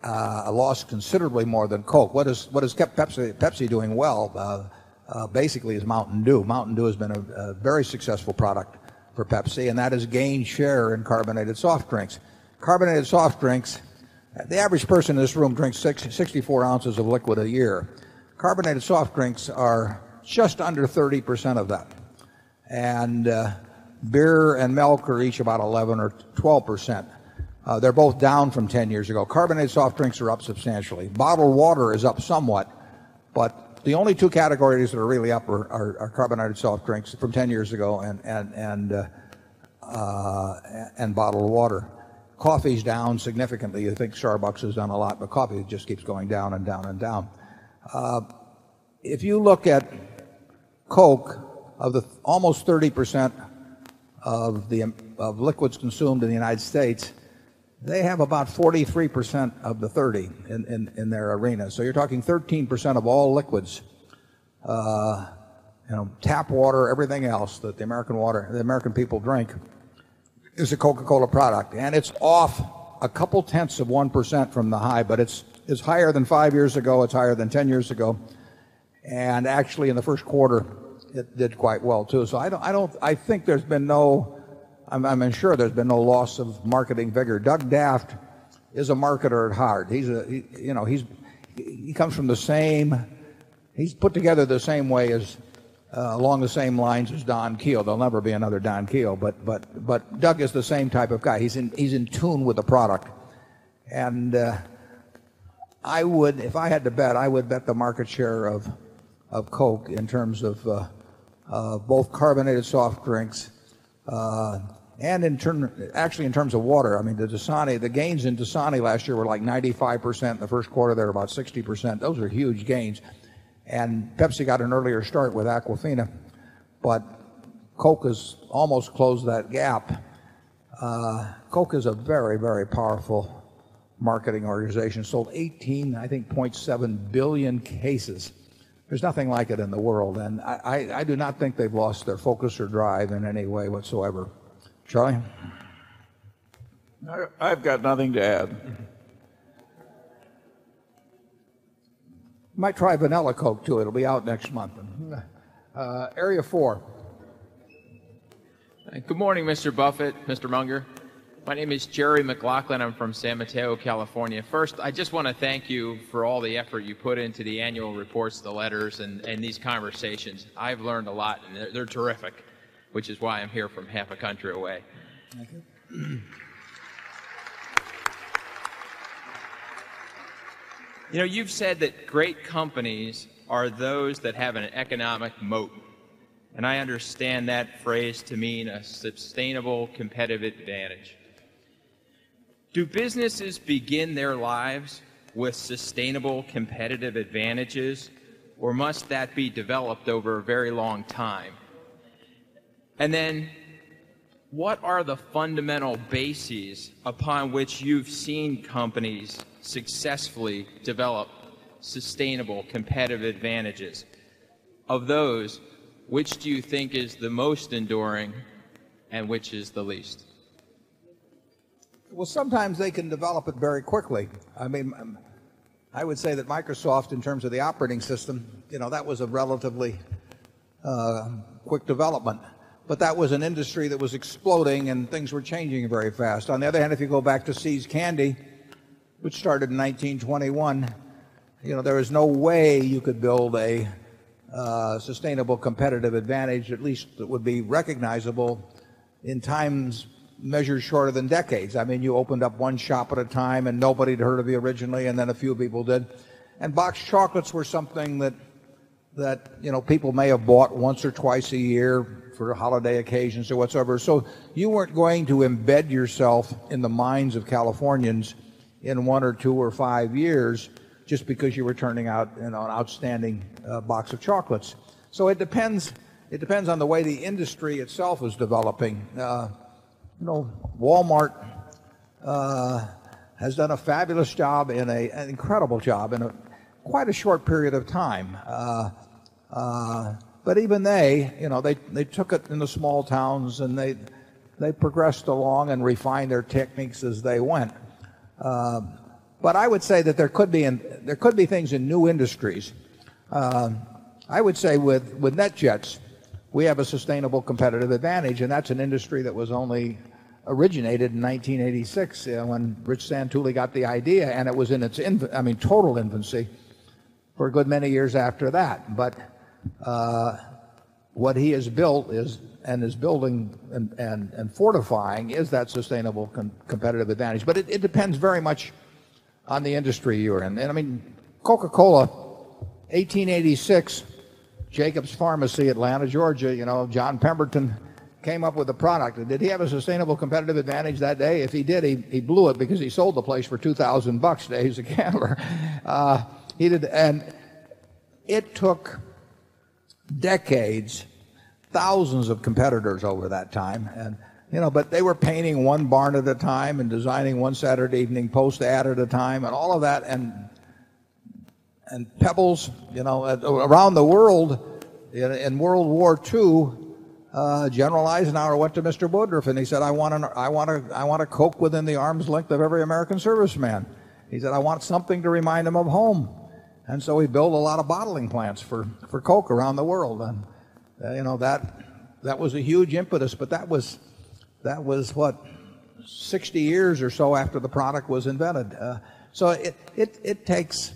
lost considerably more than Coke. What has kept Pepsi doing well basically is Mountain Dew. Mountain Dew has been a very successful product for Pepsi and that has gained share in carbonated soft drinks. Carbonated soft drinks, average person in this room drinks 64 ounces of liquid a year. Carbonated soft drinks are just under 30% of that. And beer and milk are each about 11% or 12%. They're both down from 10 years ago. Carbonated soft drinks are up substantially. Bottled water is up somewhat, but the only 2 categories that are really up are carbonated soft drinks from 10 years ago and bottled water. Coffee is down significantly. I think Starbucks has done a lot, but coffee just keeps going down and down and down. If you look at Coke, almost 30% of liquids consumed in the United States, they have about 43% of the 30% in their arena. So you're talking 13% of all liquids, tap water, everything else that the American water, the American people drink is a Coca Cola product and it's off a couple tenths of 1% from the high, but it's higher than 5 years ago, it's higher than 10 years ago. And actually in the Q1, it did quite well too. So I don't I think there's been no I'm sure there's been no loss of marketing bigger. Doug Daft is a marketer at heart. He comes from the same he's put together the same way as along the same lines as Don Kiel. There'll never be another Don Kiel, but Doug is the same type of guy. He's in tune with the product. And I would if I had to bet, I would bet the market share of Coke in terms of both carbonated soft drinks and in terms of actually in terms of water. I mean the gains in the last year were like 95% in the Q1, they're about 60%. Those are huge gains And Pepsi got an earlier start with Aquafina, but Coke has almost closed that gap. Coke is a very, very powerful marketing organization. So 18, I think, 700,000,000 cases. There's nothing like it in the world. And I do not think they've lost their focus or drive in any way whatsoever. Charlie? I've got nothing to add. You might try vanilla Coke too. It will be out next month. Area 4. Good morning, Mr. Buffet, Mr. Munger. My name is Jerry McLaughlin. I'm from San Mateo, California. Which is why I'm here from half a country away. You know, you've said that great companies are those that have an economic moat. And I understand that phrase to mean a sustainable competitive advantage. Do businesses begin their lives with sustainable competitive advantages? Or must that be developed over a very long time? And then what are the fundamental bases upon which you've seen companies successfully develop sustainable competitive advantages? Of those. Which do you think is the most enduring and which is the least? Well, sometimes they can develop it very quickly. I mean, I would say that Microsoft in terms of the operating system, that was a relatively quick development. But that was an industry that was exploding and things were changing very fast. On the other hand, if you go back to See's Candy, which started in 1921, there is no way you could build a sustainable competitive advantage at least that would be recognizable in times measure shorter than decades. I mean you opened up one shop at a time and nobody heard of you originally and then a few people did. And box chocolates were something that people may have bought once or twice a year for holiday occasions or whatsoever. So you weren't going to embed yourself in the minds of Californians in 1 or 2 or 5 years just because you were turning out an outstanding box of chocolates. So it It depends on the way the industry itself is developing. No Walmart has done a fabulous job and an incredible job in a quite a short period of time. But even they took it in the small towns and they progressed along and refined their techniques as they went. But I would say that there could be things in new industries. I would say with NetJets, have a sustainable competitive advantage and that's an industry that was only originated in 1986 when Rich Santulli got the idea and it was in its I mean total infancy for a good many years after that. But what he has built is and is building and fortifying is that sustainable competitive advantage. But it depends very much on the industry you're in. And I mean, Coca Cola, 18/86, Jacobs Pharmacy Atlanta, Georgia, John Pemberton came up with a product. Did he have a sustainable competitive advantage that day? If he did, he blew it because he sold the place for $2,000 today as a camera. He did and it took decades, thousands of competitors over that time and you know, but they were painting 1 barn at a time designing 1 Saturday evening post ad at a time and all of that and pebbles, you know, around the world in World War II, General Eisenhower went to Mr. Woodruff and he said, I want to I want to I want to cope within the arms length of every American serviceman. He said I want something to remind him of home. And so he built a lot of bottling plants for for coke around the world and, you know, that that was a huge impetus, but that was what 60 years or so after the product was invented. So it takes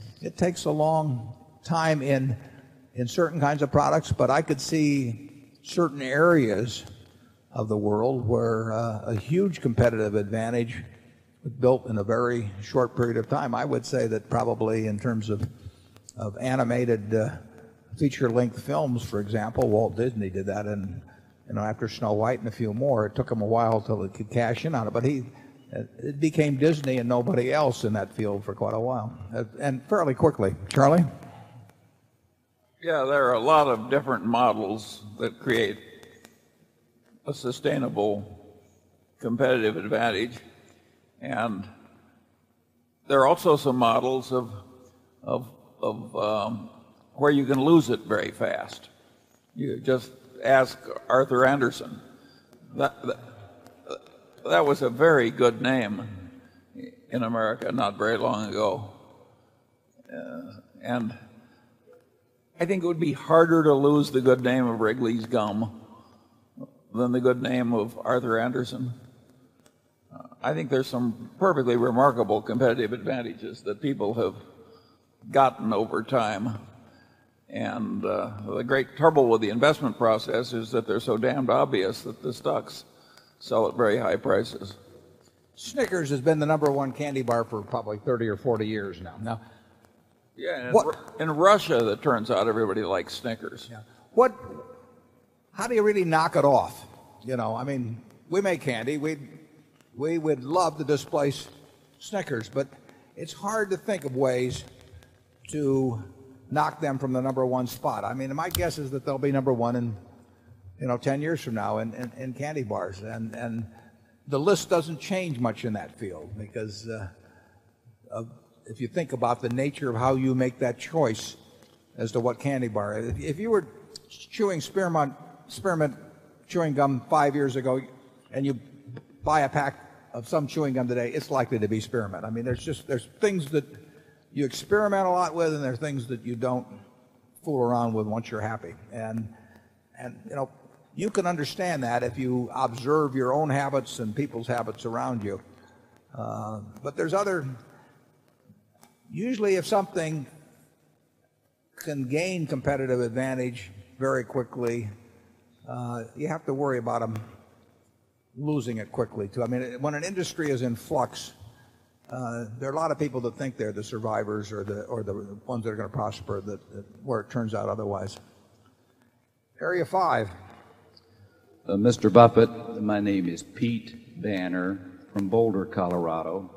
a long time in certain kinds of products, but I could see certain areas of the world where a huge competitive advantage built in a very short period of time. I would say that probably in terms of animated feature length films for example, Walt Disney did that and after Snow White and a few more, it took him a while to cash in on it. But he became Disney and nobody else in that field for quite a while and fairly quickly. Charlie? Yes. There are a lot of different models that create a sustainable competitive advantage. And there are also some models of, where you can lose it very fast. You just ask Arthur Andersen. That was a very good name in America not very long ago. And I think it would be harder to lose the good name of Wrigley's gum than the good name of Arthur Andersen. I think there's some perfectly remarkable competitive advantages that people have gotten over time. And the great trouble with the investment process is that they're so damned obvious that the stocks sell at very high prices. Snickers has been the number one candy bar for probably 30 or 40 years now. Yeah. In Russia, that turns out everybody likes Snickers. Yeah. What how do you really knock it off? You know, I mean, we make candy. We would love to displace Snickers, but it's hard to think of ways to knock them from the number one spot. I mean, my guess is that they'll be number 1 in 10 years from now and candy bars and the list doesn't change much in that field because if you think about the nature of how you make that choice as to what candy bar, if you were chewing spearmint, spearmint chewing gum 5 years ago and you buy a pack of some chewing gum today, it's likely to be experiment. I mean there's just there's things that you experiment a lot with and there are things that you don't fool around with once you're happy. And you can understand that if you observe your own habits and people's habits around you. But there's other usually if something can gain competitive advantage very quickly, You have to worry about them losing it quickly to I mean when an industry is in flux, there are a lot of people that think they're the survivors or the ones that are going to prosper that where it turns out otherwise. Prosper that where it turns out otherwise. Area 5. Mr. Buffet, my name is Pete Banner from Boulder, Colorado.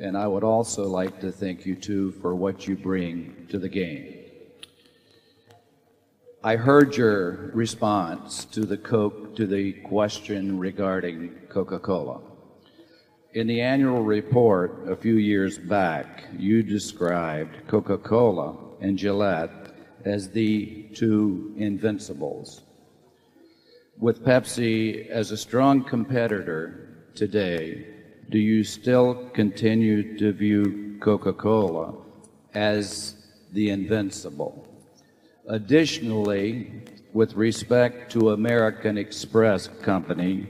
And I would also like to thank you too for what you bring to the game. I heard your response to the question regarding Coca Cola. In the annual report a few years back, you described Coca Cola and Gillette as the 2 invincibles. With Pepsi as a strong competitor today, do you still continue to view Coca Cola as the invincible. Additionally, with respect to American Express Company,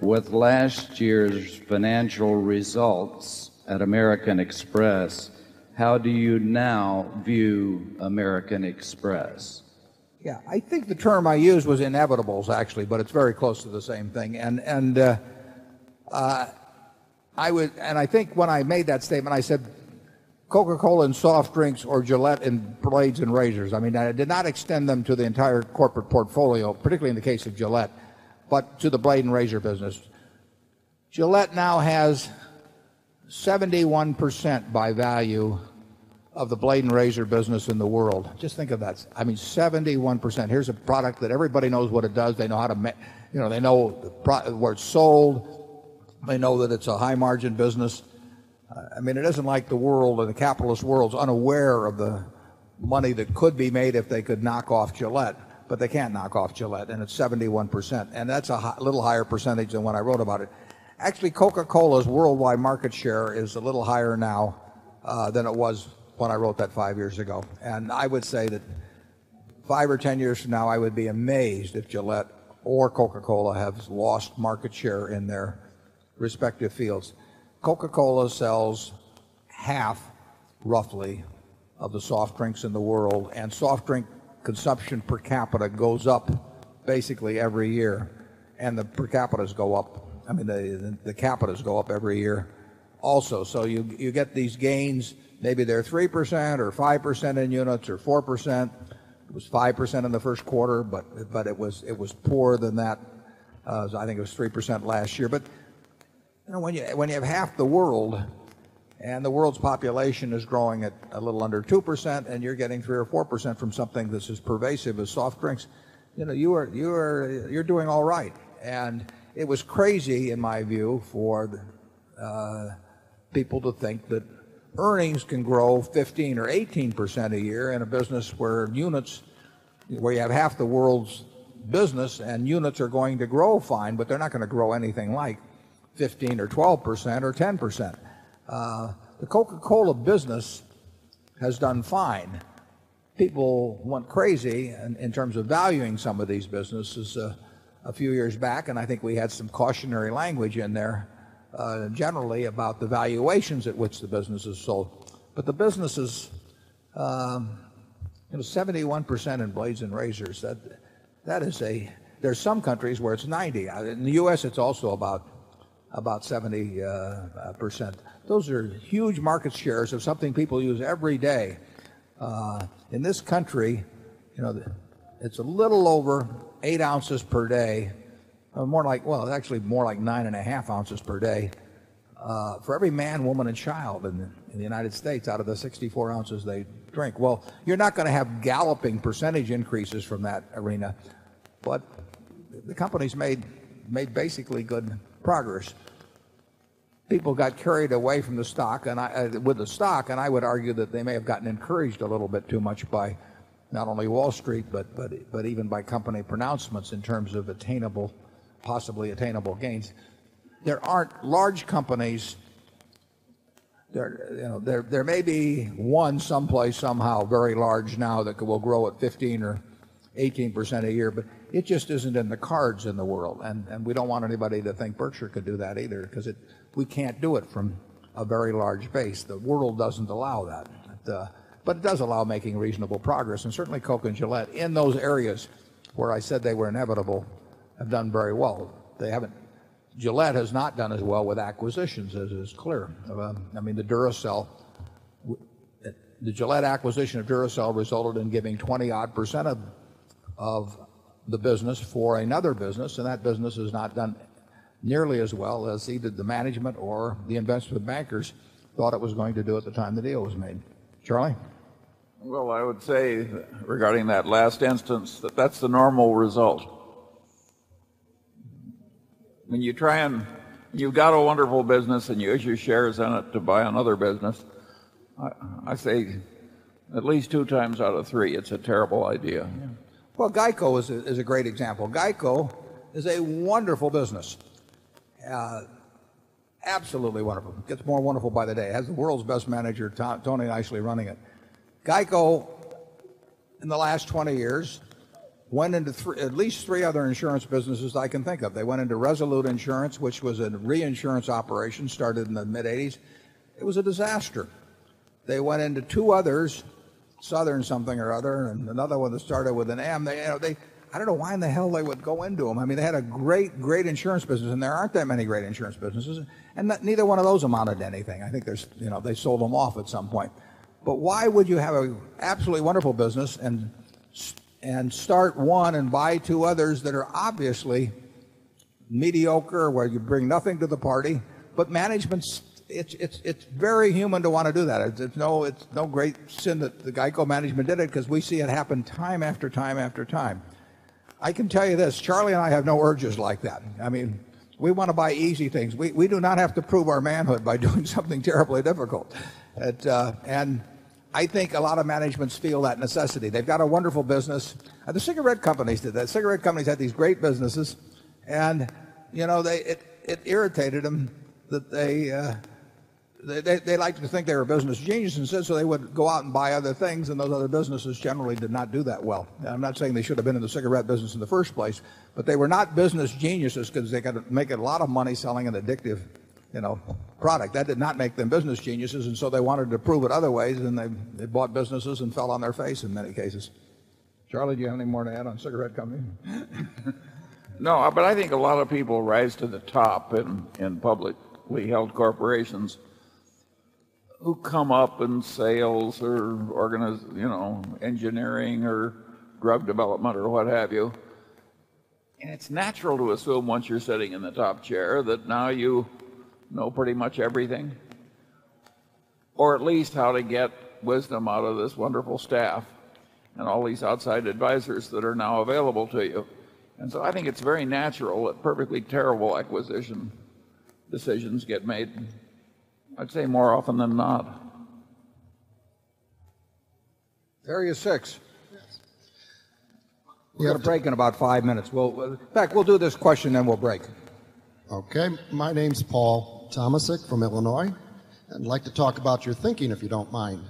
with last year's financial results at American Express, how do you now view American Express? Yes. I think the term I use was inevitables actually but it's very close to the same thing. And I think when I made that statement, I said Coca Cola and soft drinks or Gillette and blades and razors. I mean, I did not extend them to the entire corporate portfolio, particularly in the case of Gillette, but to the blade and razor business. Gillette now has 71% by value of the Blade and Razor business in the world. Just think of that. I mean 71%. Here's a product that everybody knows what it does. They know how to they know where it's sold. They know that it's a high margin business. I mean, it isn't like the world or the capitalist world's unaware of the money that could be made if they could knock off Gillette, but they can't knock off Gillette and it's 71%. And that's a little higher percentage than when I wrote about it. Actually Coca Cola's worldwide market share is a little higher now than it was when I wrote that 5 years ago. And I would say that 5 or 10 years from now I would be amazed if Gillette or Coca Cola has lost market share in their respective fields. Coca Cola sells half roughly of the soft drinks in the world and soft drink consumption per capita goes up basically every year and the per capita is go up. I mean, the capital is go up every year also. So you get these gains, maybe there are 3% or 5% in units 4%. It was 5% in the Q1, but it was poor than that. So I think it was 3% last year. But when you have half the world and the world's population is growing at a little under 2% and you're getting 3% or 4% from something that's as pervasive as soft drinks, you know, you are doing all right. And it was crazy in my view for people to think that earnings can grow 15% or 18% a year in a business where units where you have half the world's business and units are going to grow fine, but they're not going to grow anything like 15% or 12% or 10%. The Coca Cola business has done fine. People went crazy in terms of valuing some of these businesses a few years back and I think we had some cautionary language in there generally about the valuations at which the business is sold. But the businesses, it was 71% in blades and razors. That is a there are some countries where it's 90. In the U. S, it's also about 70%. Those are huge market shares of something people use every day. In this country, it's a little over 8 ounces per day, more like, well, actually more like 9 and a half ounces per day, for every man, woman and child in the United States out of the 64 ounces they drink. Well, you're not going to have galloping percentage increases from that arena. But the companies made basically good progress. People got carried away from the stock and with the stock and I would argue that they may have gotten encouraged a little bit too much by not only Wall Street but even by company pronouncements in terms of attainable, possibly attainable gains. There aren't large companies there may be one someplace somehow very large now that will grow at 15% or 18% a year, but it just isn't in the cards in the world. And we don't want anybody to think Berkshire could do that either because we can't do it from a very large base. The world doesn't allow that, But it does allow making reasonable progress. And certainly Coke and Gillette in those areas where I said they were inevitable have done very well. They haven't Gillette has not done as well with acquisitions as it is clear. I mean the Duracell the Gillette acquisition of Duracell result in giving 20 odd percent of the business for another business and that business has not done nearly as well as either the management or the investment bankers bankers thought it was going to do at the time the deal was made. Charlie? Well, I would say regarding that last instance that that's the normal result. When you try and you've got a wonderful business and you issue shares on it to buy another business, I say at least 2 times out of 3, it's a terrible idea. Well, GEICO is a great example. GEICO is a wonderful business, Absolutely wonderful. It gets more wonderful by the day. It has the world's best manager, Tony, nicely running it. GEICO, in the last 20 years went into at least 3 other insurance businesses I can think of. They went into Resolute Insurance, which was a reinsurance operation started in the mid-80s. It was a disaster. They went into 2 others, Southern something or other and another one that started with an AM. They I don't know why in the hell they would go into them. I mean, they had a great, great insurance business and there aren't that many great insurance businesses. And neither one of those amounted to anything. I think there's you know, they sold them off at some point. But why would you have an absolutely wonderful business and and start one and buy 2 others that are obviously mediocre where you bring nothing to the party. But management's it's very human to want to do that. It's no it's no great sin that the GEICO management did it because we see it happen time after time after time. I can tell you this, Charlie and I have no urges like that. I mean, we want to buy easy things. We do not have to prove our manhood by doing something terribly difficult. And I think lot of management feel that necessity. They've got a wonderful business. The cigarette companies did that. Cigarette companies had these great businesses. And you know they it it irritated them that they they like to think they were business genius and said so they would go out and buy other things and those other businesses generally did not do that well. I'm not saying they should have been in the cigarette business in the 1st place, but they were not business geniuses because they could make a lot of money selling an addictive, you know, product that did not make them business geniuses. And so they wanted to prove it otherwise. And they bought businesses and fell on their face in many cases. Charlie, do you have any more to add on cigarette companies? No, but I think a lot of people rise to the top in public. We held corporations who come up in sales or organization, you know, engineering or drug development or what have you. And it's natural to assume once you're sitting in the top chair that now you know pretty much everything or at least how to get wisdom out of this wonderful staff and all these outside advisors that are now available to you. And so I think it's very natural that perfectly terrible acquisition decisions get made, I'd say more often than not. Area 6. We're going to break in about 5 minutes. In fact, we'll do this question then we'll break. Okay. My name is Paul Thomasik from Illinois. I'd like to talk about your thinking if you don't mind.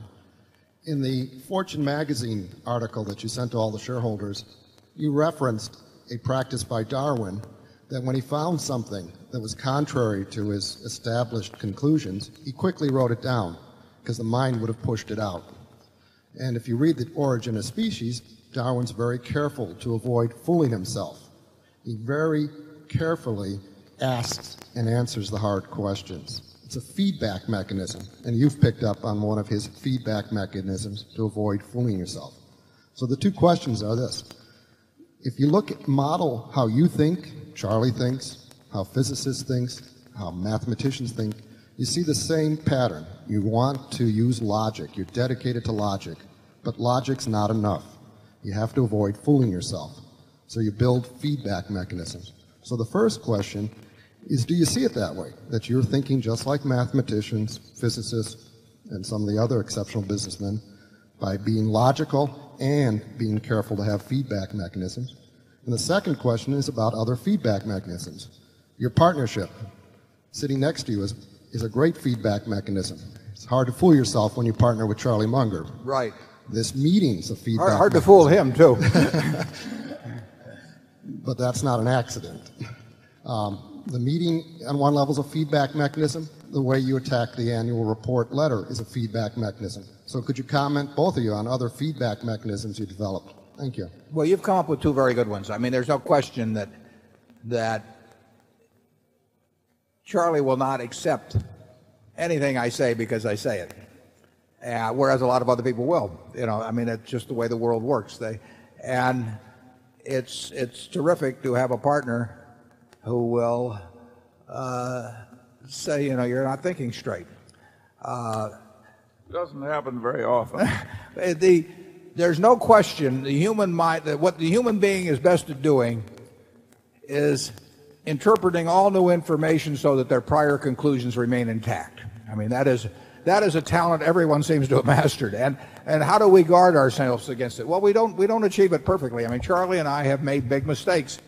In the Fortune Magazine article that you sent to all the shareholders, you referenced a practice by Darwin that when he found something that was contrary to his established conclusions, he quickly wrote it down because the mind would have pushed it out. And if you read the Origin of Species, Darwin's very careful to avoid fooling himself. He very carefully asks and answers the hard questions. It's a feedback mechanism and you've picked up on one of his feedback mechanisms to avoid fooling yourself. So the two questions are this. If you look at model how you think, Charlie thinks, how physicists thinks, how mathematicians think, You see the same pattern. You want to use logic. You're dedicated to logic, but logic's not enough. You have to avoid fooling yourself. So you build feedback mechanisms. So the first question is, do you see it that way that you're thinking just like mathematicians, physicists, and some of the other exceptional businessmen by being logical and being careful to have feedback mechanisms. And the second question is about other feedback mechanisms. Your partnership sitting next to you is a great feedback mechanism. It's hard to fool yourself when you partner with Charlie Munger. Right. This meeting is a feedback. Hard to fool him too. But that's not an accident. The meeting on one level is a feedback mechanism. The way you attack the annual report letter is a feedback mechanism. So could you comment both of you on other feedback mechanisms you developed? Thank you. Well, you've come up with 2 very good ones. I mean, there's no question that Charlie will not accept anything I say because I say it, whereas a lot of other people will. I mean, it's just the way the world works. And it's terrific to have a partner who will say you're not thinking straight. It doesn't happen very often. There's no question, the human mind that what the human being is best at doing is interpreting all new information so that their prior conclusions remain intact. I mean, that is a talent everyone seems to have mastered. And how do we guard ourselves against it? Well, we don't achieve it perfectly. I mean, Charlie and I have made big mistakes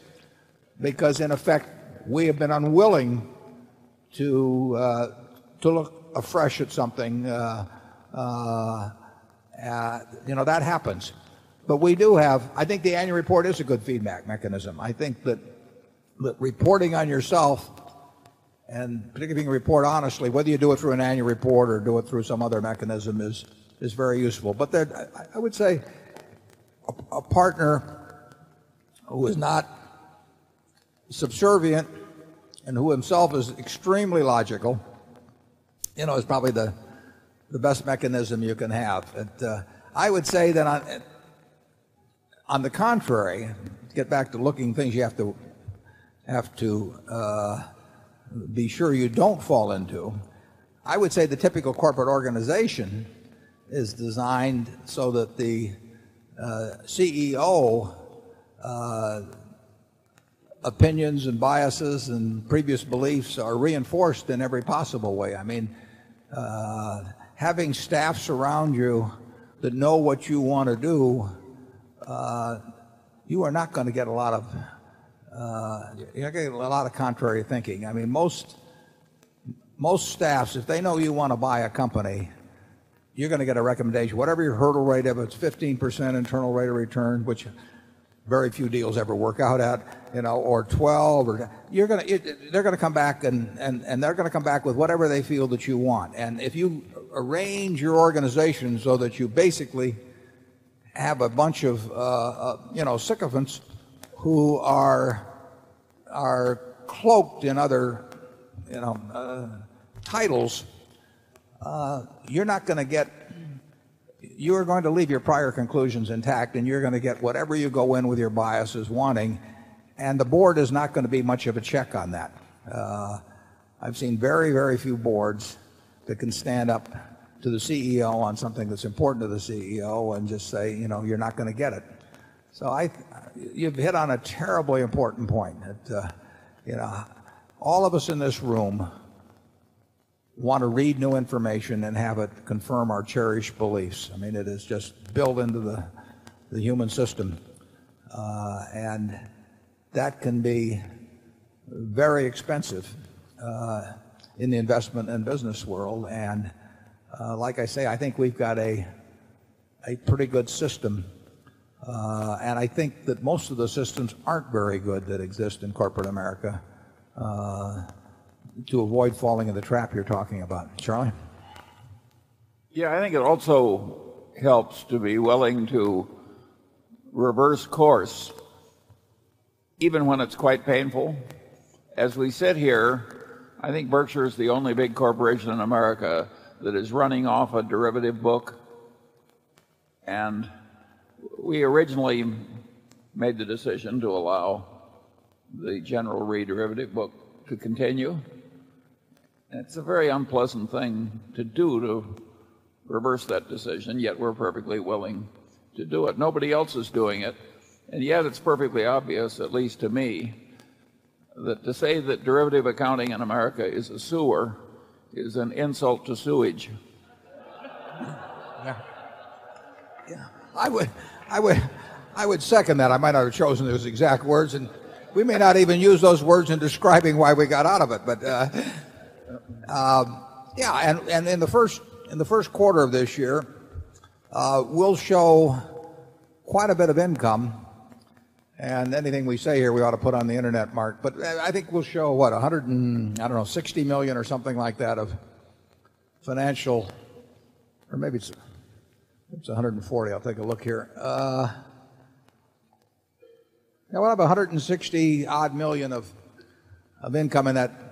because, in effect, we have been unwilling to look afresh at something. That happens. But we do have, I think the annual report is a good feedback mechanism. I think that reporting on yourself and particularly report honestly, whether you do it through an annual report or do it through some other mechanism is very useful. But I would say a partner who is not subservient and who himself is extremely logical, you know, is probably the the best mechanism you can have. And I would say that on the contrary, to get back to looking things you have to have to be sure you don't fall into, I would say the typical corporate organization is designed so that the CEO opinions and biases and previous beliefs are reinforced in every possible way. I mean, having staffs around you that know what you want to do, you are not going to get a lot of contrary thinking. I mean, most staffs, if they know you want to buy a company, you're going to get a recommendation. Whatever your hurdle rate is, it's 15% internal rate of return, which very few deals ever work out at or 12%, you're going to they're going to come back and they're going to come back with whatever they feel that you want. And if you arrange your organization so that you basically have a bunch of, sycophants who are cloaked in other titles, you're not going to get you're going to leave your prior conclusions intact and you're going to get whatever you go in with your biases wanting and the board is not going to be much of a check on that. I've seen very, very few boards that can stand up to the CEO on something that's important to the CEO and just say you're not going to get it. So you've hit on a terribly important point. All of us in this room want to read new information and have it confirm our cherished beliefs. I mean, it is just built into the human system. And that can be very expensive in the investment and business world. And like I say, I think we've got a pretty good system. And I think that most of the systems aren't very good that exist in Corporate America to avoid falling in the trap you're talking about. Charlie? Yes. I think it also helps to be willing to reverse course even when it's quite painful. As we sit here, I think Berkshire is the only big corporation in America that is running off a derivative book. And we originally made the decision to allow the general re derivative book to continue. And it's a very unpleasant thing to do to reverse that decision, yet we're perfectly willing to do it. Nobody else is doing it. And yet it's perfectly obvious, at least to me, that to say that derivative accounting in America is a sewer is an insult to sewage. Yeah. I would second that. I might have chosen those exact words and we may not even use those words in describing why we got out of it. But yes, and in the Q1 of this year, we'll show quite a bit of income. And anything we say here we ought to put on the internet, Mark. But I think we'll show what, 100 and I don't know, dollars 60,000,000 or something like that of financial or maybe it's $140,000,000 I'll take a look here. We have 160 odd 1,000,000 of income in that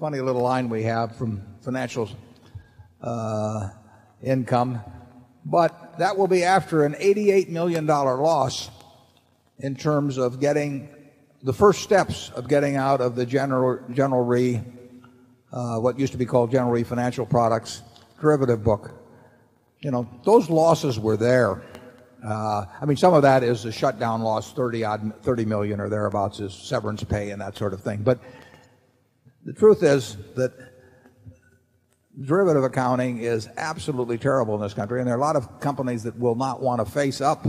funny little line we have from financials income, but that will be after an $88,000,000 loss in terms of getting the first steps of getting out of the General Re, what used to be called General Re Financial Products derivative book, those losses were there. I Some of that is a shutdown loss, dollars 30,000,000 or thereabouts is severance pay and that sort of thing. But the truth is that derivative accounting is absolutely terrible in this country and there are a lot of companies that will not want to face up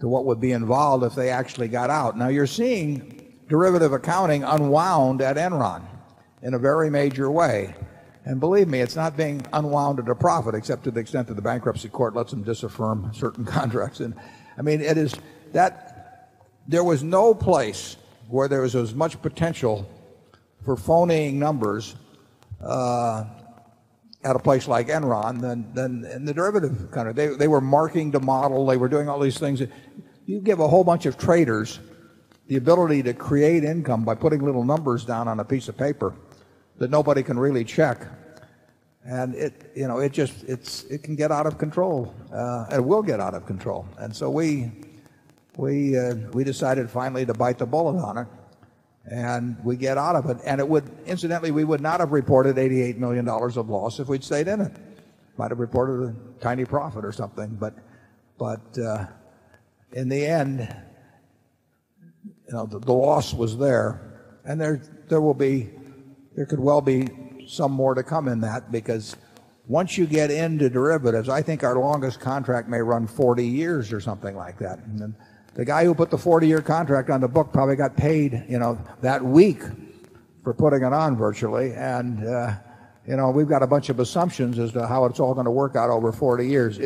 to what would be involved if they actually got out. Now you're seeing derivative accounting unwound at Enron in a very major way. And believe me, it's not being unwound except to the extent that the bankruptcy court lets them disaffirm certain contracts. And I mean, it is that there was no place where there was as much potential for phoning numbers at a place like Enron than in the derivative kind of they were marking the model, they were doing all these things. You give a whole bunch of traders the ability to create income by putting little numbers down on a piece of paper that nobody can really check And it just it can get out of control and will get out of control. And so we decided finally to bite the bullet on it and we get out of it. And it would incidentally, we would not have reported $88,000,000 of loss if we'd stayed in it. Might have reported a tiny profit or something. But in the end, the loss was there. And there will be it could well be some more to come in that because once you get into derivatives, I think our longest contract may run 40 years or something like that. And then the guy who put the 40 year contract on the book probably got paid that week for putting it on virtually. And we've got a bunch of assumptions as to how it's all going to work out over 40 years.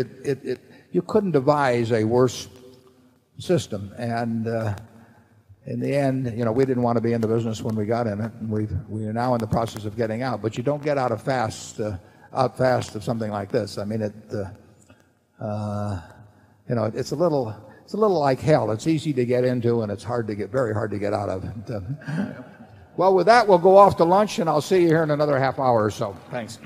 You couldn't devise a worse system. And in the end, we didn't want to be in the business when we got in it and we are now in the process of getting out. But you don't get out of fast or something like this. I mean it's a little like hell. It's easy to get into and it's hard to get very hard to get out of. Well with that we'll go off to lunch and I'll see you here in another half hour or so. Thanks.